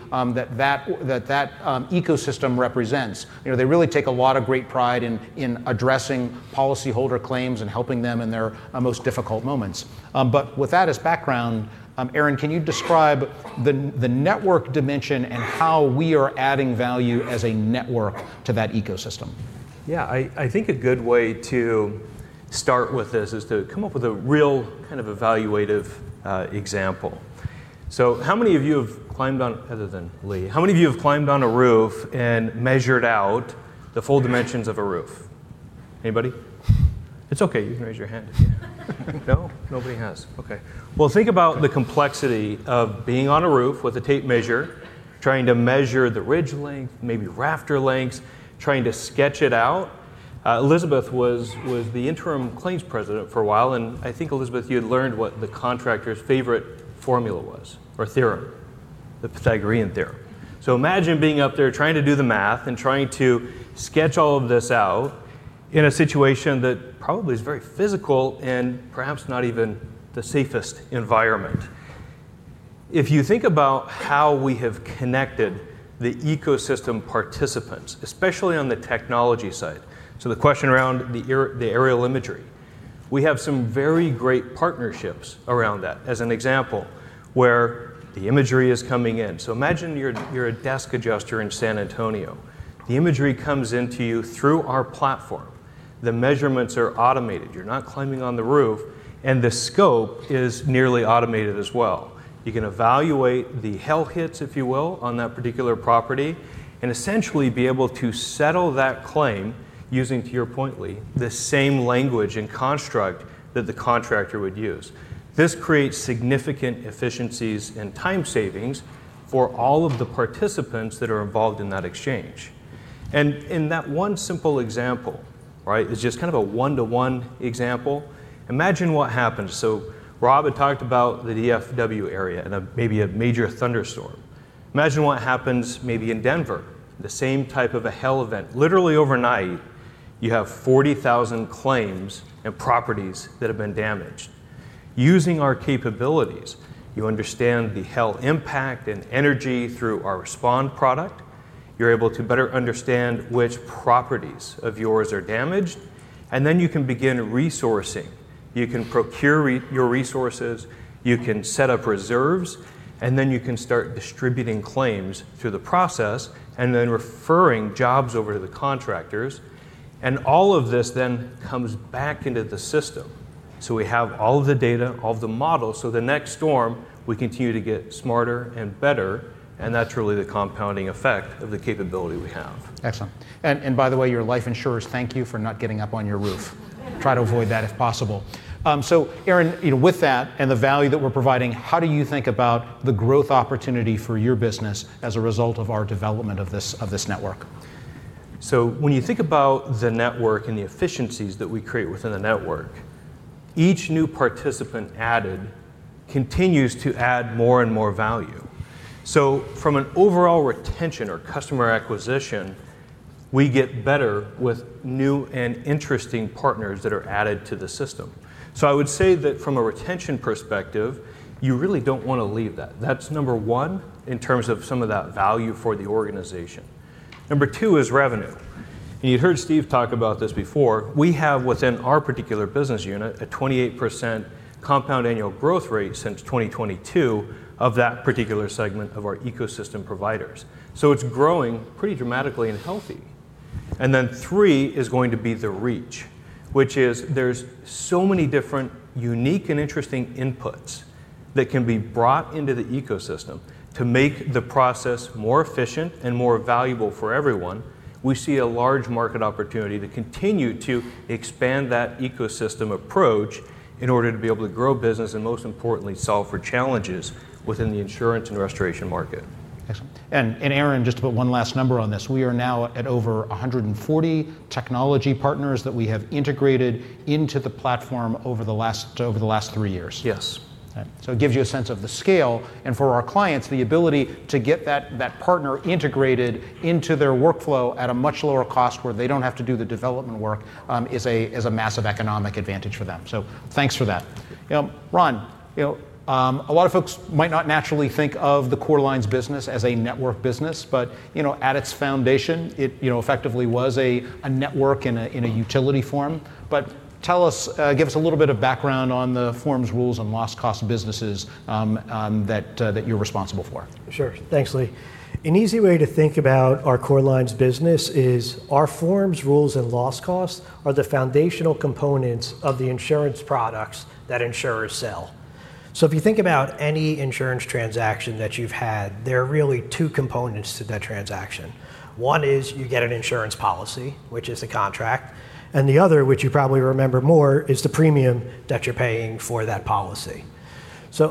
that ecosystem represents. You know, they really take a lot of great pride in addressing policyholder claims and helping them in their most difficult moments. With that as background, Aaron, can you describe the network dimension and how we are adding value as a network to that ecosystem? I think a good way to start with this is to come up with a real kind of evaluative example. How many of you have climbed on other than Lee. How many of you have climbed on a roof and measured out the full dimensions of a roof? Anybody? It's okay. You can raise your hand if you have. No? Nobody has? Okay. Think about the complexity of being on a roof with a tape measure, trying to measure the ridge length, maybe rafter lengths, trying to sketch it out. Elizabeth was the interim claims president for a while, and I think, Elizabeth, you had learned what the contractors' favorite formula was or theorem, the Pythagorean theorem. Imagine being up there trying to do the math and trying to sketch all of this out in a situation that probably is very physical and perhaps not even the safest environment. If you think about how we have connected the ecosystem participants, especially on the technology side, the question around the aerial imagery, we have some very great partnerships around that, as an example, where the imagery is coming in. Imagine you're a desk adjuster in San Antonio. The imagery comes into you through our platform. The measurements are automated. You're not climbing on the roof, and the scope is nearly automated as well. You can evaluate the hail hits, if you will, on that particular property, and essentially be able to settle that claim using, to your point, Lee, the same language and construct that the contractor would use. This creates significant efficiencies and time savings for all of the participants that are involved in that exchange. In that one simple example, right, it's just kind of a one-to-one example, imagine what happens. Rob had talked about the DFW area and a major thunderstorm. Imagine what happens maybe in Denver, the same type of a hail event. Literally overnight, you have 40,000 claims and properties that have been damaged. Using our capabilities, you understand the hail impact and energy through our Respond product. You're able to better understand which properties of yours are damaged, and then you can begin resourcing. You can procure your resources, you can set up reserves, and then you can start distributing claims through the process and then referring jobs over to the contractors. All of this then comes back into the system. We have all of the data, all of the models, so the next storm, we continue to get smarter and better, and that's really the compounding effect of the capability we have. Excellent. By the way, your life insurers thank you for not getting up on your roof. Try to avoid that if possible. Aaron, you know, with that and the value that we're providing, how do you think about the growth opportunity for your business as a result of our development of this network? When you think about the network and the efficiencies that we create within the network, each new participant added continues to add more and more value. From an overall retention or customer acquisition, we get better with new and interesting partners that are added to the system. I would say that from a retention perspective, you really don't want to leave that. That's number one in terms of some of that value for the organization. Number two is revenue. You heard Steve talk about this before. We have within our particular business unit a 28% compound annual growth rate since 2022 of that particular segment of our ecosystem providers. It's growing pretty dramatically and healthy. Three is going to be the reach, which is there's so many different unique and interesting inputs that can be brought into the ecosystem to make the process more efficient and more valuable for everyone. We see a large market opportunity to continue to expand that ecosystem approach in order to be able to grow business, and most importantly, solve for challenges within the insurance and restoration market. Excellent. Aaron, just to put one last number on this, we are now at over 140 technology partners that we have integrated into the platform over the last three years. Yes. It gives you a sense of the scale, and for our clients, the ability to get that partner integrated into their workflow at a much lower cost where they don't have to do the development work, is a massive economic advantage for them. Thanks for that. Ron, you know, a lot of folks might not naturally think of the Core Lines business as a network business. You know, at its foundation, it, you know, effectively was a network in a utility form. Tell us, give us a little bit of background on the forms, rules, and loss cost businesses that you're responsible for. Sure. Thanks, Lee. An easy way to think about our Core Lines business is our forms, rules, and loss costs are the foundational components of the insurance products that insurers sell. If you think about any insurance transaction that you've had, there are really two components to that transaction. One is you get an insurance policy, which is a contract, and the other, which you probably remember more, is the premium that you're paying for that policy.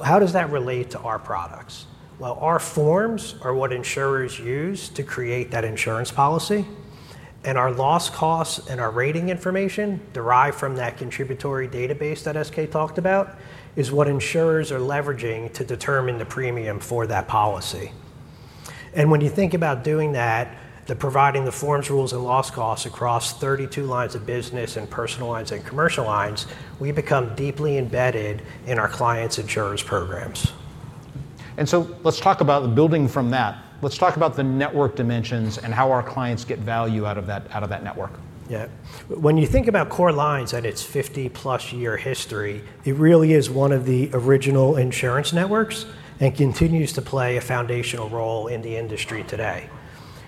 How does that relate to our products? Well, our forms are what insurers use to create that insurance policy, and our loss costs and our rating information derived from that contributory database that SK talked about is what insurers are leveraging to determine the premium for that policy. When you think about doing that, the providing the forms, rules, and loss costs across 32 lines of business and personal lines and commercial lines, we become deeply embedded in our clients' insurance programs. Let's talk about building from that. Let's talk about the network dimensions and how our clients get value out of that network. Yeah. When you think about Core Lines and its 50+ year history, it really is one of the original insurance networks and continues to play a foundational role in the industry today.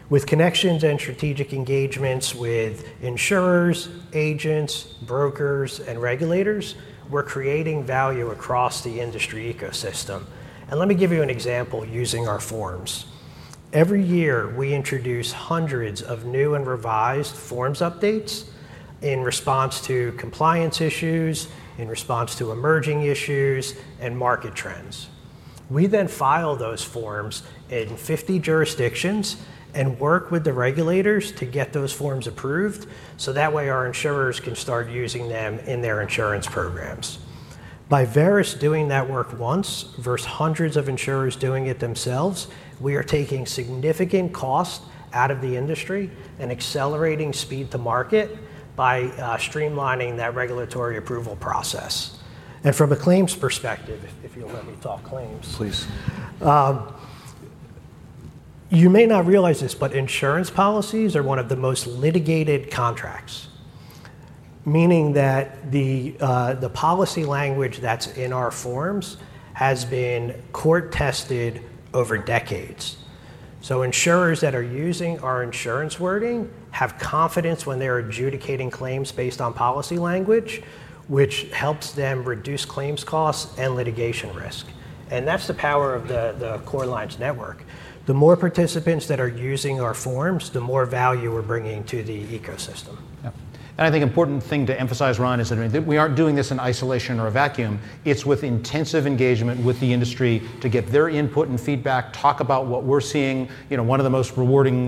With connections and strategic engagements with insurers, agents, brokers, and regulators, we're creating value across the industry ecosystem. Let me give you an example using our forms. Every year, we introduce hundreds of new and revised forms updates in response to compliance issues, in response to emerging issues, and market trends. We file those forms in 50 jurisdictions and work with the regulators to get those forms approved, so that way our insurers can start using them in their insurance programs. By Verisk doing that work once versus hundreds of insurers doing it themselves, we are taking significant cost out of the industry and accelerating speed to market by streamlining that regulatory approval process. From a claim's perspective, if you'll let me talk claims. Please. You may not realize this, insurance policies are one of the most litigated contracts, meaning that the policy language that's in our forms has been court-tested over decades. Insurers that are using our insurance wording have confidence when they're adjudicating claims based on policy language, which helps them reduce claims costs and litigation risk. That's the power of the Core Lines network. The more participants that are using our forms, the more value we're bringing to the ecosystem. Yeah. I think important thing to emphasize, Ron, is that we aren't doing this in isolation or a vacuum. It's with intensive engagement with the industry to get their input and feedback, talk about what we're seeing. You know, one of the most rewarding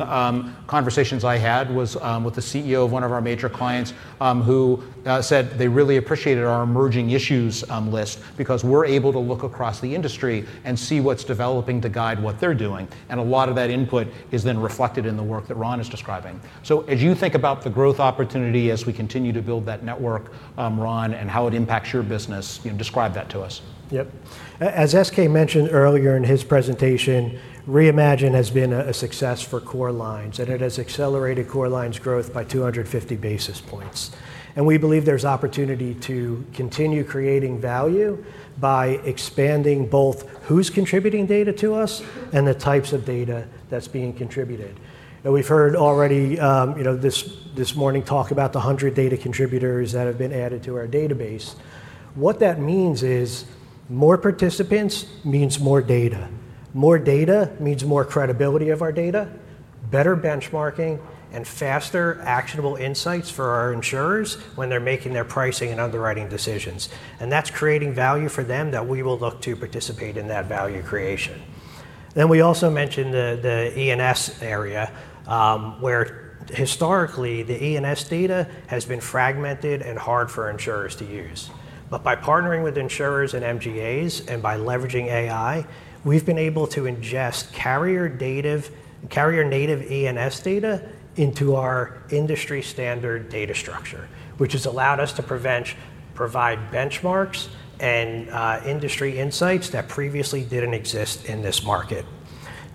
conversations I had was with the CEO of one of our major clients, who said they really appreciated our emerging issues list because we're able to look across the industry and see what's developing to guide what they're doing, and a lot of that input is then reflected in the work that Ron is describing. As you think about the growth opportunity as we continue to build that network, Ron, and how it impacts your business, you know, describe that to us. Yep. As SK mentioned earlier in his presentation, Reimagine has been a success for Core Lines, and it has accelerated Core Lines' growth by 250 basis points. We believe there's opportunity to continue creating value by expanding both who's contributing data to us and the types of data that's being contributed. Now we've heard already, you know, this morning talk about the 100 data contributors that have been added to our database. What that means is more participants means more data. More data means more credibility of our data, better benchmarking, and faster actionable insights for our insurers when they're making their pricing and underwriting decisions. That's creating value for them that we will look to participate in that value creation. We also mentioned the E&S area, where historically the E&S data has been fragmented and hard for insurers to use. By partnering with insurers and MGAs and by leveraging AI, we've been able to ingest carrier native E&S data into our industry standard data structure, which has allowed us to provide benchmarks and industry insights that previously didn't exist in this market.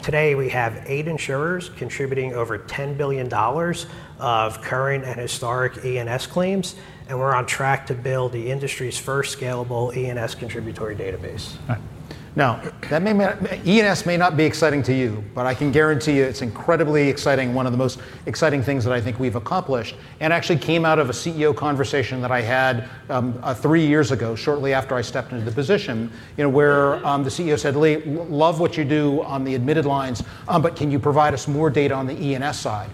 Today, we have 8 insurers contributing over $10 billion of current and historic E&S claims, and we're on track to build the industry's first scalable E&S contributory database. Right. Now that may not E&S may not be exciting to you, but I can guarantee you it's incredibly exciting, one of the most exciting things that I think we've accomplished, and actually came out of a CEO conversation that I had three years ago, shortly after I stepped into the position, you know, where the CEO said, "Lee, love what you do on the admitted lines, but can you provide us more data on the E&S side?"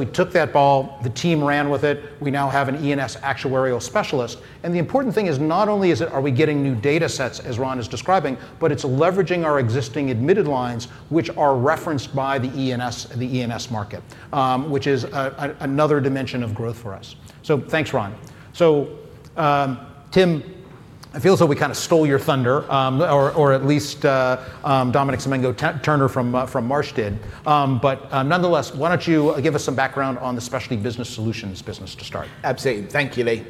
We took that ball, the team ran with it. We now have an E&S actuarial specialist. The important thing is not only is it are we getting new data sets, as Ron is describing, but it's leveraging our existing admitted lines, which are referenced by the E&S, the E&S market, which is another dimension of growth for us. Thanks, Ron. Tim, I feel as though we kind of stole your thunder, or at least Dominic Samengo-Turner from Marsh did. Nonetheless, why don't you give us some background on the Specialty Business Solutions business to start? Absolutely. Thank you, Lee.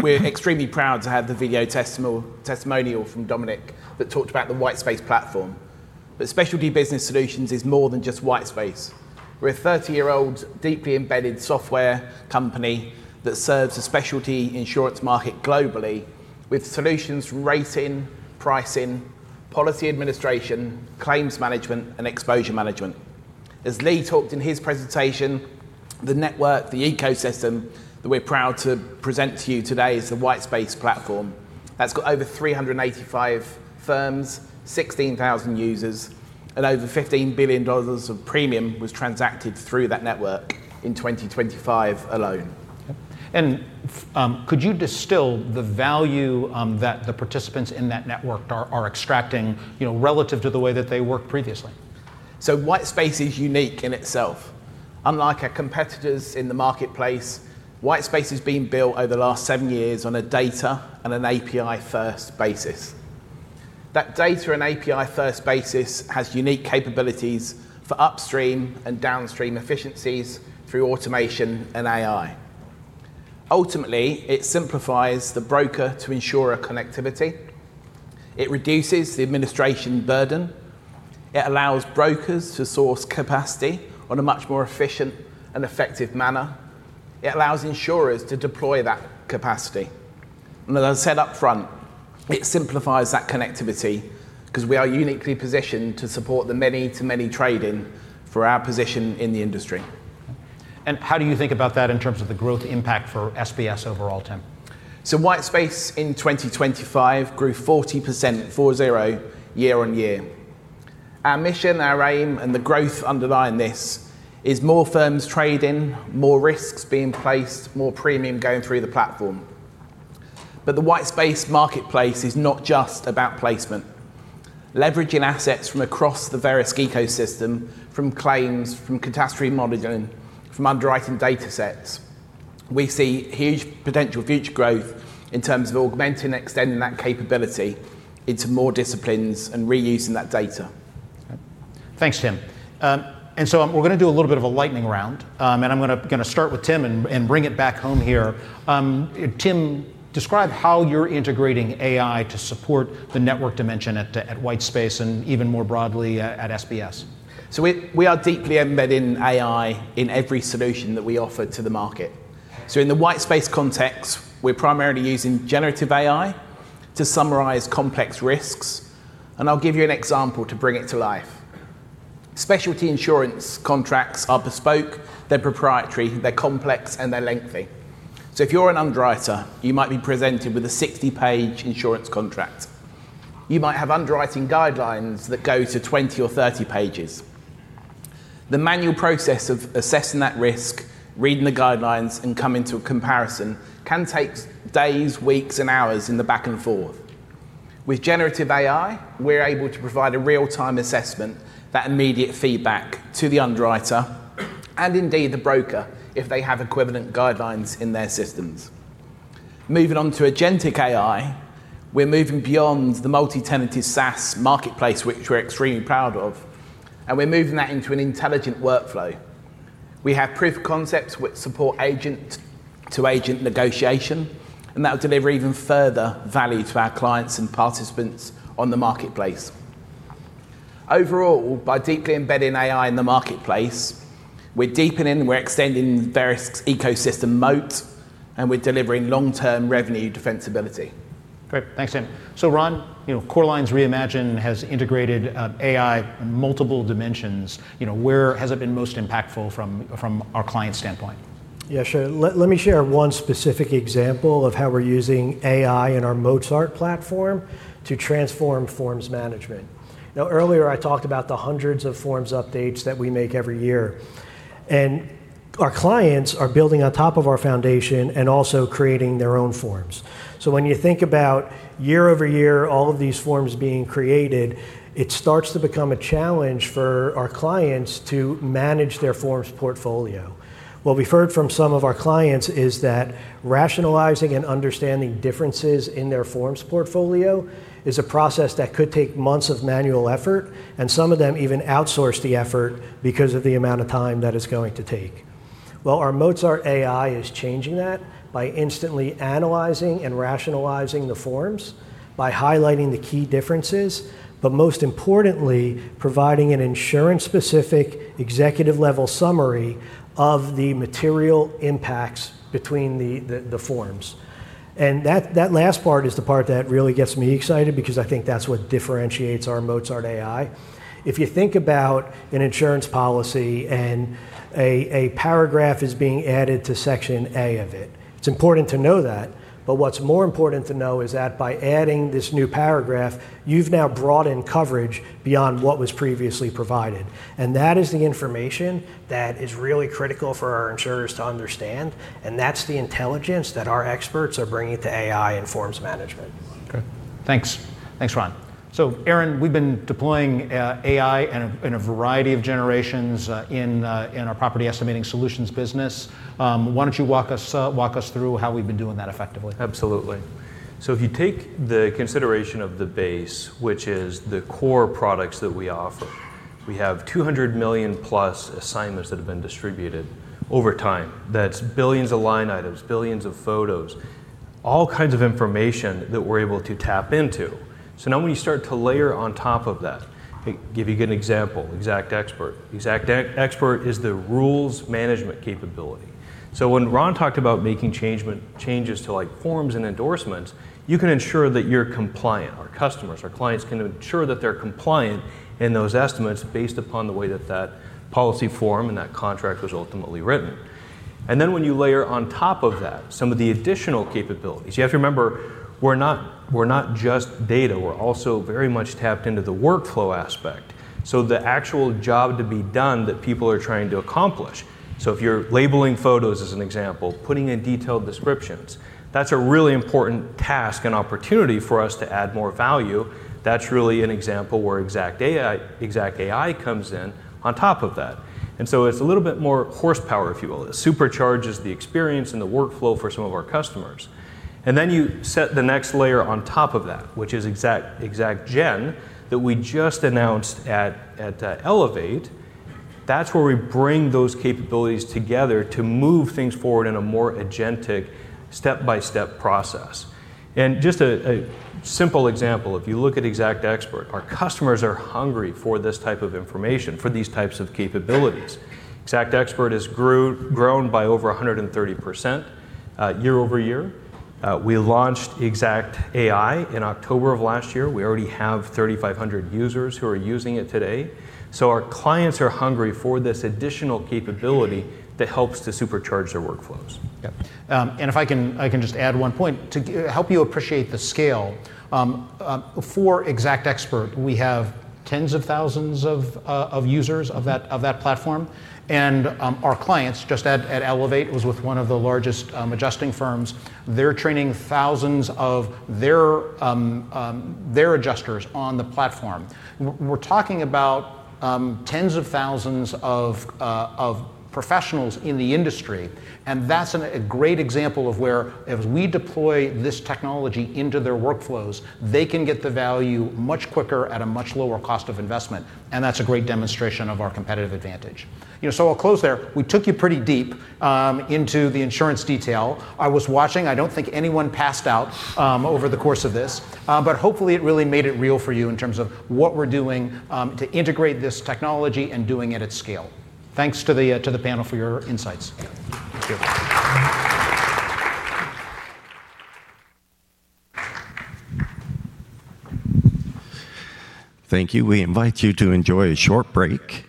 We're extremely proud to have the video testimonial from Dominic that talked about the Whitespace platform. Specialty Business Solutions is more than just Whitespace. We're a 30-year-old, deeply embedded software company that serves the specialty insurance market globally with solutions from rating, pricing, policy administration, claims management, and exposure management. As Lee talked in his presentation, the network, the ecosystem that we're proud to present to you today is the Whitespace platform. That's got over 385 firms, 16,000 users, and over $15 billion of premium was transacted through that network in 2025 alone. Could you distill the value, that the participants in that network are extracting, you know, relative to the way that they worked previously? Whitespace is unique in itself. Unlike our competitors in the marketplace, Whitespace has been built over the last seven years on a data and an API-first basis. That data and API-first basis have unique capabilities for upstream and downstream efficiencies through automation and AI. Ultimately, it simplifies the broker to insurer connectivity. It reduces the administration burden. It allows brokers to source capacity on a much more efficient and effective manner. It allows insurers to deploy that capacity. As I said upfront, it simplifies that connectivity because we are uniquely positioned to support the many-to-many trading for our position in the industry. How do you think about that in terms of the growth impact for SBS overall, Tim? Whitespace in 2025 grew 40%, four, zero, year-over-year. Our mission, our aim, and the growth underlying this is more firms trading, more risks being placed, more premium going through the platform. The Whitespace marketplace is not just about placement. Leveraging assets from across the Verisk ecosystem, from claims, from catastrophe modeling, from underwriting datasets, we see huge potential future growth in terms of augmenting and extending that capability into more disciplines and reusing that data. Okay. Thanks, Tim. We're gonna do a little bit of a lightning round, and I'm gonna start with Tim and bring it back home here. Tim, describe how you're integrating AI to support the network dimension at Whitespace and even more broadly at SBS. We are deeply embedding AI in every solution that we offer to the market. In the Whitespace context, we're primarily using generative AI to summarize complex risks, and I'll give you an example to bring it to life. Specialty insurance contracts are bespoke, they're proprietary, they're complex, and they're lengthy. If you're an underwriter, you might be presented with a 60-page insurance contract. You might have underwriting guidelines that go to 20 or 30 pages. The manual process of assessing that risk, reading the guidelines, and coming to a comparison can take days, weeks, and hours in the back and forth. With generative AI, we're able to provide a real-time assessment, that immediate feedback to the underwriter, and indeed the broker if they have equivalent guidelines in their systems. Moving on to agentic AI, we're moving beyond the multi-tenanted SaaS marketplace, which we're extremely proud of, and we're moving that into an intelligent workflow. We have proof of concepts which support agent-to-agent negotiation, and that will deliver even further value to our clients and participants on the marketplace. Overall, by deeply embedding AI in the marketplace, we're deepening, we're extending Verisk's ecosystem moat, and we're delivering long-term revenue defensibility. Great. Thanks, Tim. Ron, you know, Core Lines Reimagined has integrated AI in multiple dimensions. You know, where has it been most impactful from our clients' standpoint? Yeah, sure. Let me share one specific example of how we're using AI in our Mozart platform to transform forms management. Now, earlier, I talked about the hundreds of forms updates that we make every year. Our clients are building on top of our foundation and also creating their own forms. When you think about year-over-year, all of these forms being created, it starts to become a challenge for our clients to manage their forms portfolio. What we've heard from some of our clients is that rationalizing and understanding differences in their form's portfolio is a process that could take months of manual effort, and some of them even outsource the effort because of the amount of time that it's going to take. Well, our Mozart AI is changing that by instantly analyzing and rationalizing the forms, by highlighting the key differences, but most importantly, providing an insurance-specific executive-level summary of the material impacts between the forms. That last part is the part that really gets me excited because I think that's what differentiates our Mozart AI. If you think about an insurance policy and a paragraph is being added to Section A of it's important to know that, but what's more important to know is that by adding this new paragraph, you've now brought in coverage beyond what was previously provided. That is the information that is really critical for our insurers to understand, and that's the intelligence that our experts are bringing to AI in forms management. Okay. Thanks. Thanks, Ron. Aaron, we've been deploying AI in a variety of generations in our Property Estimating Solutions business. Why don't you walk us through how we've been doing that effectively? Absolutely. If you take the consideration of the base, which is the core products that we offer, we have $200 million+ assignments that have been distributed over time. That's billions of line items, billions of photos, all kinds of information that we're able to tap into. Now when you start to layer on top of that, give you a good example, XactXpert. XactXpert is the rules management capability. When Ron talked about making changes to like forms and endorsements, you can ensure that you're compliant. Our customers, our clients can ensure that they're compliant in those estimates based upon the way that that policy form and that contract was ultimately written. Then when you layer on top of that some of the additional capabilities, you have to remember we're not just data. We're also very much tapped into the workflow aspect. The actual job to be done that people are trying to accomplish. If you're labeling photos as an example, putting in detailed descriptions, that's a really important task and opportunity for us to add more value. That's really an example where XactAI comes in on top of that. It's a little bit more horsepower, if you will. It supercharges the experience and the workflow for some of our customers. Then you set the next layer on top of that, which is XactGen that we just announced at Elevate. That's where we bring those capabilities together to move things forward in a more agentic step-by-step process. Just a simple example, if you look at XactXpert, our customers are hungry for this type of information, for these types of capabilities. XactXpert has grown by over 130% year-over-year. We launched XactAI in October of last year. We already have 3,500 users who are using it today. Our clients are hungry for this additional capability that helps to supercharge their workflows. Yeah. If I can just add one point to help you appreciate the scale. For XactXpert, we have tens of thousands of users of that platform. Our clients just at Elevate was with one of the largest adjusting firms. They're training thousands of their adjusters on the platform. We're talking about tens of thousands of professionals in the industry. That's a great example of where if we deploy this technology into their workflows, they can get the value much quicker at a much lower cost of investment. That's a great demonstration of our competitive advantage. I'll close there. We took you pretty deep into the insurance detail. I was watching. I don't think anyone passed out over the course of this, but hopefully it really made it real for you in terms of what we're doing to integrate this technology and doing it at scale. Thanks to the panel for your insights. Yeah. Thank you. Thank you. We invite you to enjoy a short break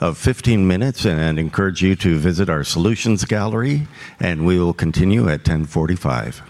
of 15 minutes and encourage you to visit our solutions gallery, and we will continue at 10:45.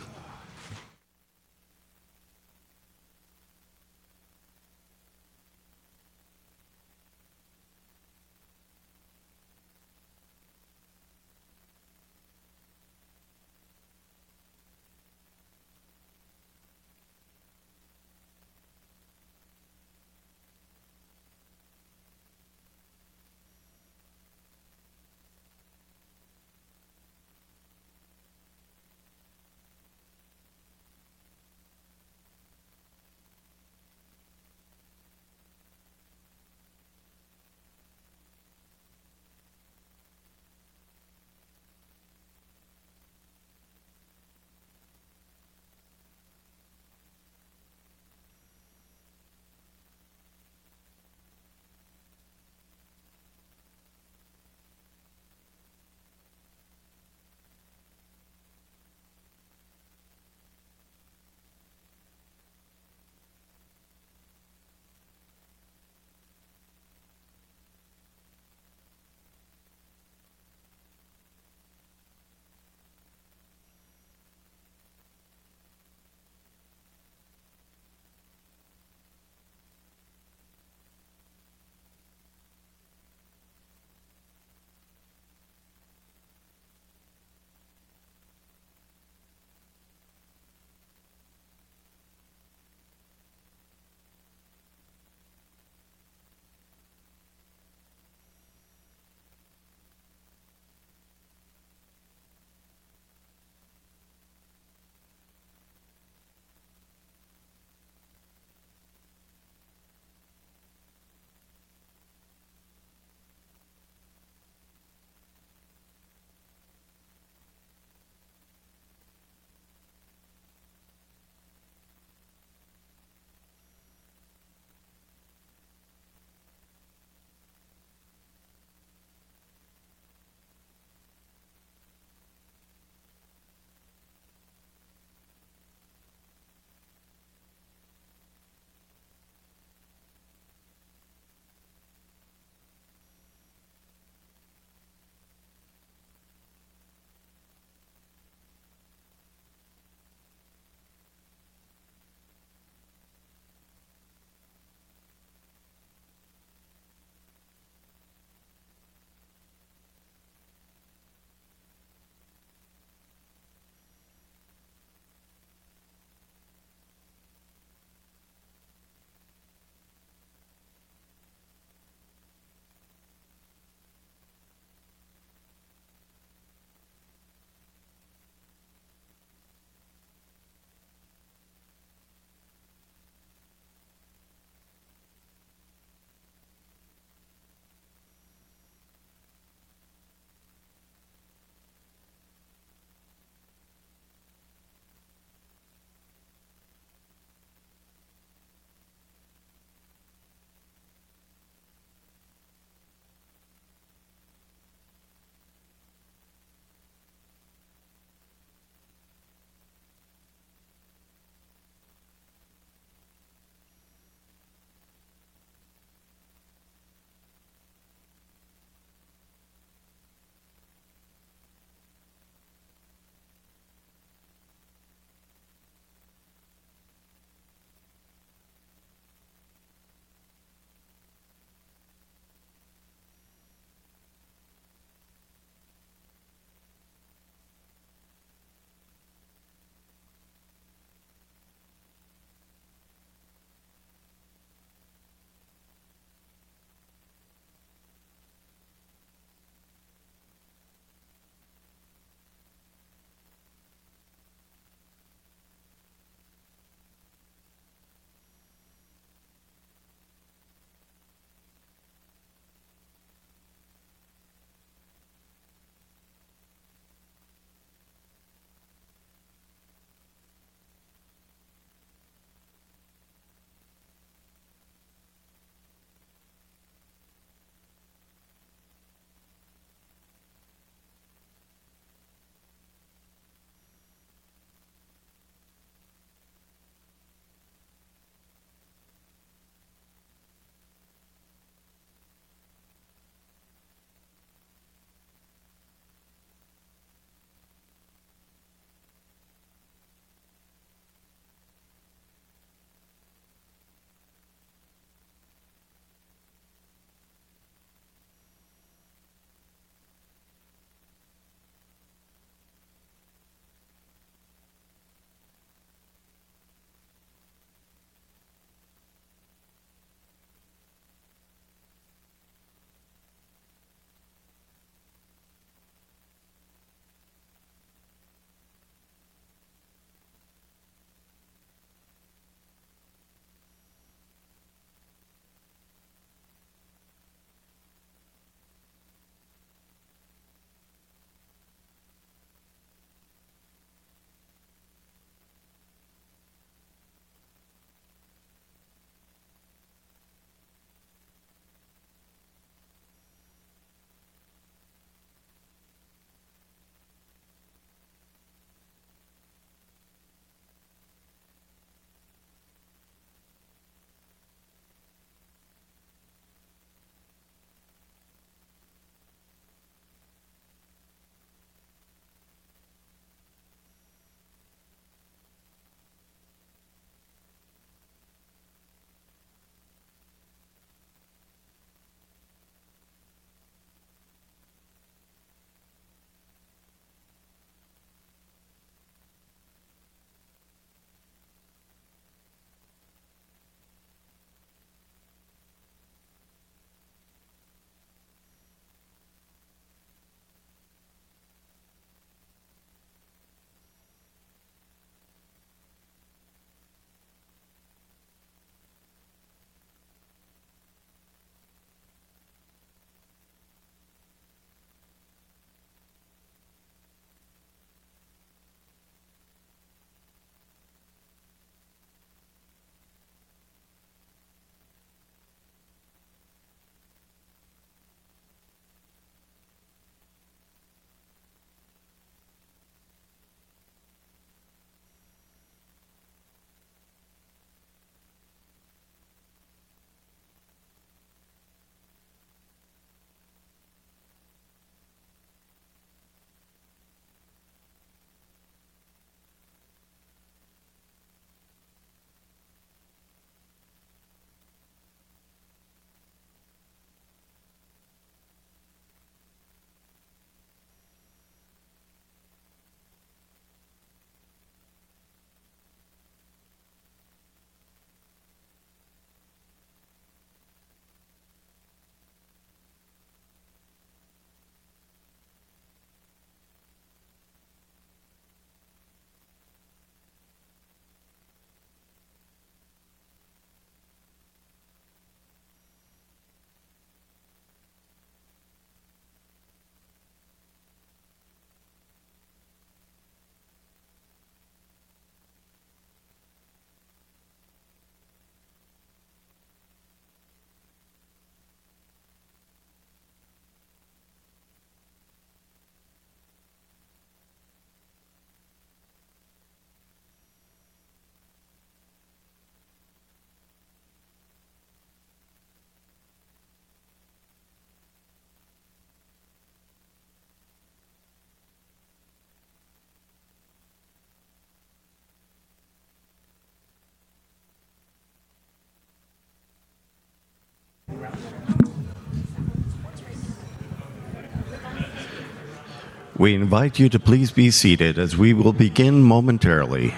We invite you to please be seated as we will begin momentarily.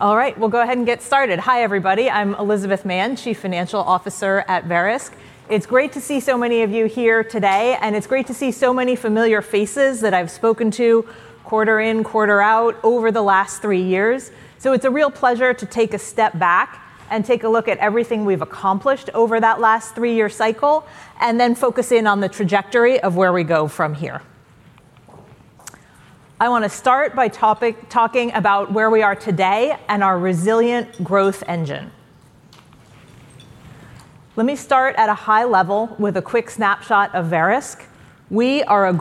All right, we'll go ahead and get started. Hi everybody. I'm Elizabeth Mann, Chief Financial Officer at Verisk. It's great to see so many of you here today, it's great to see so many familiar faces that I've spoken to quarter in, quarter out over the last three years. It's a real pleasure to take a step back and take a look at everything we've accomplished over that last three-year cycle, focus in on the trajectory of where we go from here. I want to start by talking about where we are today and our resilient growth engine. Let me start at a high level with a quick snapshot of Verisk. We have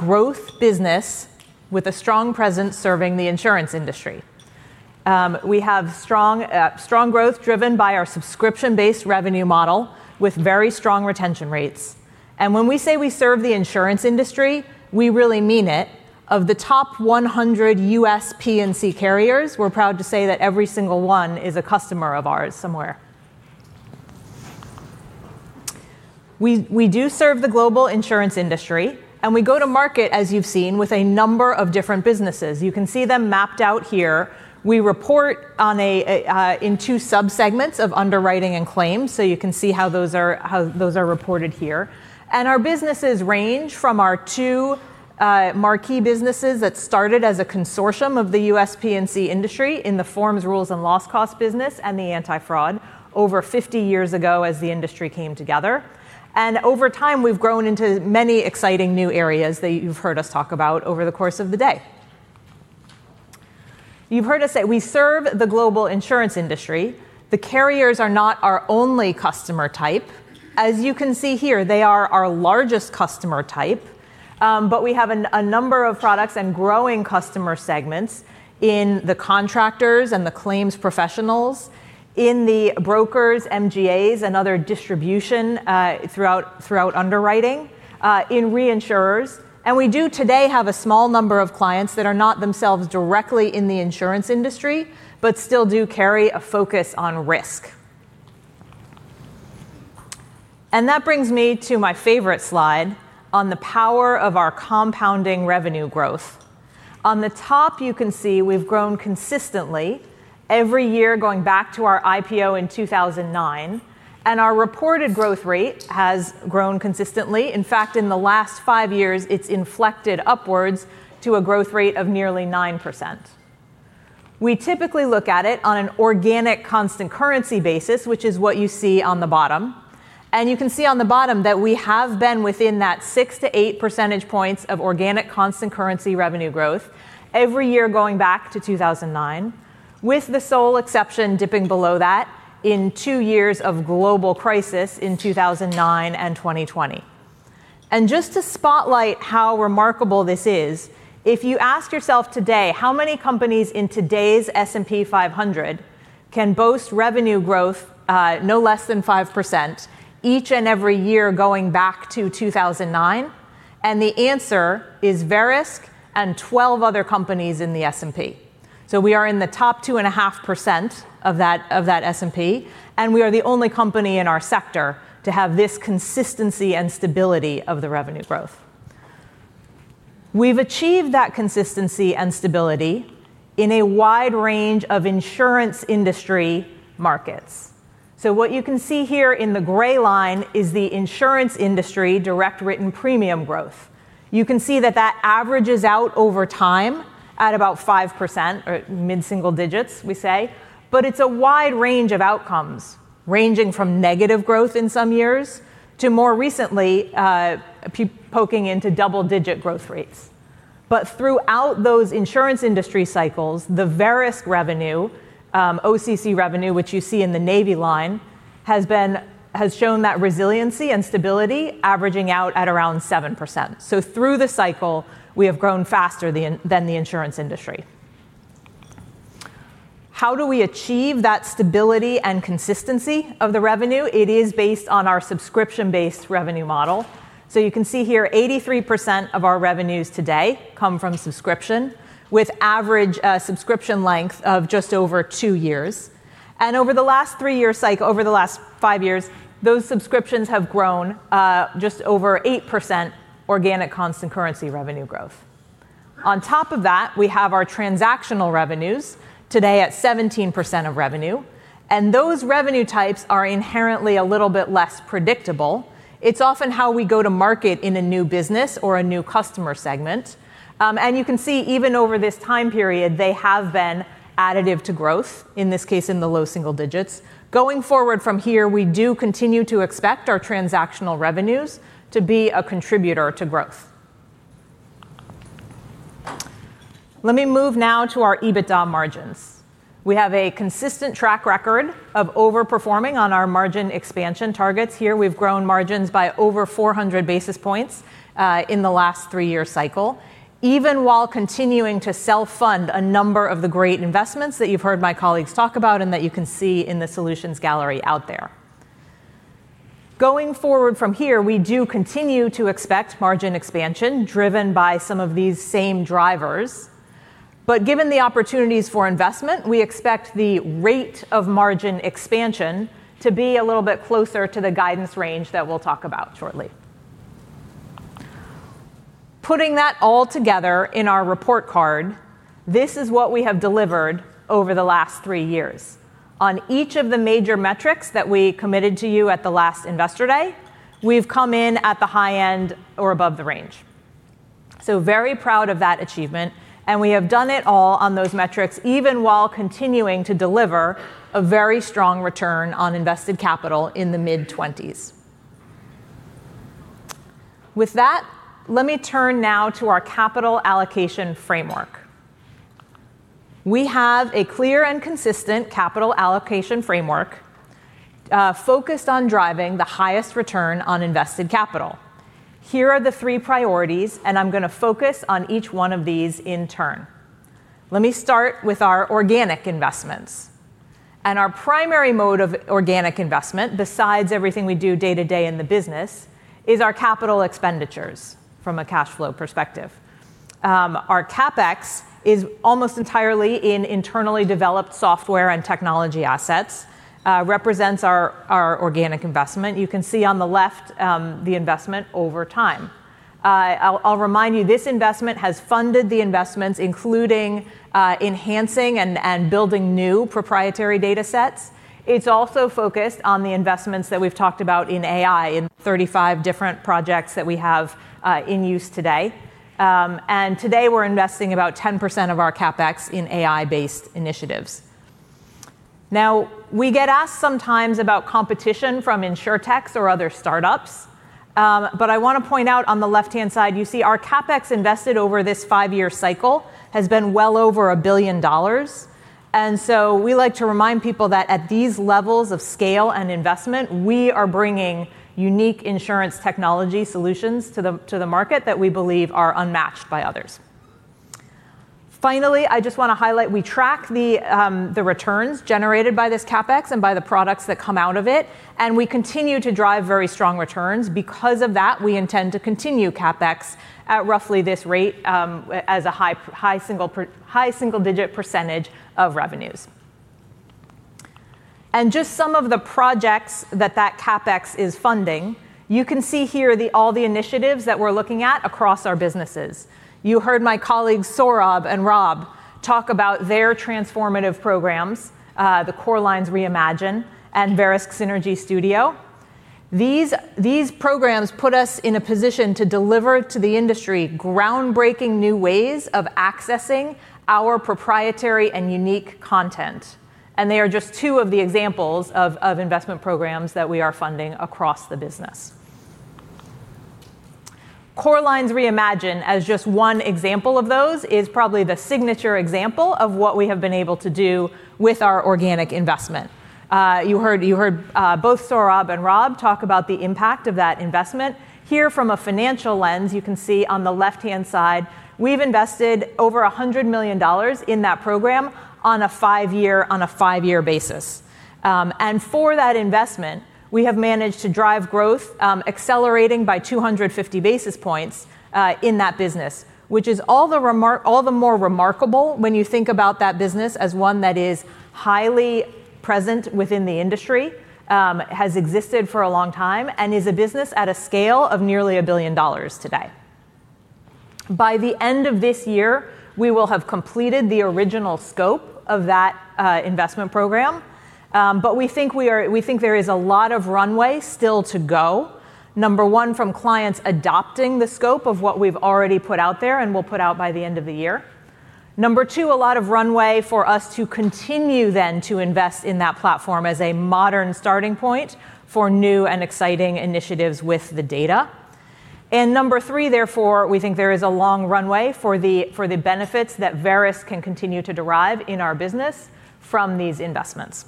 strong growth driven by our subscription-based revenue model with very strong retention rates. When we say we serve the insurance industry, we really mean it. Of the top 100 U.S. P&C carriers, we're proud to say that every single one is a customer of ours somewhere. We do serve the global insurance industry, and we go to market, as you've seen, with a number of different businesses. You can see them mapped out here. We report in two sub-segments of underwriting and claims, so you can see how those are reported here. Our businesses range from our two marquee businesses that started as a consortium of the U.S. P&C industry in the forms, rules, and loss cost business and the anti-fraud over 50 years ago as the industry came together. Over time, we've grown into many exciting new areas that you've heard us talk about over the course of the day. You've heard us say we serve the global insurance industry. The carriers are not our only customer type. As you can see here, they are our largest customer type, but we have a number of products and growing customer segments in the contractors and the claims professionals, in the brokers, MGAs, and other distribution throughout underwriting, in reinsurers. We do today have a small number of clients that are not themselves directly in the insurance industry but still do carry a focus on risk. That brings me to my favorite slide on the power of our compounding revenue growth. On the top, you can see we've grown consistently every year going back to our IPO in 2009. Our reported growth rate has grown consistently. In fact, in the last five years, it's inflected upwards to a growth rate of nearly 9%. We typically look at it on an organic constant currency basis, which is what you see on the bottom. You can see on the bottom that we have been within that 6 to 8 percentage points of organic constant currency revenue growth every year going back to 2009, with the sole exception dipping below that in two years of global crisis in 2009 and 2020. Just to spotlight how remarkable this is, if you ask yourself today, how many companies in today's S&P 500 can boast revenue growth, no less than 5% each and every year going back to 2009? The answer is Verisk and 12 other companies in the S&P. We are in the top 2.5% of that S&P, and we are the only company in our sector to have this consistency and stability of the revenue growth. We've achieved that consistency and stability in a wide range of insurance industry markets. What you can see here in the gray line is the insurance industry direct written premium growth. You can see that averages out over time at about 5% or mid-single digits, we say, but it's a wide range of outcomes ranging from negative growth in some years to, more recently, poking into double-digit growth rates. Throughout those insurance industry cycles, the Verisk revenue, OCC revenue, which you see in the navy line, has shown that resiliency and stability averaging out at around 7%. Through the cycle, we have grown faster than the insurance industry. How do we achieve that stability and consistency of the revenue? It is based on our subscription-based revenue model. You can see here 83% of our revenues today come from subscription with average subscription length of just over two years. Over the last five years, those subscriptions have grown just over 8% organic constant currency revenue growth. On top of that, we have our transactional revenues today at 17% of revenue, and those revenue types are inherently a little bit less predictable. It's often how we go to market in a new business or a new customer segment. You can see even over this time period, they have been additive to growth, in this case, in the low single digits. Going forward from here, we do continue to expect our transactional revenues to be a contributor to growth. Let me move now to our EBITDA margins. We have a consistent track record of overperforming on our margin expansion targets here. We've grown margins by over 400 basis points in the last three-year cycle, even while continuing to sell fund a number of the great investments that you've heard my colleagues talk about and that you can see in the solutions gallery out there. Going forward from here, we do continue to expect margin expansion driven by some of these same drivers. Given the opportunities for investment, we expect the rate of margin expansion to be a little bit closer to the guidance range that we'll talk about shortly. Putting that all together in our report card, this is what we have delivered over the last three years. On each of the major metrics that we committed to you at the last Investor Day, we've come in at the high end or above the range. Very proud of that achievement, and we have done it all on those metrics even while continuing to deliver a very strong return on invested capital in the mid-20s. With that, let me turn now to our capital allocation framework. We have a clear and consistent capital allocation framework, focused on driving the highest return on invested capital. Here are the three priorities, and I'm gonna focus on each one of these in turn. Let me start with our organic investments. Our primary mode of organic investment, besides everything we do day-to-day in the business, is our capital expenditures from a cash flow perspective. Our CapEx is almost entirely in internally developed software and technology assets, represents our organic investment. You can see on the left, the investment over time. I'll remind you, this investment has funded the investments, including enhancing and building new proprietary datasets. It's also focused on the investments that we've talked about in AI in 35 different projects that we have in use today. Today, we're investing about 10% of our CapEx in AI-based initiatives. We get asked sometimes about competition from insurtechs or other startups, I wanna point out on the left-hand side, you see our CapEx invested over this five-year cycle has been well over $1 billion. We like to remind people that at these levels of scale and investment, we are bringing unique insurance technology solutions to the market that we believe are unmatched by others. I just wanna highlight, we track the returns generated by this CapEx and by the products that come out of it, and we continue to drive very strong returns. We intend to continue CapEx at roughly this rate, as a high single-digit percentage of revenues. Just some of the projects that CapEx is funding, you can see here all the initiatives that we're looking at across our businesses. You heard my colleagues Saurabh and Rob talk about their transformative programs, the Core Lines Reimagined and Verisk Synergy Studio. These programs put us in a position to deliver to the industry groundbreaking new ways of accessing our proprietary and unique content, and they are just two of the examples of investment programs that we are funding across the business. Core Lines Reimagined, as just one example of those, is probably the signature example of what we have been able to do with our organic investment. You heard both Saurabh and Rob talk about the impact of that investment. Here from a financial lens, you can see on the left-hand side, we've invested over $100 million in that program. On a five-year basis. For that investment we have managed to drive growth, accelerating by 250 basis points, in that business, which is all the more remarkable when you think about that business as one that is highly present within the industry, has existed for a long time, and is a business at a scale of nearly $1 billion today. By the end of this year, we will have completed the original scope of that investment program, but we think there is a lot of runway still to go, number one, from clients adopting the scope of what we've already put out there and will put out by the end of the year. Number two, a lot of runway for us to continue then to invest in that platform as a modern starting point for new and exciting initiatives with the data. Number three, therefore, we think there is a long runway for the, for the benefits that Verisk can continue to derive in our business from these investments.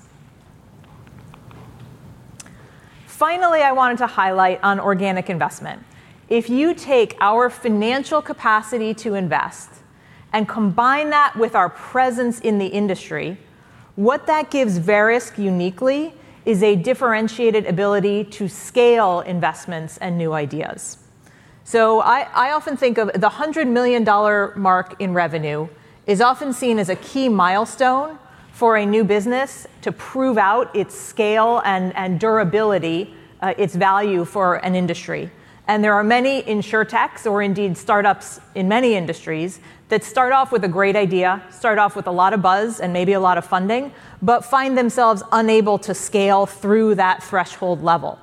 Finally, I wanted to highlight on organic investment. If you take our financial capacity to invest and combine that with our presence in the industry, what that gives Verisk uniquely is a differentiated ability to scale investments and new ideas. I often think of the $100 million mark in revenue is often seen as a key milestone for a new business to prove out its scale and durability, its value for an industry. There are many insurtechs, or indeed startups in many industries, that start off with a great idea, start off with a lot of buzz and maybe a lot of funding, but find themselves unable to scale through that threshold level.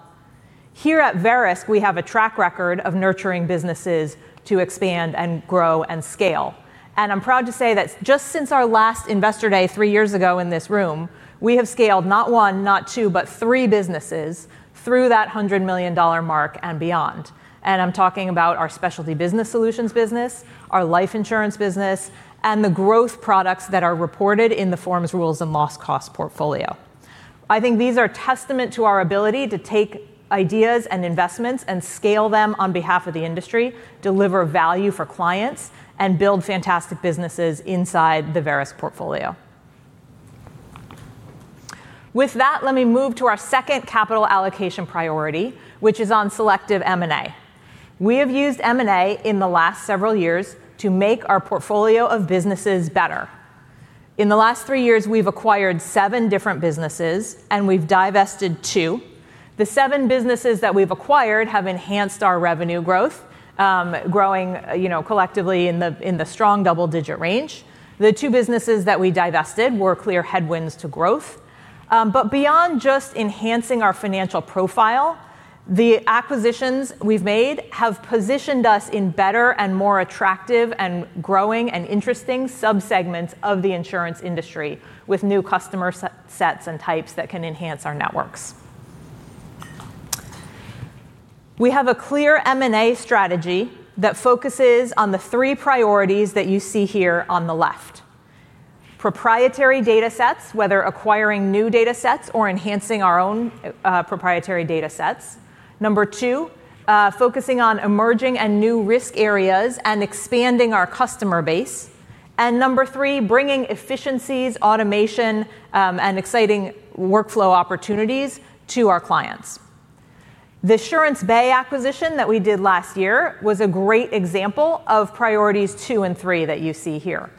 Here at Verisk, we have a track record of nurturing businesses to expand and grow and scale. I'm proud to say that just since our last Investor Day three years ago in this room, we have scaled not one, not two, but three businesses through that $100 million mark and beyond. I'm talking about our Specialty Business Solutions business, our life insurance business, and the growth products that are reported in the forms, rules, and loss cost portfolio. I think these are testament to our ability to take ideas and investments and scale them on behalf of the industry, deliver value for clients, and build fantastic businesses inside the Verisk portfolio. With that, let me move to our second capital allocation priority, which is on selective M&A. We have used M&A in the last several years to make our portfolio of businesses better. In the last three years, we've acquired seven different businesses and we've divested two. The seven businesses that we've acquired have enhanced our revenue growth, growing, you know, collectively in the strong double-digit range. The two businesses that we divested were clear headwinds to growth. Beyond just enhancing our financial profile, the acquisitions we've made have positioned us in better and more attractive and growing and interesting subsegments of the insurance industry with new customer sets and types that can enhance our networks. We have a clear M&A strategy that focuses on the three priorities that you see here on the left. Proprietary datasets, whether acquiring new datasets or enhancing our own proprietary datasets. Number two, focusing on emerging and new risk areas and expanding our customer base. Number three, bringing efficiencies, automation, and exciting workflow opportunities to our clients. The SuranceBay acquisition that we did last year was a great example of priorities two and three that you see here.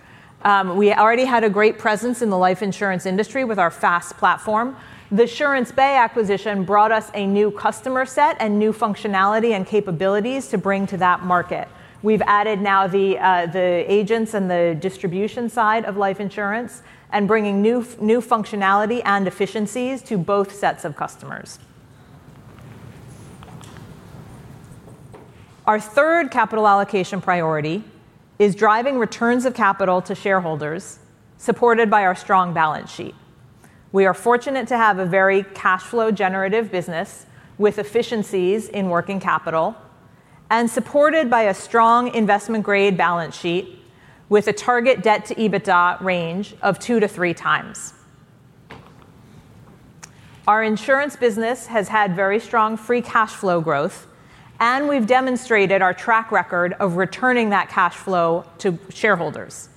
We already had a great presence in the life insurance industry with our FAST platform. The SuranceBay acquisition brought us a new customer set and new functionality and capabilities to bring to that market. We've added now the agents and the distribution side of life insurance and bringing new functionality and efficiencies to both sets of customers. Our third capital allocation priority is driving returns of capital to shareholders supported by our strong balance sheet. We are fortunate to have a very cash flow generative business with efficiencies in working capital and supported by a strong investment-grade balance sheet with a target debt-to-EBITDA range of 2x-3x. Our insurance business has had very strong free cash flow growth, and we've demonstrated our track record of returning that cash flow to shareholders.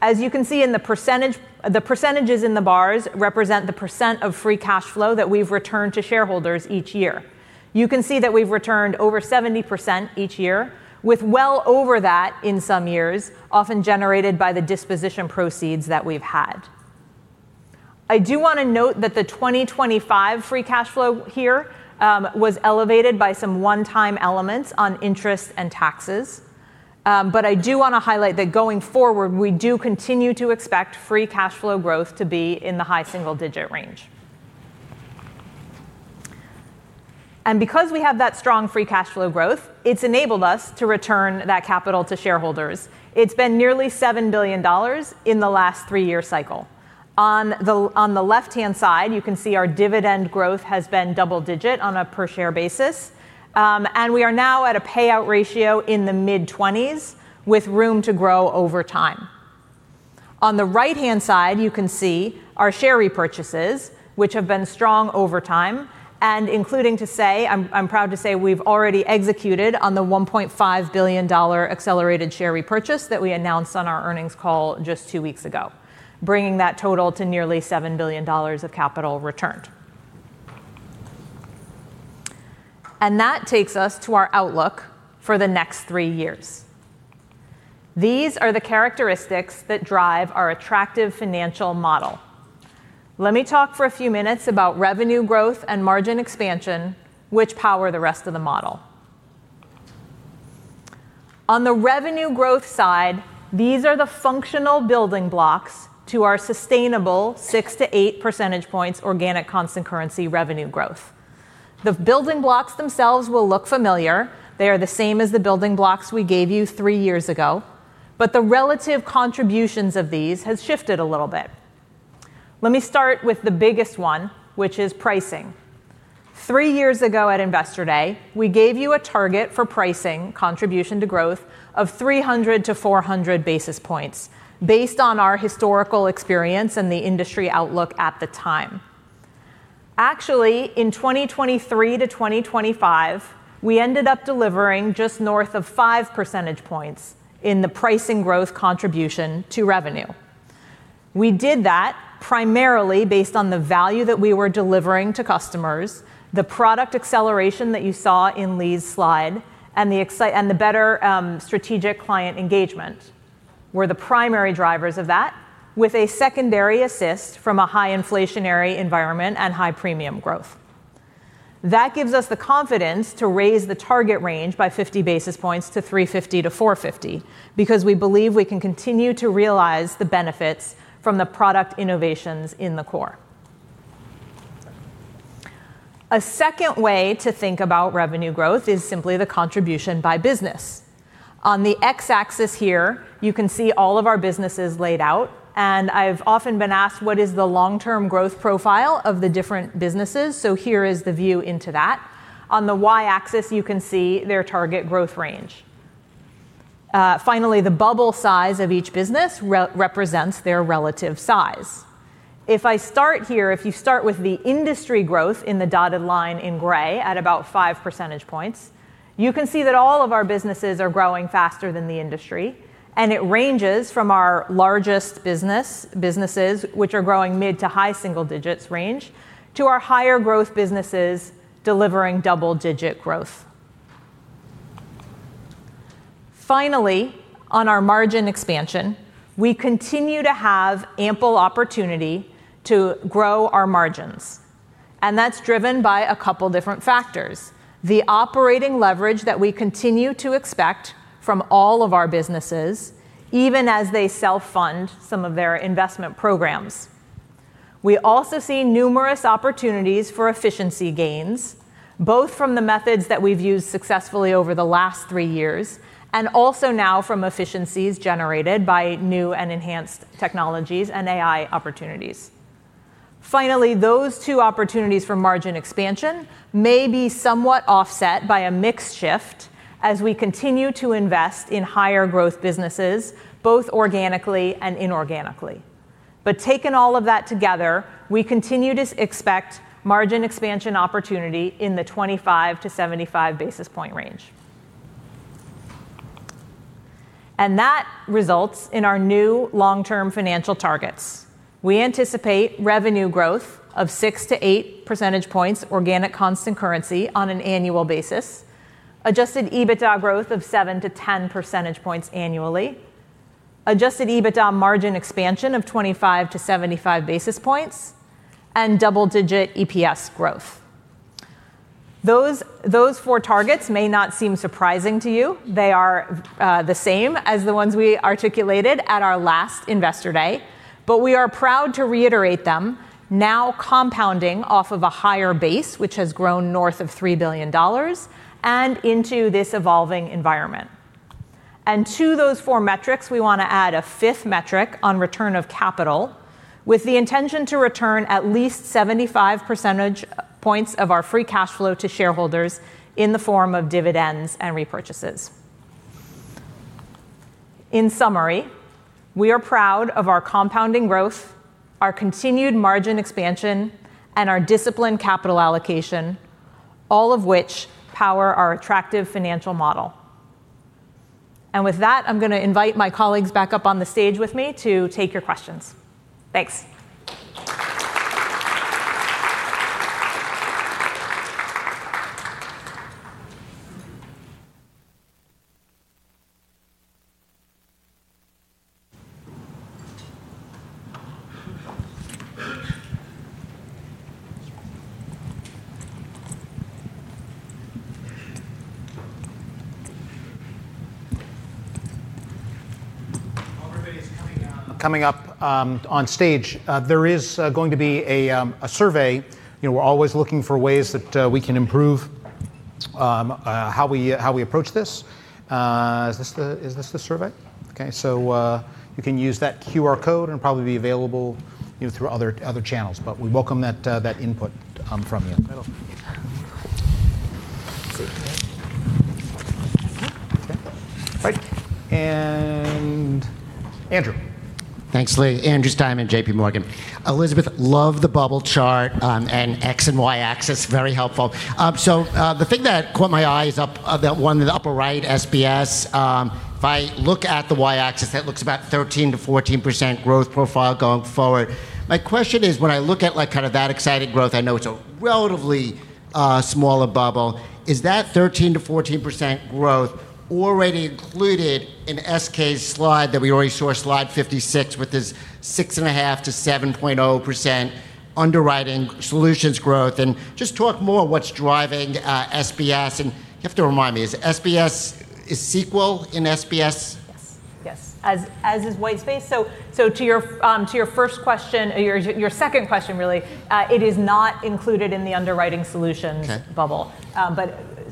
As you can see in the percentage, the percentages in the bars represent the % of free cash flow that we've returned to shareholders each year. You can see that we've returned over 70% each year, with well over that in some years, often generated by the disposition proceeds that we've had. I do want to note that the 2025 free cash flow here was elevated by some one-time elements on interest and taxes, but I do want to highlight that going forward, we do continue to expect free cash flow growth to be in the high single-digit range. Because we have that strong free cash flow growth, it's enabled us to return that capital to shareholders. It's been nearly $7 billion in the last three-year cycle. On the left-hand side, you can see our dividend growth has been double-digit on a per share basis, and we are now at a payout ratio in the mid-20s with room to grow over time. On the right-hand side, you can see our share repurchases, which have been strong over time, I'm proud to say we've already executed on the $1.5 billion accelerated share repurchase that we announced on our earnings call just two weeks ago, bringing that total to nearly $7 billion of capital returned. That takes us to our outlook for the next three years. These are the characteristics that drive our attractive financial model. Let me talk for a few minutes about revenue growth and margin expansion, which power the rest of the model. On the revenue growth side, these are the functional building blocks to our sustainable 6-8 percentage points organic constant currency revenue growth. The building blocks themselves will look familiar. They are the same as the building blocks we gave you three years ago, but the relative contributions of these has shifted a little bit. Let me start with the biggest one, which is pricing. Three years ago at Investor Day, we gave you a target for pricing contribution to growth of 300-400 basis points based on our historical experience and the industry outlook at the time. Actually, in 2023 to 2025, we ended up delivering just north of 5 percentage points in the pricing growth contribution to revenue. We did that primarily based on the value that we were delivering to customers, the product acceleration that you saw in Lee's slide, the better strategic client engagement were the primary drivers of that, with a secondary assist from a high inflationary environment and high premium growth. That gives us the confidence to raise the target range by 50 basis points to 350-450, because we believe we can continue to realize the benefits from the product innovations in the core. A second way to think about revenue growth is simply the contribution by business. On the X-axis here, you can see all of our businesses laid out, I've often been asked what is the long-term growth profile of the different businesses, here is the view into that. On the Y-axis, you can see their target growth range. Finally, the bubble size of each business re-represents their relative size. If you start with the industry growth in the dotted line in gray at about 5 percentage points, you can see that all of our businesses are growing faster than the industry. It ranges from our largest businesses, which are growing mid to high single digits range, to our higher growth businesses delivering double-digit growth. Finally, on our margin expansion, we continue to have ample opportunity to grow our margins. That's driven by a couple different factors. The operating leverage that we continue to expect from all of our businesses, even as they self-fund some of their investment programs. We also see numerous opportunities for efficiency gains, both from the methods that we've used successfully over the last three years and also now from efficiencies generated by new and enhanced technologies and AI opportunities. Those two opportunities for margin expansion may be somewhat offset by a mixed shift as we continue to invest in higher growth businesses, both organically and inorganically. Taking all of that together, we continue to expect margin expansion opportunity in the 25-75 basis point range. That results in our new long-term financial targets. We anticipate revenue growth of 6-8 percentage points organic constant currency on an annual basis, adjusted EBITDA growth of 7-10 percentage points annually, adjusted EBITDA margin expansion of 25-75 basis points, and double-digit EPS growth. Those four targets may not seem surprising to you. They are the same as the ones we articulated at our last Investor Day. We are proud to reiterate them now compounding off of a higher base, which has grown north of $3 billion, and into this evolving environment. To those four metrics, we want to add a fifth metric on return of capital with the intention to return at least 75 percentage points of our free cash flow to shareholders in the form of dividends and repurchases. In summary, we are proud of our compounding growth, our continued margin expansion, and our disciplined capital allocation, all of which power our attractive financial model. With that, I'm going to invite my colleagues back up on the stage with me to take your questions. Thanks. While everybody's coming up on stage, there is going to be a survey. You know, we're always looking for ways that we can improve how we approach this. Is this the survey? Okay. You can use that QR code. It'll probably be available, you know, through other channels. We welcome that input from you. Right. Andrew. Thanks, Lee. Andrew Steinerman, JPMorgan. Elizabeth, love the bubble chart, and X and Y axis, very helpful. The thing that caught my eyes up, that one in the upper right, SBS, if I look at the Y-axis, that looks about 13%-14% growth profile going forward. My question is, when I look at, like, kind of that exciting growth, I know it's a relatively smaller bubble. Is that 13%-14% growth already included in SK's slide that we already saw, slide 56, with this 6.5%-7.0% Underwriting Solutions growth? Just talk more what's driving SBS, and you have to remind me, is SBS is Sequel in SBS? Yes. As is Whitespace. To your first question, or your second question really, it is not included in the Underwriting Solutions bubble.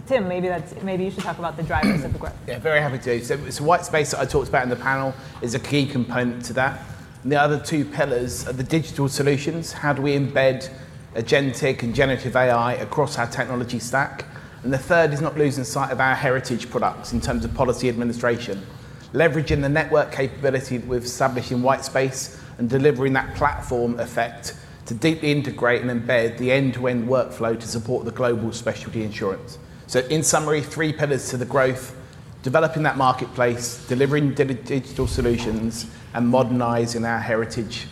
Tim, maybe that's, maybe you should talk about the drivers of the growth. Yeah, very happy to. Whitespace that I talked about in the panel is a key component to that. The other two pillars are the digital solutions. How do we embed agentic AI and generative AI across our technology stack? The third is not losing sight of our heritage products in terms of policy administration. Leveraging the network capability, we've established in Whitespace and delivering that platform effect to deeply integrate and embed the end-to-end workflow to support the global specialty insurance. In summary, three pillars to the growth: developing that marketplace, delivering digital solutions, and modernizing our heritage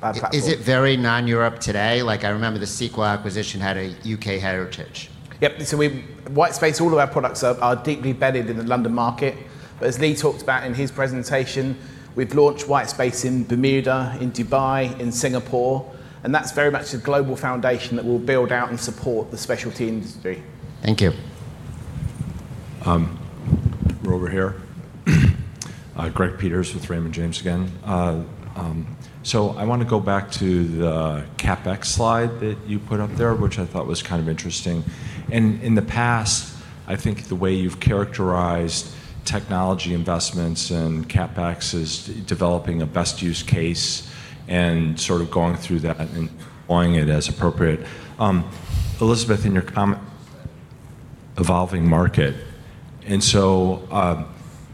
platform. Is it very non-Europe today? Like, I remember the Sequel acquisition had a U.K. heritage. Yep. Whitespace, all of our products are deeply embedded in the London market. As Lee talked about in his presentation, we've launched Whitespace in Bermuda, in Dubai, in Singapore, and that's very much the global foundation that we'll build out and support the specialty industry. Thank you. We're over here. Greg Peters with Raymond James again. I want to go back to the CapEx slide that you put up there, which I thought was kind of interesting. In the past, I think the way you've characterized technology investments and CapEx is developing a best use case and sort of going through that and deploying it as appropriate. Elizabeth, in your comment evolving market.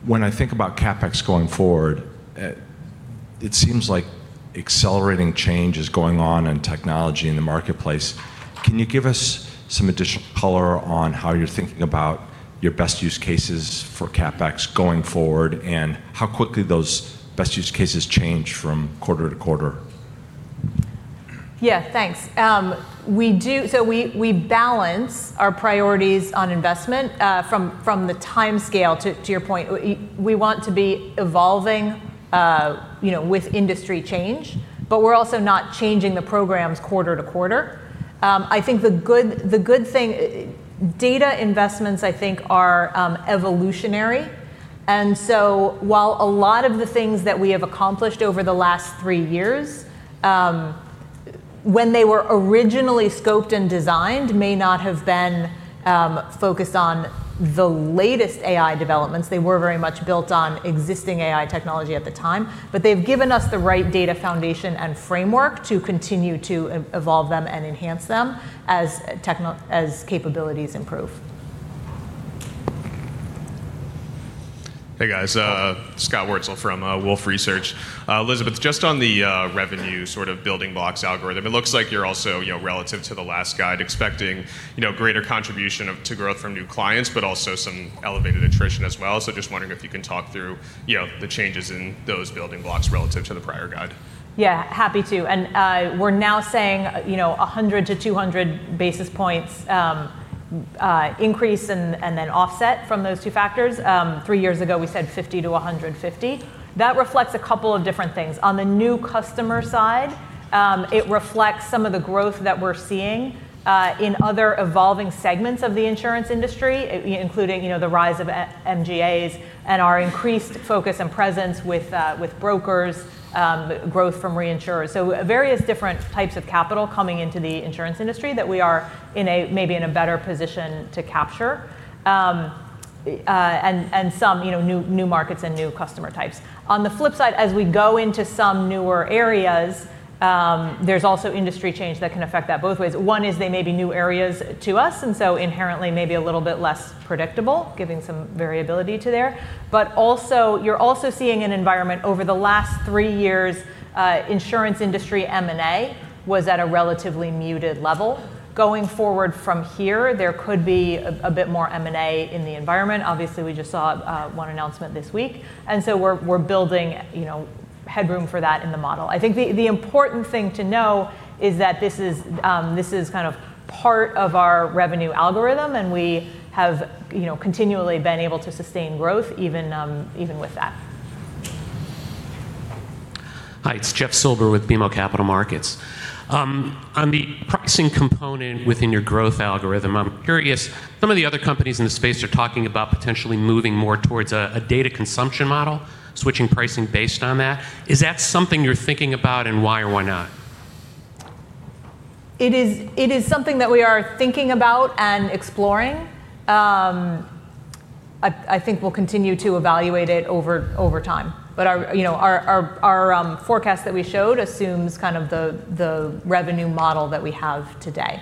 When I think about CapEx going forward, it seems like accelerating change is going on in technology in the marketplace. Can you give us some additional color on how you're thinking about your best use cases for CapEx going forward, and how quickly those best use cases change from quarter-to-quarter? Yeah. Thanks. We balance our priorities on investment from the timescale to your point. We want to be evolving, you know, with industry change, but we're also not changing the programs quarter-to-quarter. I think Data investments I think are evolutionary. While a lot of the things that we have accomplished over the last three years, when they were originally scoped and designed may not have been focused on the latest AI developments, they were very much built on existing AI technology at the time. They've given us the right data foundation and framework to continue to evolve them and enhance them as capabilities improve. Hey, guys. Scott Wurtzel from Wolfe Research. Elizabeth, just on the revenue sort of building blocks algorithm, it looks like you're also, you know, relative to the last guide, expecting, you know, greater contribution of, to growth from new clients, but also some elevated attrition as well. Just wondering if you can talk through, you know, the changes in those building blocks relative to the prior guide. Yeah. Happy to. We're now saying, you know, 100-200 basis points increase and then offset from those two factors. Three years ago, we said 50-150. That reflects a couple of different things. On the new customer side, it reflects some of the growth that we're seeing in other evolving segments of the insurance industry, including, you know, the rise of e-MGAs and our increased focus and presence with brokers, growth from reinsurers. Various different types of capital coming into the insurance industry that we are in a better position to capture. And some, you know, new markets and new customer types. On the flip side, as we go into some newer areas, there's also industry change that can affect that both ways. One is they may be new areas to us, and so inherently maybe a little bit less predictable, giving some variability to there. Also, you're also seeing an environment over the last three years, insurance industry M&A was at a relatively muted level. Going forward from here, there could be a bit more M&A in the environment. Obviously, we just saw one announcement this week, and so we're building, you know, headroom for that in the model. I think the important thing to know is that this is kind of part of our revenue algorithm, and we have, you know, continually been able to sustain growth even with that. Hi, it's Jeff Silber with BMO Capital Markets. On the pricing component within your growth algorithm, I'm curious, some of the other companies in the space are talking about potentially moving more towards a data consumption model, switching pricing based on that. Is that something you're thinking about, and why or why not? It is something that we are thinking about and exploring. I think we'll continue to evaluate it over time. Our, you know, our forecast that we showed assumes kind of the revenue model that we have today.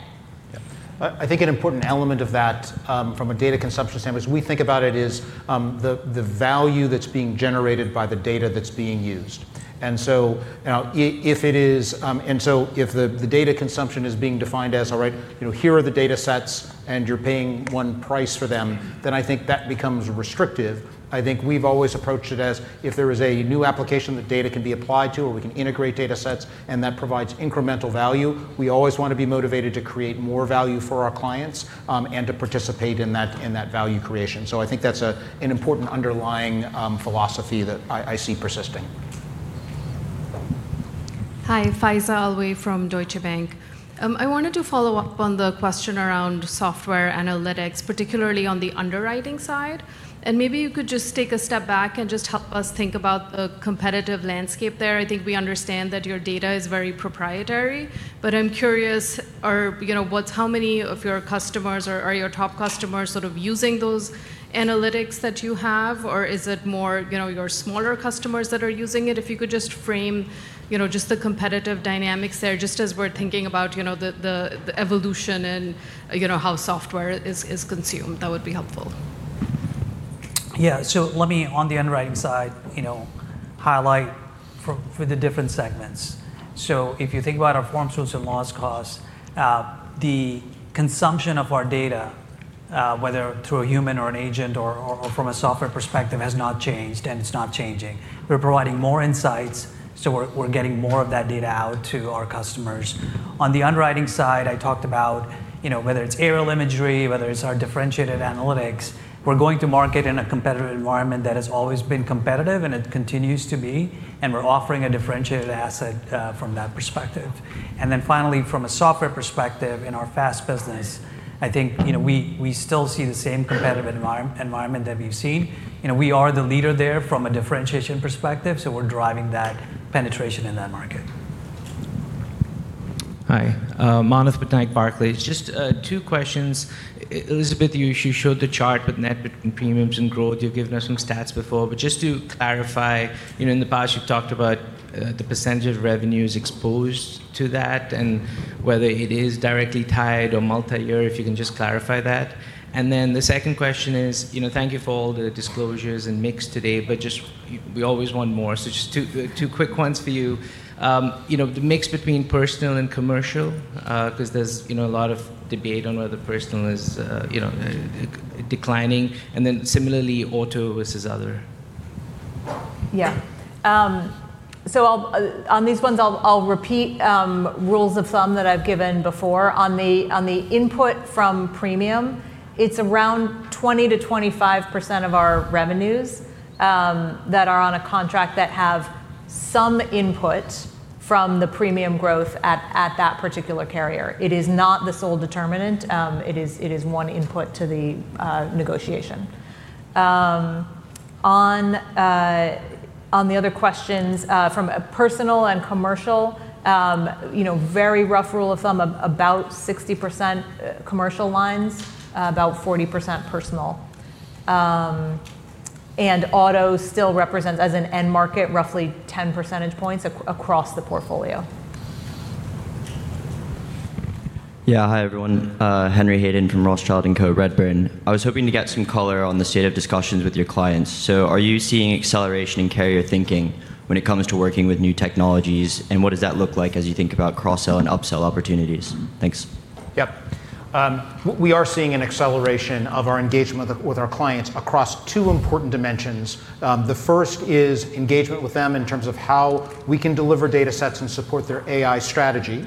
Yeah. I think an important element of that, from a data consumption standpoint, as we think about it, is the value that's being generated by the data that's being used. You know, if it is. If the data consumption is being defined as, all right, you know, here are the datasets and you're paying one price for them, then I think that becomes restrictive. I think we've always approached it as if there is a new application that data can be applied to or we can integrate datasets and that provides incremental value, we always want to be motivated to create more value for our clients, and to participate in that, in that value creation. I think that's an important underlying philosophy that I see persisting. Hi. Faiza Alwy from Deutsche Bank. I wanted to follow up on the question around software analytics, particularly on the underwriting side. Maybe you could just take a step back and just help us think about the competitive landscape there. I think we understand that your data is very proprietary, I'm curious, are what's how many of your customers or are your top customers sort of using those analytics that you have? Is it more, your smaller customers that are using it? If you could just frame, just the competitive dynamics there, just as we're thinking about the evolution and how software is consumed. That would be helpful. Yeah. Let me, on the underwriting side, you know, highlight for the different segments. If you think about our forms, source and loss costs, the consumption of our data, whether through a human or an agent or from a software perspective has not changed and it's not changing. We're providing more insights; we're getting more of that data out to our customers. On the underwriting side, I talked about, you know, whether it's aerial imagery, whether it's our differentiated analytics, we're going to market in a competitive environment that has always been competitive, and it continues to be, we're offering a differentiated asset from that perspective. Finally, from a software perspective in our FAST business, I think, you know, we still see the same competitive environment that we've seen. You know, we are the leader there from a differentiation perspective. We're driving that penetration in that market. Hi. Manav Patnaik, Barclays. Just two questions. Elizabeth, you showed the chart with net between premiums and growth. You've given us some stats before, just to clarify, you know, in the past you've talked about the percentage of revenues exposed to that and whether it is directly tied or multi-year. If you can just clarify that. The second question is, you know, thank you for all the disclosures and mix today, just we always want more. Just two quick one's for you. You know, the mix between personal and commercial, because there's, you know, a lot of debate on whether personal is, you know, declining, and then similarly auto versus other. Yeah. On these ones I'll repeat rules of thumb that I've given before. On the input from premium, it's around 20%-25% of our revenues that are on a contract that have some input from the premium growth at that particular carrier. It is not the sole determinant; it is one input to the negotiation. On the other questions, from a personal and commercial, you know, very rough rule of thumb, about 60% commercial lines, about 40% personal. Auto still represents as an end market roughly 10 percentage points across the portfolio. Yeah. Hi, everyone. Henry Hayden from Rothschild & Co Redburn. I was hoping to get some color on the state of discussions with your clients. Are you seeing acceleration in carrier thinking when it comes to working with new technologies, and what does that look like as you think about cross-sell and upsell opportunities? Thanks. Yep. We are seeing an acceleration of our engagement with our clients across two important dimensions. The first is engagement with them in terms of how we can deliver datasets and support their AI strategy,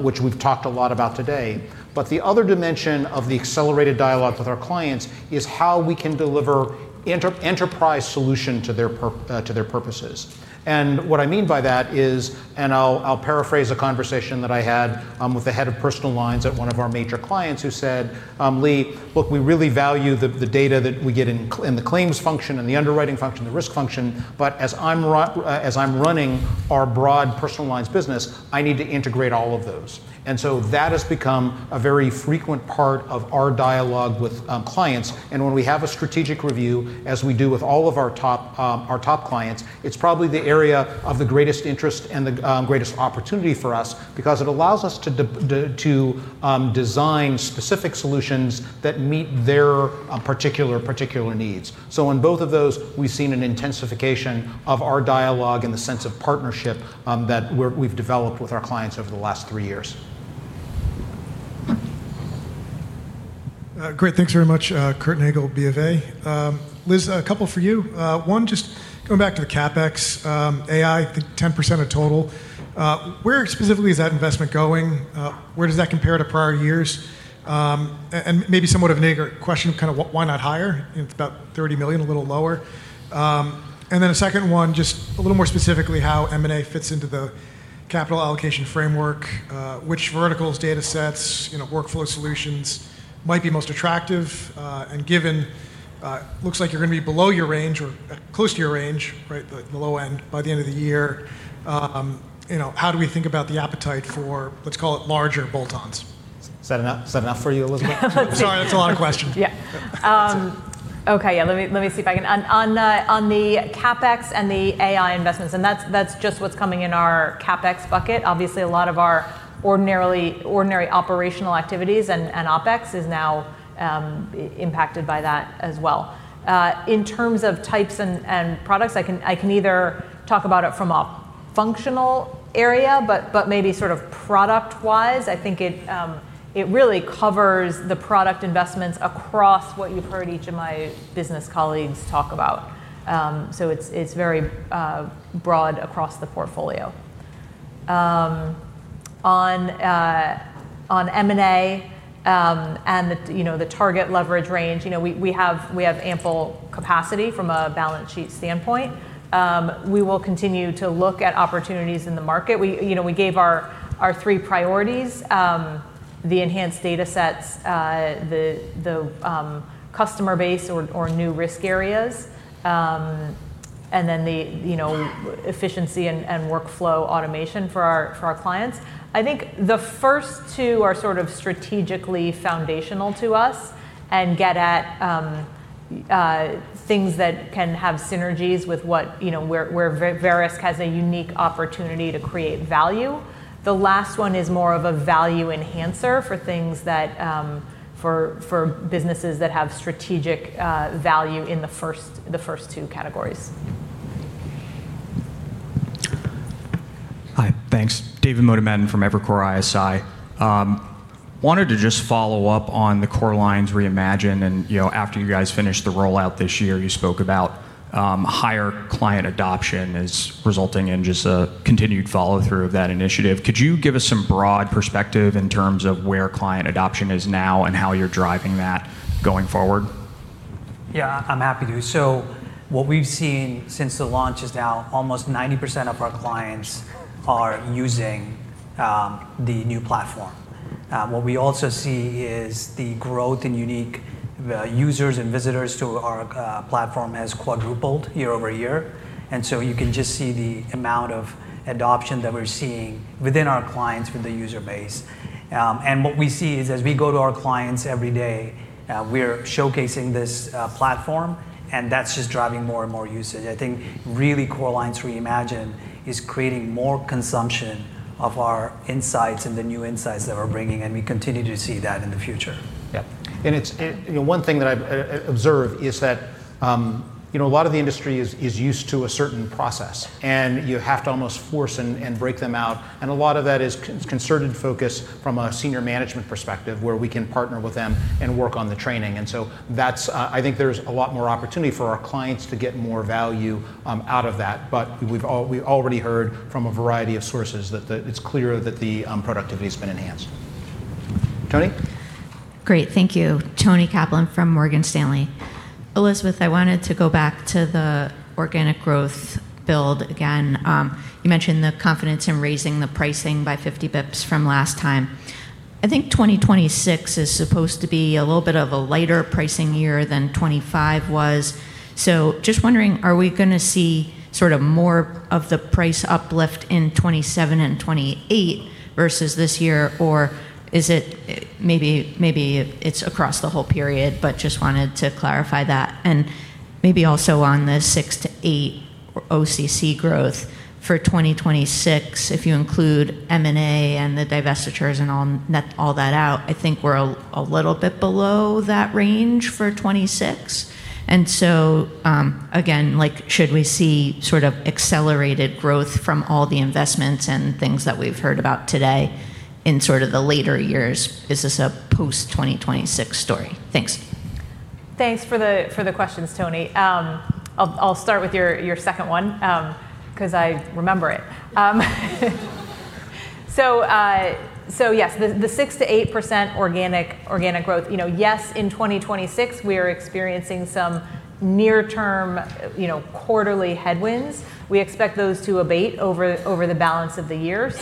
which we've talked a lot about today. The other dimension of the accelerated dialogue with our clients is how we can deliver enterprise solution to their purposes. What I mean by that is, I'll paraphrase a conversation that I had with the head of personal lines at one of our major clients who said, "Lee, look, we really value the data that we get in the claims function and the underwriting function, the risk function, but as I'm running our broad personal lines business, I need to integrate all of those." That has become a very frequent part of our dialogue with clients. When we have a strategic review, as we do with all of our top clients, it's probably the area of the greatest interest and the greatest opportunity for us because it allows us to design specific solutions that meet their particular needs. On both of those, we've seen an intensification of our dialogue and the sense of partnership, that we've developed with our clients over the last three years. Great. Thanks very much. Henry Cornago of BofA. Liz, a couple for you. One, just going back to the CapEx, AI, the 10% of total. Where specifically is that investment going? Where does that compare to prior years? And maybe somewhat of a bigger question, kind of why not higher? It's about $30 million, a little lower. Then a second one, just a little more specifically how M&A fits into the capital allocation framework, which verticals, datasets, you know, workflow solutions might be most attractive, and given, looks like you're going to be below your range or close to your range, right, the low end by the end of the year. You know, how do we think about the appetite for, let's call it larger bolt-ons? Is that enough? Is that enough for you, Elizabeth? Sorry, that's a lot of questions. Yeah. Okay. Yeah, let me see if I can. On the CapEx and the AI investments, that's just what's coming in our CapEx bucket. Obviously, a lot of our ordinary operational activities and OpEx is now impacted by that as well. In terms of types and products, I can either talk about it from a functional area, but maybe sort of product-wise. I think it really covers the product investments across what you've heard each of my business colleagues talk about. It's very broad across the portfolio. On M&A, the, you know, the target leverage range, you know, we have ample capacity from a balance sheet standpoint. We will continue to look at opportunities in the market. We, you know, we gave our three priorities, the enhanced datasets, the customer base or new risk areas, and then the, you know, efficiency and workflow automation for our clients. I think the first two are sort of strategically foundational to us and get at things that can have synergies with what, you know, where Verisk has a unique opportunity to create value. The last one is more of a value enhancer for things that for businesses that have strategic value in the first two categories. Hi. Thanks. David Motemaden from Evercore ISI. wanted to just follow up on the Core Lines Reimagined and, you know, after you guys finished the rollout this year, you spoke about, higher client adoption is resulting in just a continued follow-through of that initiative. Could you give us some broad perspective in terms of where client adoption is now and how you're driving that going forward? Yeah, I'm happy to. What we've seen since the launch is now almost 90% of our clients are using the new platform. What we also see is the growth in unique users and visitors to our platform has quadrupled year-over-year. You can just see the amount of adoption that we're seeing within our clients with the user base. What we see is as we go to our clients every day, we're showcasing this platform, and that's just driving more and more usage. I think really Core Lines Reimagined is creating more consumption of our insights and the new insights that we're bringing, and we continue to see that in the future. Yeah. It's, and, you know, one thing that I've observed is that, you know, a lot of the industry is used to a certain process, and you have to almost force and break them out. A lot of that is concerted focus from a senior management perspective, where we can partner with them and work on the training. That's, I think there's a lot more opportunity for our clients to get more value out of that. We've already heard from a variety of sources that it's clear that the productivity has been enhanced. Toni? Great. Thank you. Toni Kaplan from Morgan Stanley. Elizabeth, I wanted to go back to the organic growth build again. You mentioned the confidence in raising the pricing by 50 bps from last time. I think 2026 is supposed to be a little bit of a lighter pricing year than 2025 was. Just wondering, are we going to see sort of more of the price uplift in 2027 and 2028 versus this year? Or is it maybe it's across the whole period but just wanted to clarify that. Maybe also on the six to eight OCC growth for 2026, if you include M&A and the divestitures and all that out, I think we're a little bit below that range for 2026. Again, like, should we see sort of accelerated growth from all the investments and things that we've heard about today in sort of the later years? Is this a post-2026 story? Thanks. Thanks for the questions, Toni. I'll start with your second one, because I remember it. Yes, the 6%-8% organic growth. You know, yes, in 2026, we are experiencing some near-term, you know, quarterly headwinds. We expect those to abate over the balance of the year.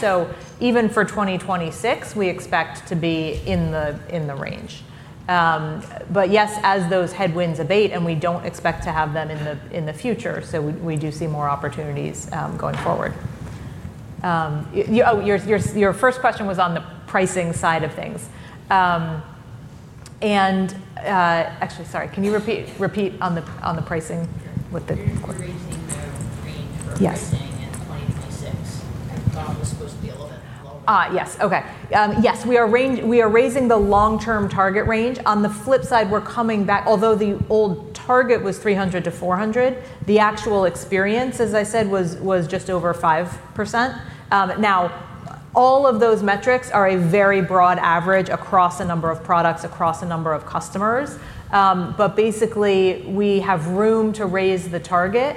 Even for 2026, we expect to be in the range. Yes, as those headwinds abate, and we don't expect to have them in the future, we do see more opportunities going forward. Your first question was on the pricing side of things. Actually, sorry, can you repeat on the pricing with the. You're raising the range for pricing in 2026. I thought it was supposed to be a little bit lower. Yes. Okay. Yes, we are raising the long-term target range. On the flip side, we're coming back. Although the old target was 300-400, the actual experience, as I said, was just over 5%. Now, all of those metrics are a very broad average across a number of products, across a number of customers. Basically, we have room to raise the target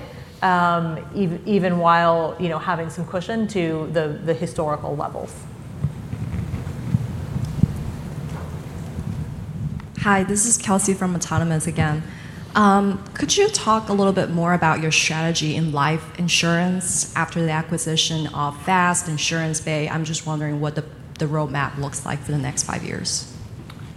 even while, you know, having some cushion to the historical levels. Hi, this is Kelsey from Autonomous again. Could you talk a little bit more about your strategy in life insurance after the acquisition of FAST, SuranceBay? I'm just wondering what the roadmap looks like for the next five years.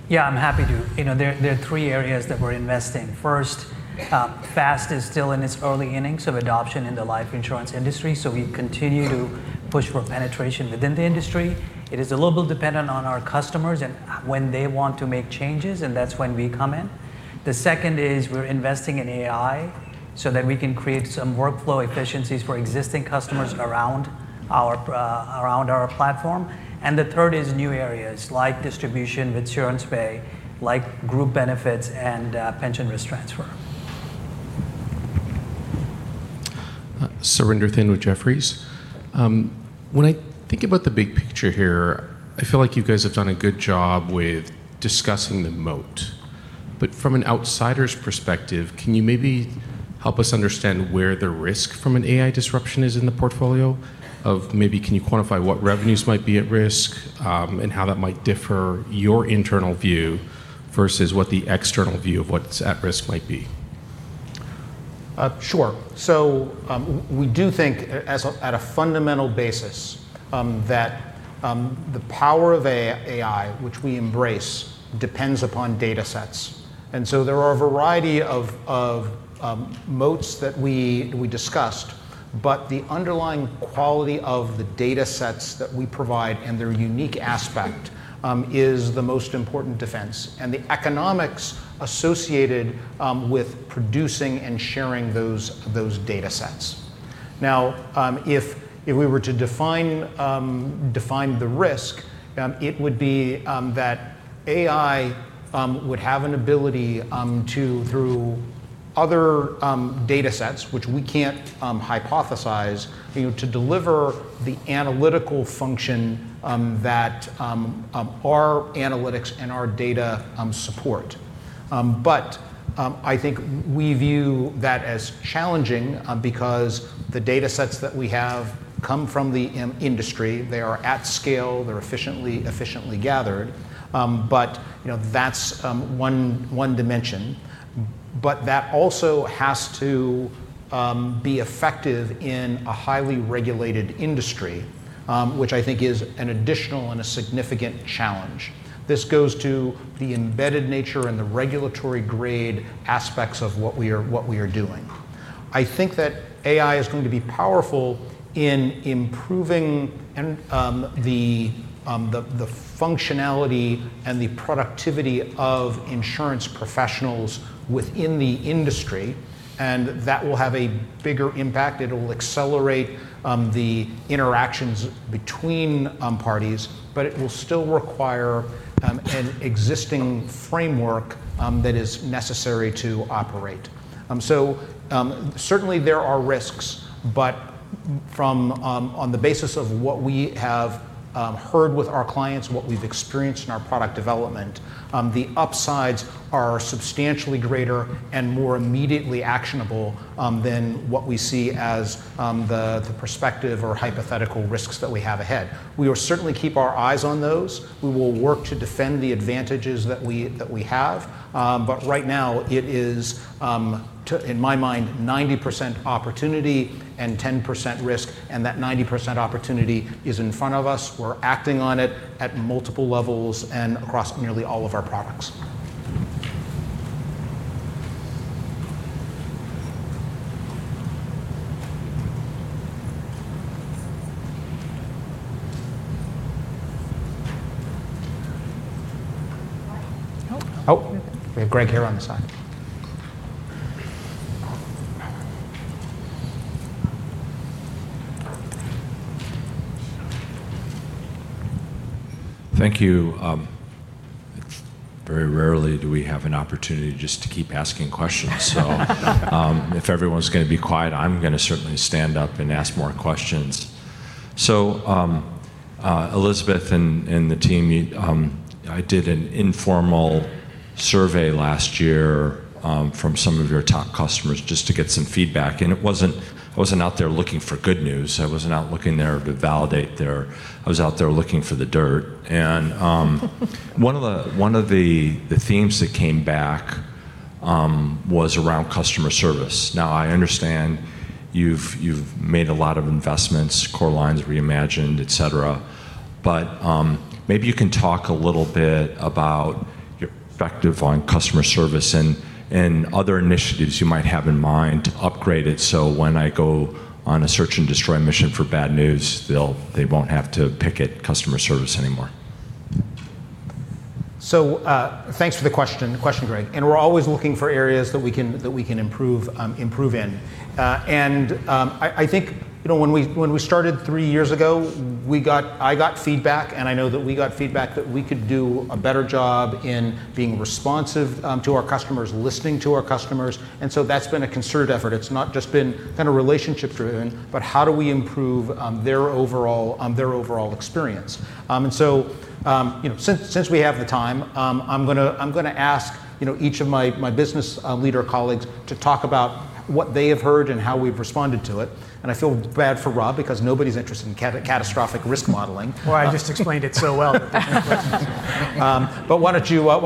Yeah, I'm happy to. You know, there are three areas that we're investing. First, FAST is still in its early innings of adoption in the life insurance industry, we continue to push for penetration within the industry. It is a little bit dependent on our customers and when they want to make changes, and that's when we come in. The second is we're investing in AI so that we can create some workflow efficiencies for existing customers around our platform. The third is new areas like distribution with SuranceBay, like group benefits and pension risk transfer. Surinder Thind, Jefferies. When I think about the big picture here, I feel like you guys have done a good job with discussing the moat. From an outsider's perspective, can you maybe help us understand where the risk from an AI disruption is in the portfolio? Of maybe can you quantify what revenues might be at risk, and how that might differ your internal view versus what the external view of what's at risk might be? Sure. We do think at a fundamental basis that the power of AI, which we embrace, depends upon datasets. There are a variety of moats that we discussed, but the underlying quality of the datasets that we provide, and their unique aspect is the most important defense and the economics associated with producing and sharing those datasets. If we were to define the risk, it would be that AI would have an ability to, through other datasets, which we can't hypothesize, you know, to deliver the analytical function that our analytics and our data support. I think we view that as challenging because the datasets that we have come from the industry. They are at scale. They're efficiently gathered. You know, that's one dimension. That also has to be effective in a highly regulated industry, which I think is an additional and a significant challenge. This goes to the embedded nature and the regulatory grade aspects of what we are, what we are doing. I think that AI is going to be powerful in improving and the functionality and the productivity of insurance professionals within the industry, and that will have a bigger impact. It'll accelerate the interactions between parties, but it will still require an existing framework that is necessary to operate. Certainly, there are risks, from on the basis of what we have heard with our clients, what we've experienced in our product development, the upsides are substantially greater and more immediately actionable than what we see as the prospective or hypothetical risks that we have ahead. We will certainly keep our eyes on those. We will work to defend the advantages that we have. Right now, it is in my mind, 90% opportunity and 10% risk, and that 90% opportunity is in front of us. We're acting on it at multiple levels and across nearly all of our products. We have Greg here on the side. Thank you. very rarely do we have an opportunity just to keep asking questions. If everyone's going to be quiet, I'm going to certainly stand up and ask more questions. Elizabeth and the team, you, I did an informal survey last year from some of your top customers just to get some feedback, and I wasn't out there looking for good news. I was out there looking for the dirt. One of the themes that came back was around customer service. Now, I understand you've made a lot of investments, Core Lines Reimagined, et cetera. Maybe you can talk a little bit about your perspective on customer service and other initiatives you might have in mind to upgrade it, so when I go on a search and destroy mission for bad news, they won't have to pick at customer service anymore. Thanks for the question, Greg. We're always looking for areas that we can improve in. I think, you know, when we started three years ago, I got feedback, and I know that we got feedback that we could do a better job in being responsive to our customers, listening to our customers. That's been a concerted effort. It's not just been kind of relationship-driven, but how do we improve their overall experience? You know, since we have the time, I'm going to ask, you know, each of my business leader colleagues to talk about what they have heard and how we've responded to it. I feel bad for Rob because nobody's interested in catastrophic risk modeling. I just explained it so well that there's no questions. Why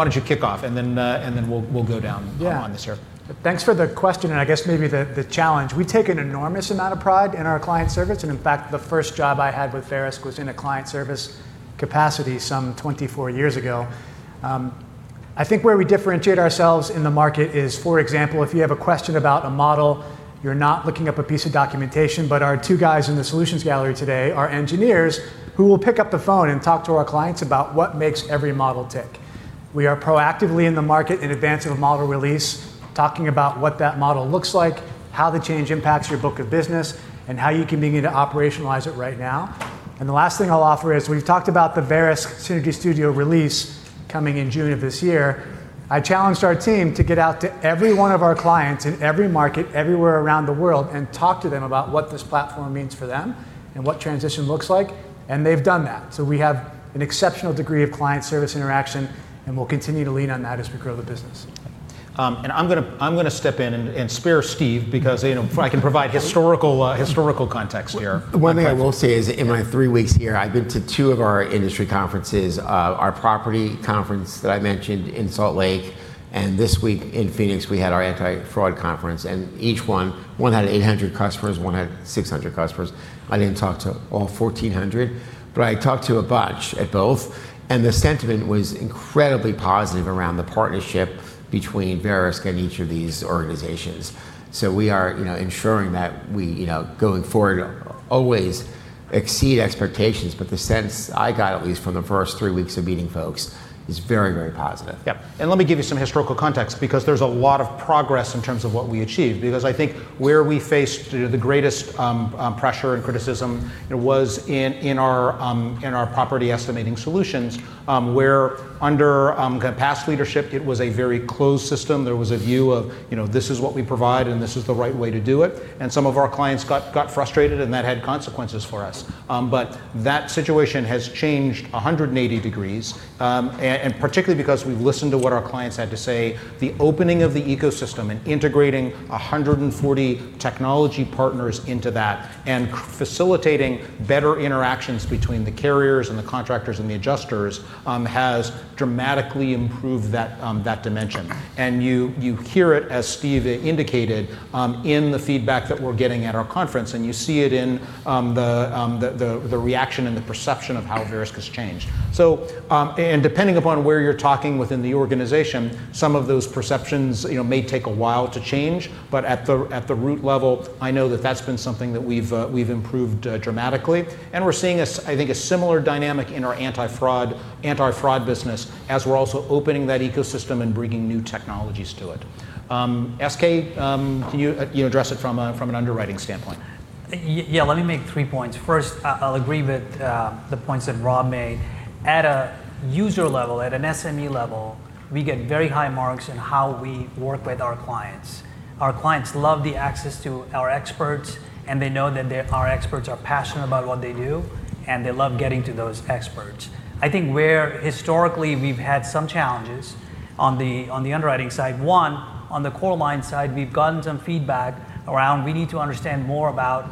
don't you kick off, and then, and then we'll go down. Yeah down the circle. Thanks for the question, I guess maybe the challenge. We take an enormous amount of pride in our client service, in fact, the first job I had with Verisk was in a client service capacity some 24 years ago. I think where we differentiate ourselves in the market is, for example, if you have a question about a model, you're not looking up a piece of documentation. Our two guys in the solutions gallery today are engineers who will pick up the phone and talk to our clients about what makes every model tick. We are proactively in the market in advance of a model release, talking about what that model looks like, how the change impacts your book of business, and how you can begin to operationalize it right now. The last thing I'll offer is we've talked about the Verisk Synergy Studio release coming in June of this year. I challenged our team to get out to every one of our clients in every market, everywhere around the world, and talk to them about what this platform means for them and what transition looks like, and they've done that. We have an exceptional degree of client service interaction, and we'll continue to lean on that as we grow the business. I'm going to step in and spare Steve because, you know, I can provide historical context here. One thing I will say is in my 3 weeks here, I've been to two of our industry conferences, our property conference that I mentioned in Salt Lake, and this week in Phoenix, we had our anti-fraud conference. Each one, 1 had 800 customers, one had 600 customers. I didn't talk to all 1,400, but I talked to a bunch at both. The sentiment was incredibly positive around the partnership between Verisk and each of these organizations. We are, you know, ensuring that we, you know, going forward, always exceed expectations. The sense I got, at least from the first 3 weeks of meeting folks, is very, very positive. Yeah. Let me give you some historical context, because there's a lot of progress in terms of what we achieved, because I think where we faced the greatest pressure and criticism was in our Property Estimating Solutions, where under kind of past leadership, it was a very closed system. There was a view of, you know, this is what we provide and this is the right way to do it. Some of our clients got frustrated, and that had consequences for us. That situation has changed 180 degrees, particularly because we've listened to what our clients had to say. The opening of the ecosystem and integrating 140 technology partners into that and facilitating better interactions between the carriers and the contractors and the adjusters has dramatically improved that dimension. You, you hear it, as Steve indicated, in the feedback that we're getting at our conference, and you see it in the reaction and the perception of how Verisk has changed. Depending upon where you're talking within the organization, some of those perceptions, you know, may take a while to change. At the root level, I know that that's been something that we've improved dramatically. We're seeing a similar dynamic in our anti-fraud business as we're also opening that ecosystem and bringing new technologies to it. SK, can you address it from an underwriting standpoint? Yeah. Let me make three points. First, I'll agree with the points that Rob made. At a user level, at an SME level, we get very high marks in how we work with our clients. Our clients love the access to our experts, and they know that our experts are passionate about what they do, and they love getting to those experts. I think where historically we've had some challenges on the, on the underwriting side, one, on the core line side, we've gotten some feedback around we need to understand more about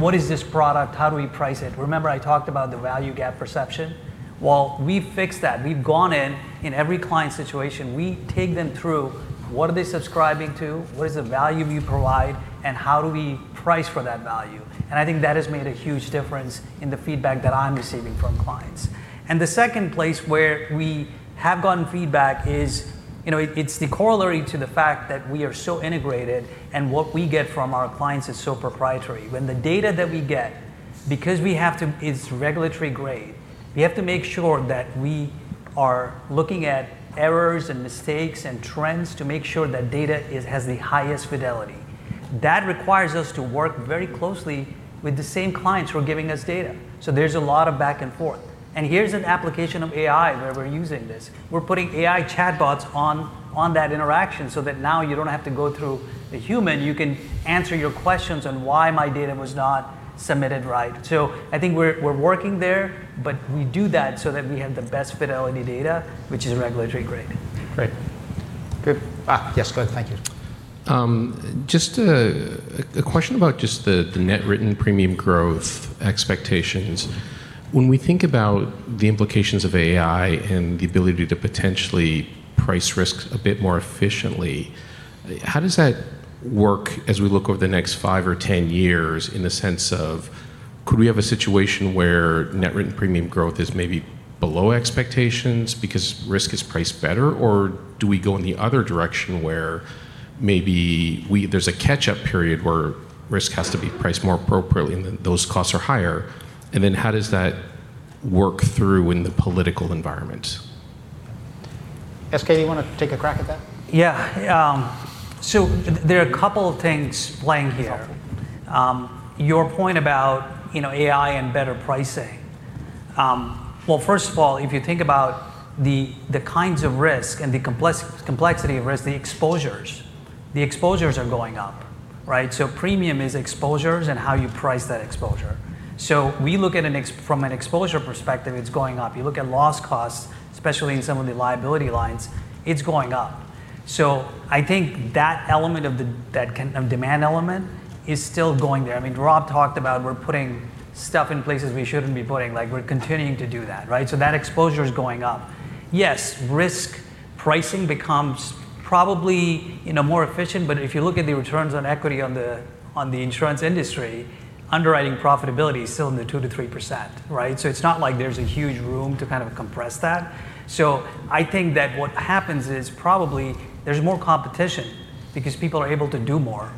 what is this product? How do we price it? Remember I talked about the value gap perception? Well, we've fixed that. We've gone in every client situation. We take them through what are they subscribing to? What is the value we provide, and how do we price for that value? I think that has made a huge difference in the feedback that I'm receiving from clients. The second place where we have gotten feedback is, you know, it's the corollary to the fact that we are so integrated and what we get from our clients is so proprietary. When the data that we get, because it's regulatory grade, we have to make sure that we are looking at errors and mistakes and trends to make sure that data is, has the highest fidelity. That requires us to work very closely with the same clients who are giving us data. There's a lot of back and forth. Here's an application of AI where we're using this. We're putting AI chatbots on that interaction so that now you don't have to go through a human, you can answer your questions on why my data was not submitted right. I think we're working there, but we do that so that we have the best fidelity data, which is regulatory grade. Great. Good. Yes. Go ahead. Thank you. Just a question about the net written premium growth expectations. When we think about the implications of AI and the ability to potentially price risks a bit more efficiently, how does that work as we look over the next five or 10 years in the sense of could we have a situation where net written premium growth is maybe below expectations because risk is priced better? Do we go in the other direction where maybe there's a catch-up period where risk has to be priced more appropriately, and then those costs are higher? How does that work through in the political environment? SK, you wanna take a crack at that? There are a couple of things playing here. Your point about, you know, AI and better pricing. First of all, if you think about the kinds of risk and the complexity of risk, the exposures. The exposures are going up, right? Premium is exposures and how you price that exposure. We look at from an exposure perspective, it's going up. You look at loss costs, especially in some of the liability lines, it's going up. I think that element of the, that kind of demand element is still going there. I mean, Rob talked about we're putting stuff in places we shouldn't be putting, like we're continuing to do that, right? That exposure is going up. Yes, risk pricing becomes probably, you know, more efficient. If you look at the returns on equity on the insurance industry. Underwriting profitability is still in the 2%-3%, right? It's not like there's a huge room to kind of compress that. I think that what happens is probably there's more competition because people are able to do more.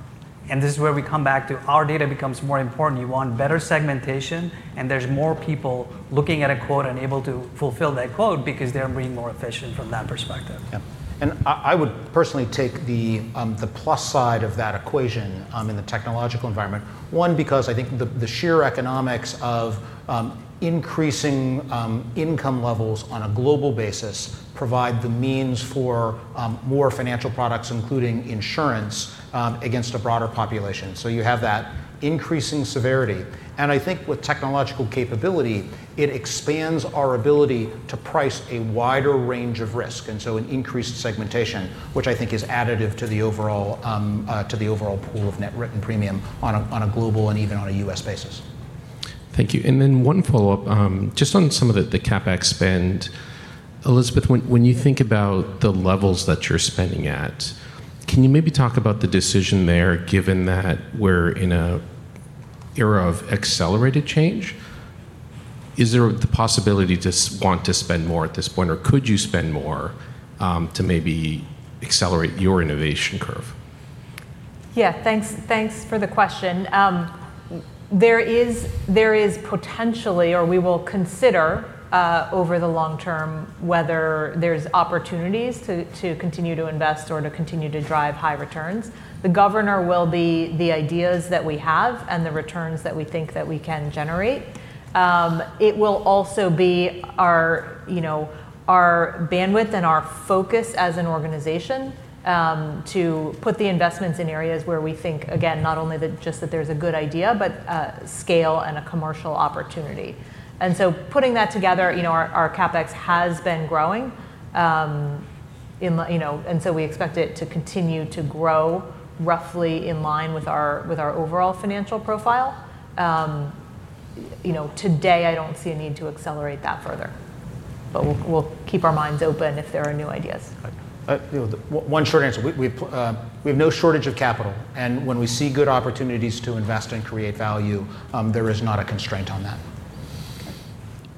This is where we come back to our data becomes more important. You want better segmentation, and there's more people looking at a quote and able to fulfill that quote because they're being more efficient from that perspective. Yeah. I would personally take the plus side of that equation in the technological environment. One, because I think the sheer economics of increasing income levels on a global basis provide the means for more financial products, including insurance, against a broader population. You have that increasing severity. I think with technological capability, it expands our ability to price a wider range of risk, and so an increased segmentation, which I think is additive to the overall to the overall pool of net written premium on a global and even on a U.S. basis. Thank you. One follow-up, just on some of the CapEx spend. Elizabeth, when you think about the levels that you're spending at, can you maybe talk about the decision there, given that we're in an era of accelerated change? Is there the possibility to spend more at this point, or could you spend more to maybe accelerate your innovation curve? Yeah. Thanks, thanks for the question. There is potentially, or we will consider, over the long term, whether there's opportunities to continue to invest or to continue to drive high returns. The governor will be the ideas that we have and the returns that we think that we can generate. It will also be our, you know, our bandwidth and our focus as an organization, to put the investments in areas where we think, again, not only that just that there's a good idea, but a scale and a commercial opportunity. Putting that together, you know, our CapEx has been growing, you know, and so we expect it to continue to grow roughly in line with our, with our overall financial profile. You know, today I don't see a need to accelerate that further. We'll keep our minds open if there are new ideas. Okay. You know, one short answer. We have no shortage of capital, and when we see good opportunities to invest and create value, there is not a constraint on that. Okay.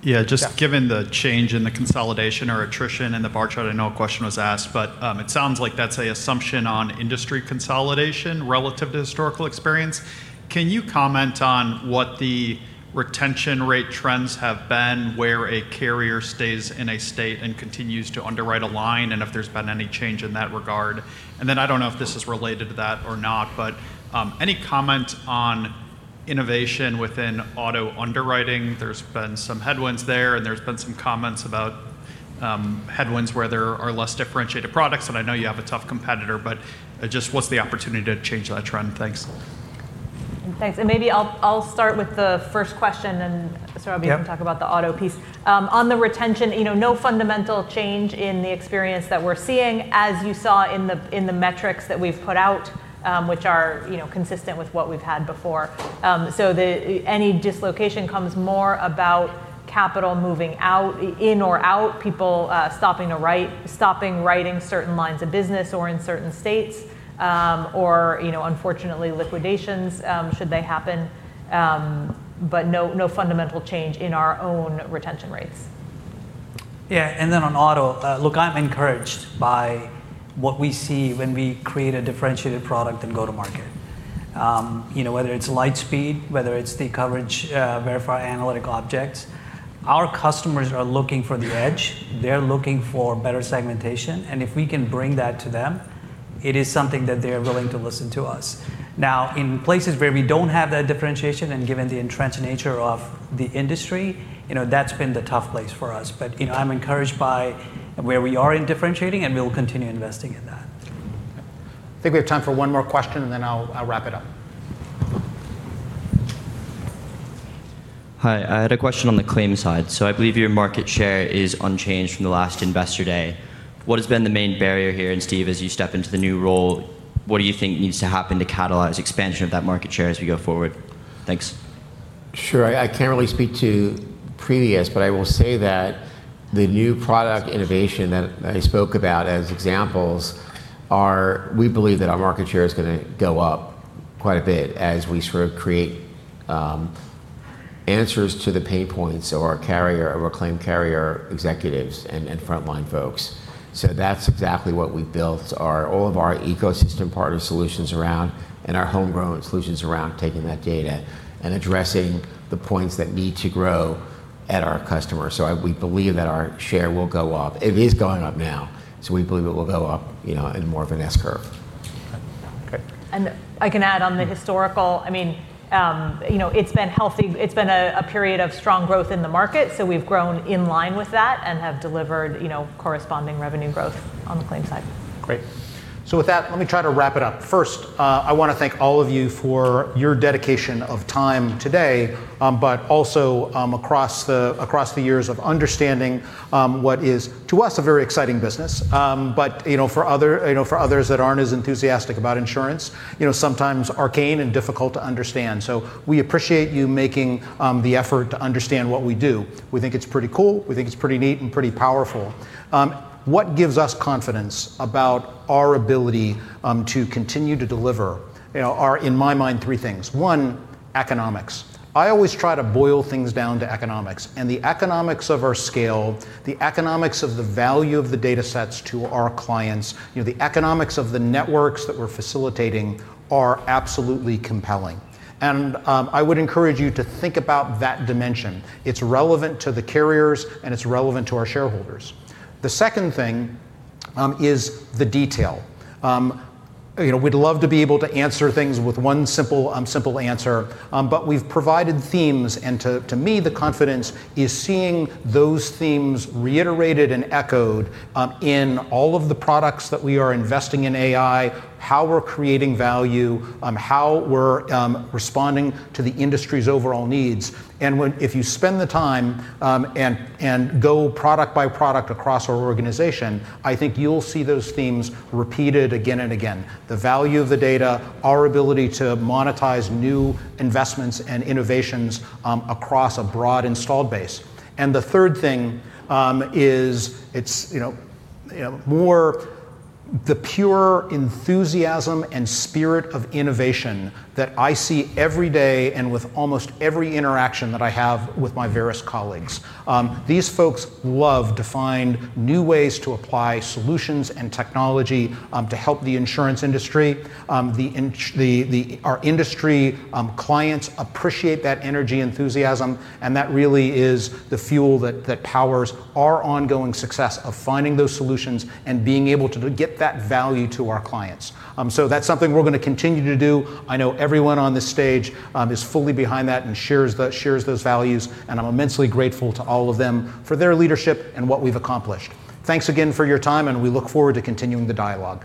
Yeah Yeah, given the change in the consolidation or attrition in the bar chart, I know a question was asked, but it sounds like that's an assumption on industry consolidation relative to historical experience. Can you comment on what the retention rate trends have been, where a carrier stays in a state and continues to underwrite a line, and if there's been any change in that regard? Then I don't know if this is related to that or not, but any comment on innovation within auto underwriting? There's been some headwinds there and there's been some comments about headwinds where there are less differentiated products. I know you have a tough competitor, but just what's the opportunity to change that trend? Thanks. Thanks. Maybe I'll start with the first question and Saurabh. Yeah Can talk about the auto piece. On the retention, you know, no fundamental change in the experience that we're seeing as you saw in the metrics that we've put out, which are, you know, consistent with what we've had before. The, any dislocation comes more about capital moving out, in or out, people stopping to write, stopping writing certain lines of business or in certain states, or, you know, unfortunately liquidations, should they happen. No, no fundamental change in our own retention rates. Yeah. On auto, look, I'm encouraged by what we see when we create a differentiated product and go to market. You know, whether it's LightSpeed, whether it's the coverage, verify analytic objects, our customers are looking for the edge. They're looking for better segmentation. If we can bring that to them, it is something that they are willing to listen to us. Now, in places where we don't have that differentiation and given the entrenched nature of the industry, you know, that's been the tough place for us. You know, I'm encouraged by where we are in differentiating, and we'll continue investing in that. I think we have time for one more question, and then I'll wrap it up. Hi. I had a question on the Claims side. I believe your market share is unchanged from the last Investor Day. What has been the main barrier here? Steve, as you step into the new role, what do you think needs to happen to catalyze expansion of that market share as we go forward? Thanks. Sure. I can't really speak to previous, but I will say that the new product innovation that I spoke about as examples are we believe that our market share is gonna go up quite a bit as we sort of create answers to the pain points or carrier or claim carrier executives and frontline folks. That's exactly what we've built are all of our ecosystem partner solutions around and our homegrown solutions around taking that data and addressing the points that need to grow at our customer. We believe that our share will go up. It is going up now, so we believe it will go up, you know, in more of an S curve. Okay. I can add on the historical, I mean, you know, it's been healthy. It's been a period of strong growth in the market, so we've grown in line with that and have delivered, you know, corresponding revenue growth on the Claim side. Great. With that, let me try to wrap it up. First, I want to thank all of you for your dedication of time today, but also, across the, across the years of understanding, what is, to us, a very exciting business. You know, for other, you know, for others that aren't as enthusiastic about insurance, you know, sometimes arcane and difficult to understand. We appreciate you making the effort to understand what we do. We think it's pretty cool. We think it's pretty neat and pretty powerful. What gives us confidence about our ability to continue to deliver, you know, are, in my mind, three things. One, economics. I always try to boil things down to economics and the economics of our scale, the economics of the value of the datasets to our clients, you know, the economics of the networks that we're facilitating are absolutely compelling. I would encourage you to think about that dimension. It's relevant to the carriers, and it's relevant to our shareholders. The second thing is the detail. you know, we'd love to be able to answer things with one simple answer, but we've provided themes and to me, the confidence is seeing those themes reiterated and echoed in all of the products that we are investing in AI, how we're creating value, how we're responding to the industry's overall needs. When you spend the time, and go product by product across our organization, I think you'll see those themes repeated again and again. The value of the data, our ability to monetize new investments and innovations, across a broad installed base. The third thing, it's, you know, more the pure enthusiasm and spirit of innovation that I see every day and with almost every interaction that I have with my Verisk colleagues. These folks love to find new ways to apply solutions and technology, to help the insurance industry. Our industry clients appreciate that energy enthusiasm, that really is the fuel that powers our ongoing success of finding those solutions and being able to get that value to our clients. That's something we're going to continue to do. I know everyone on this stage, is fully behind that and shares those values, and I'm immensely grateful to all of them for their leadership and what we've accomplished. Thanks again for your time, and we look forward to continuing the dialogue.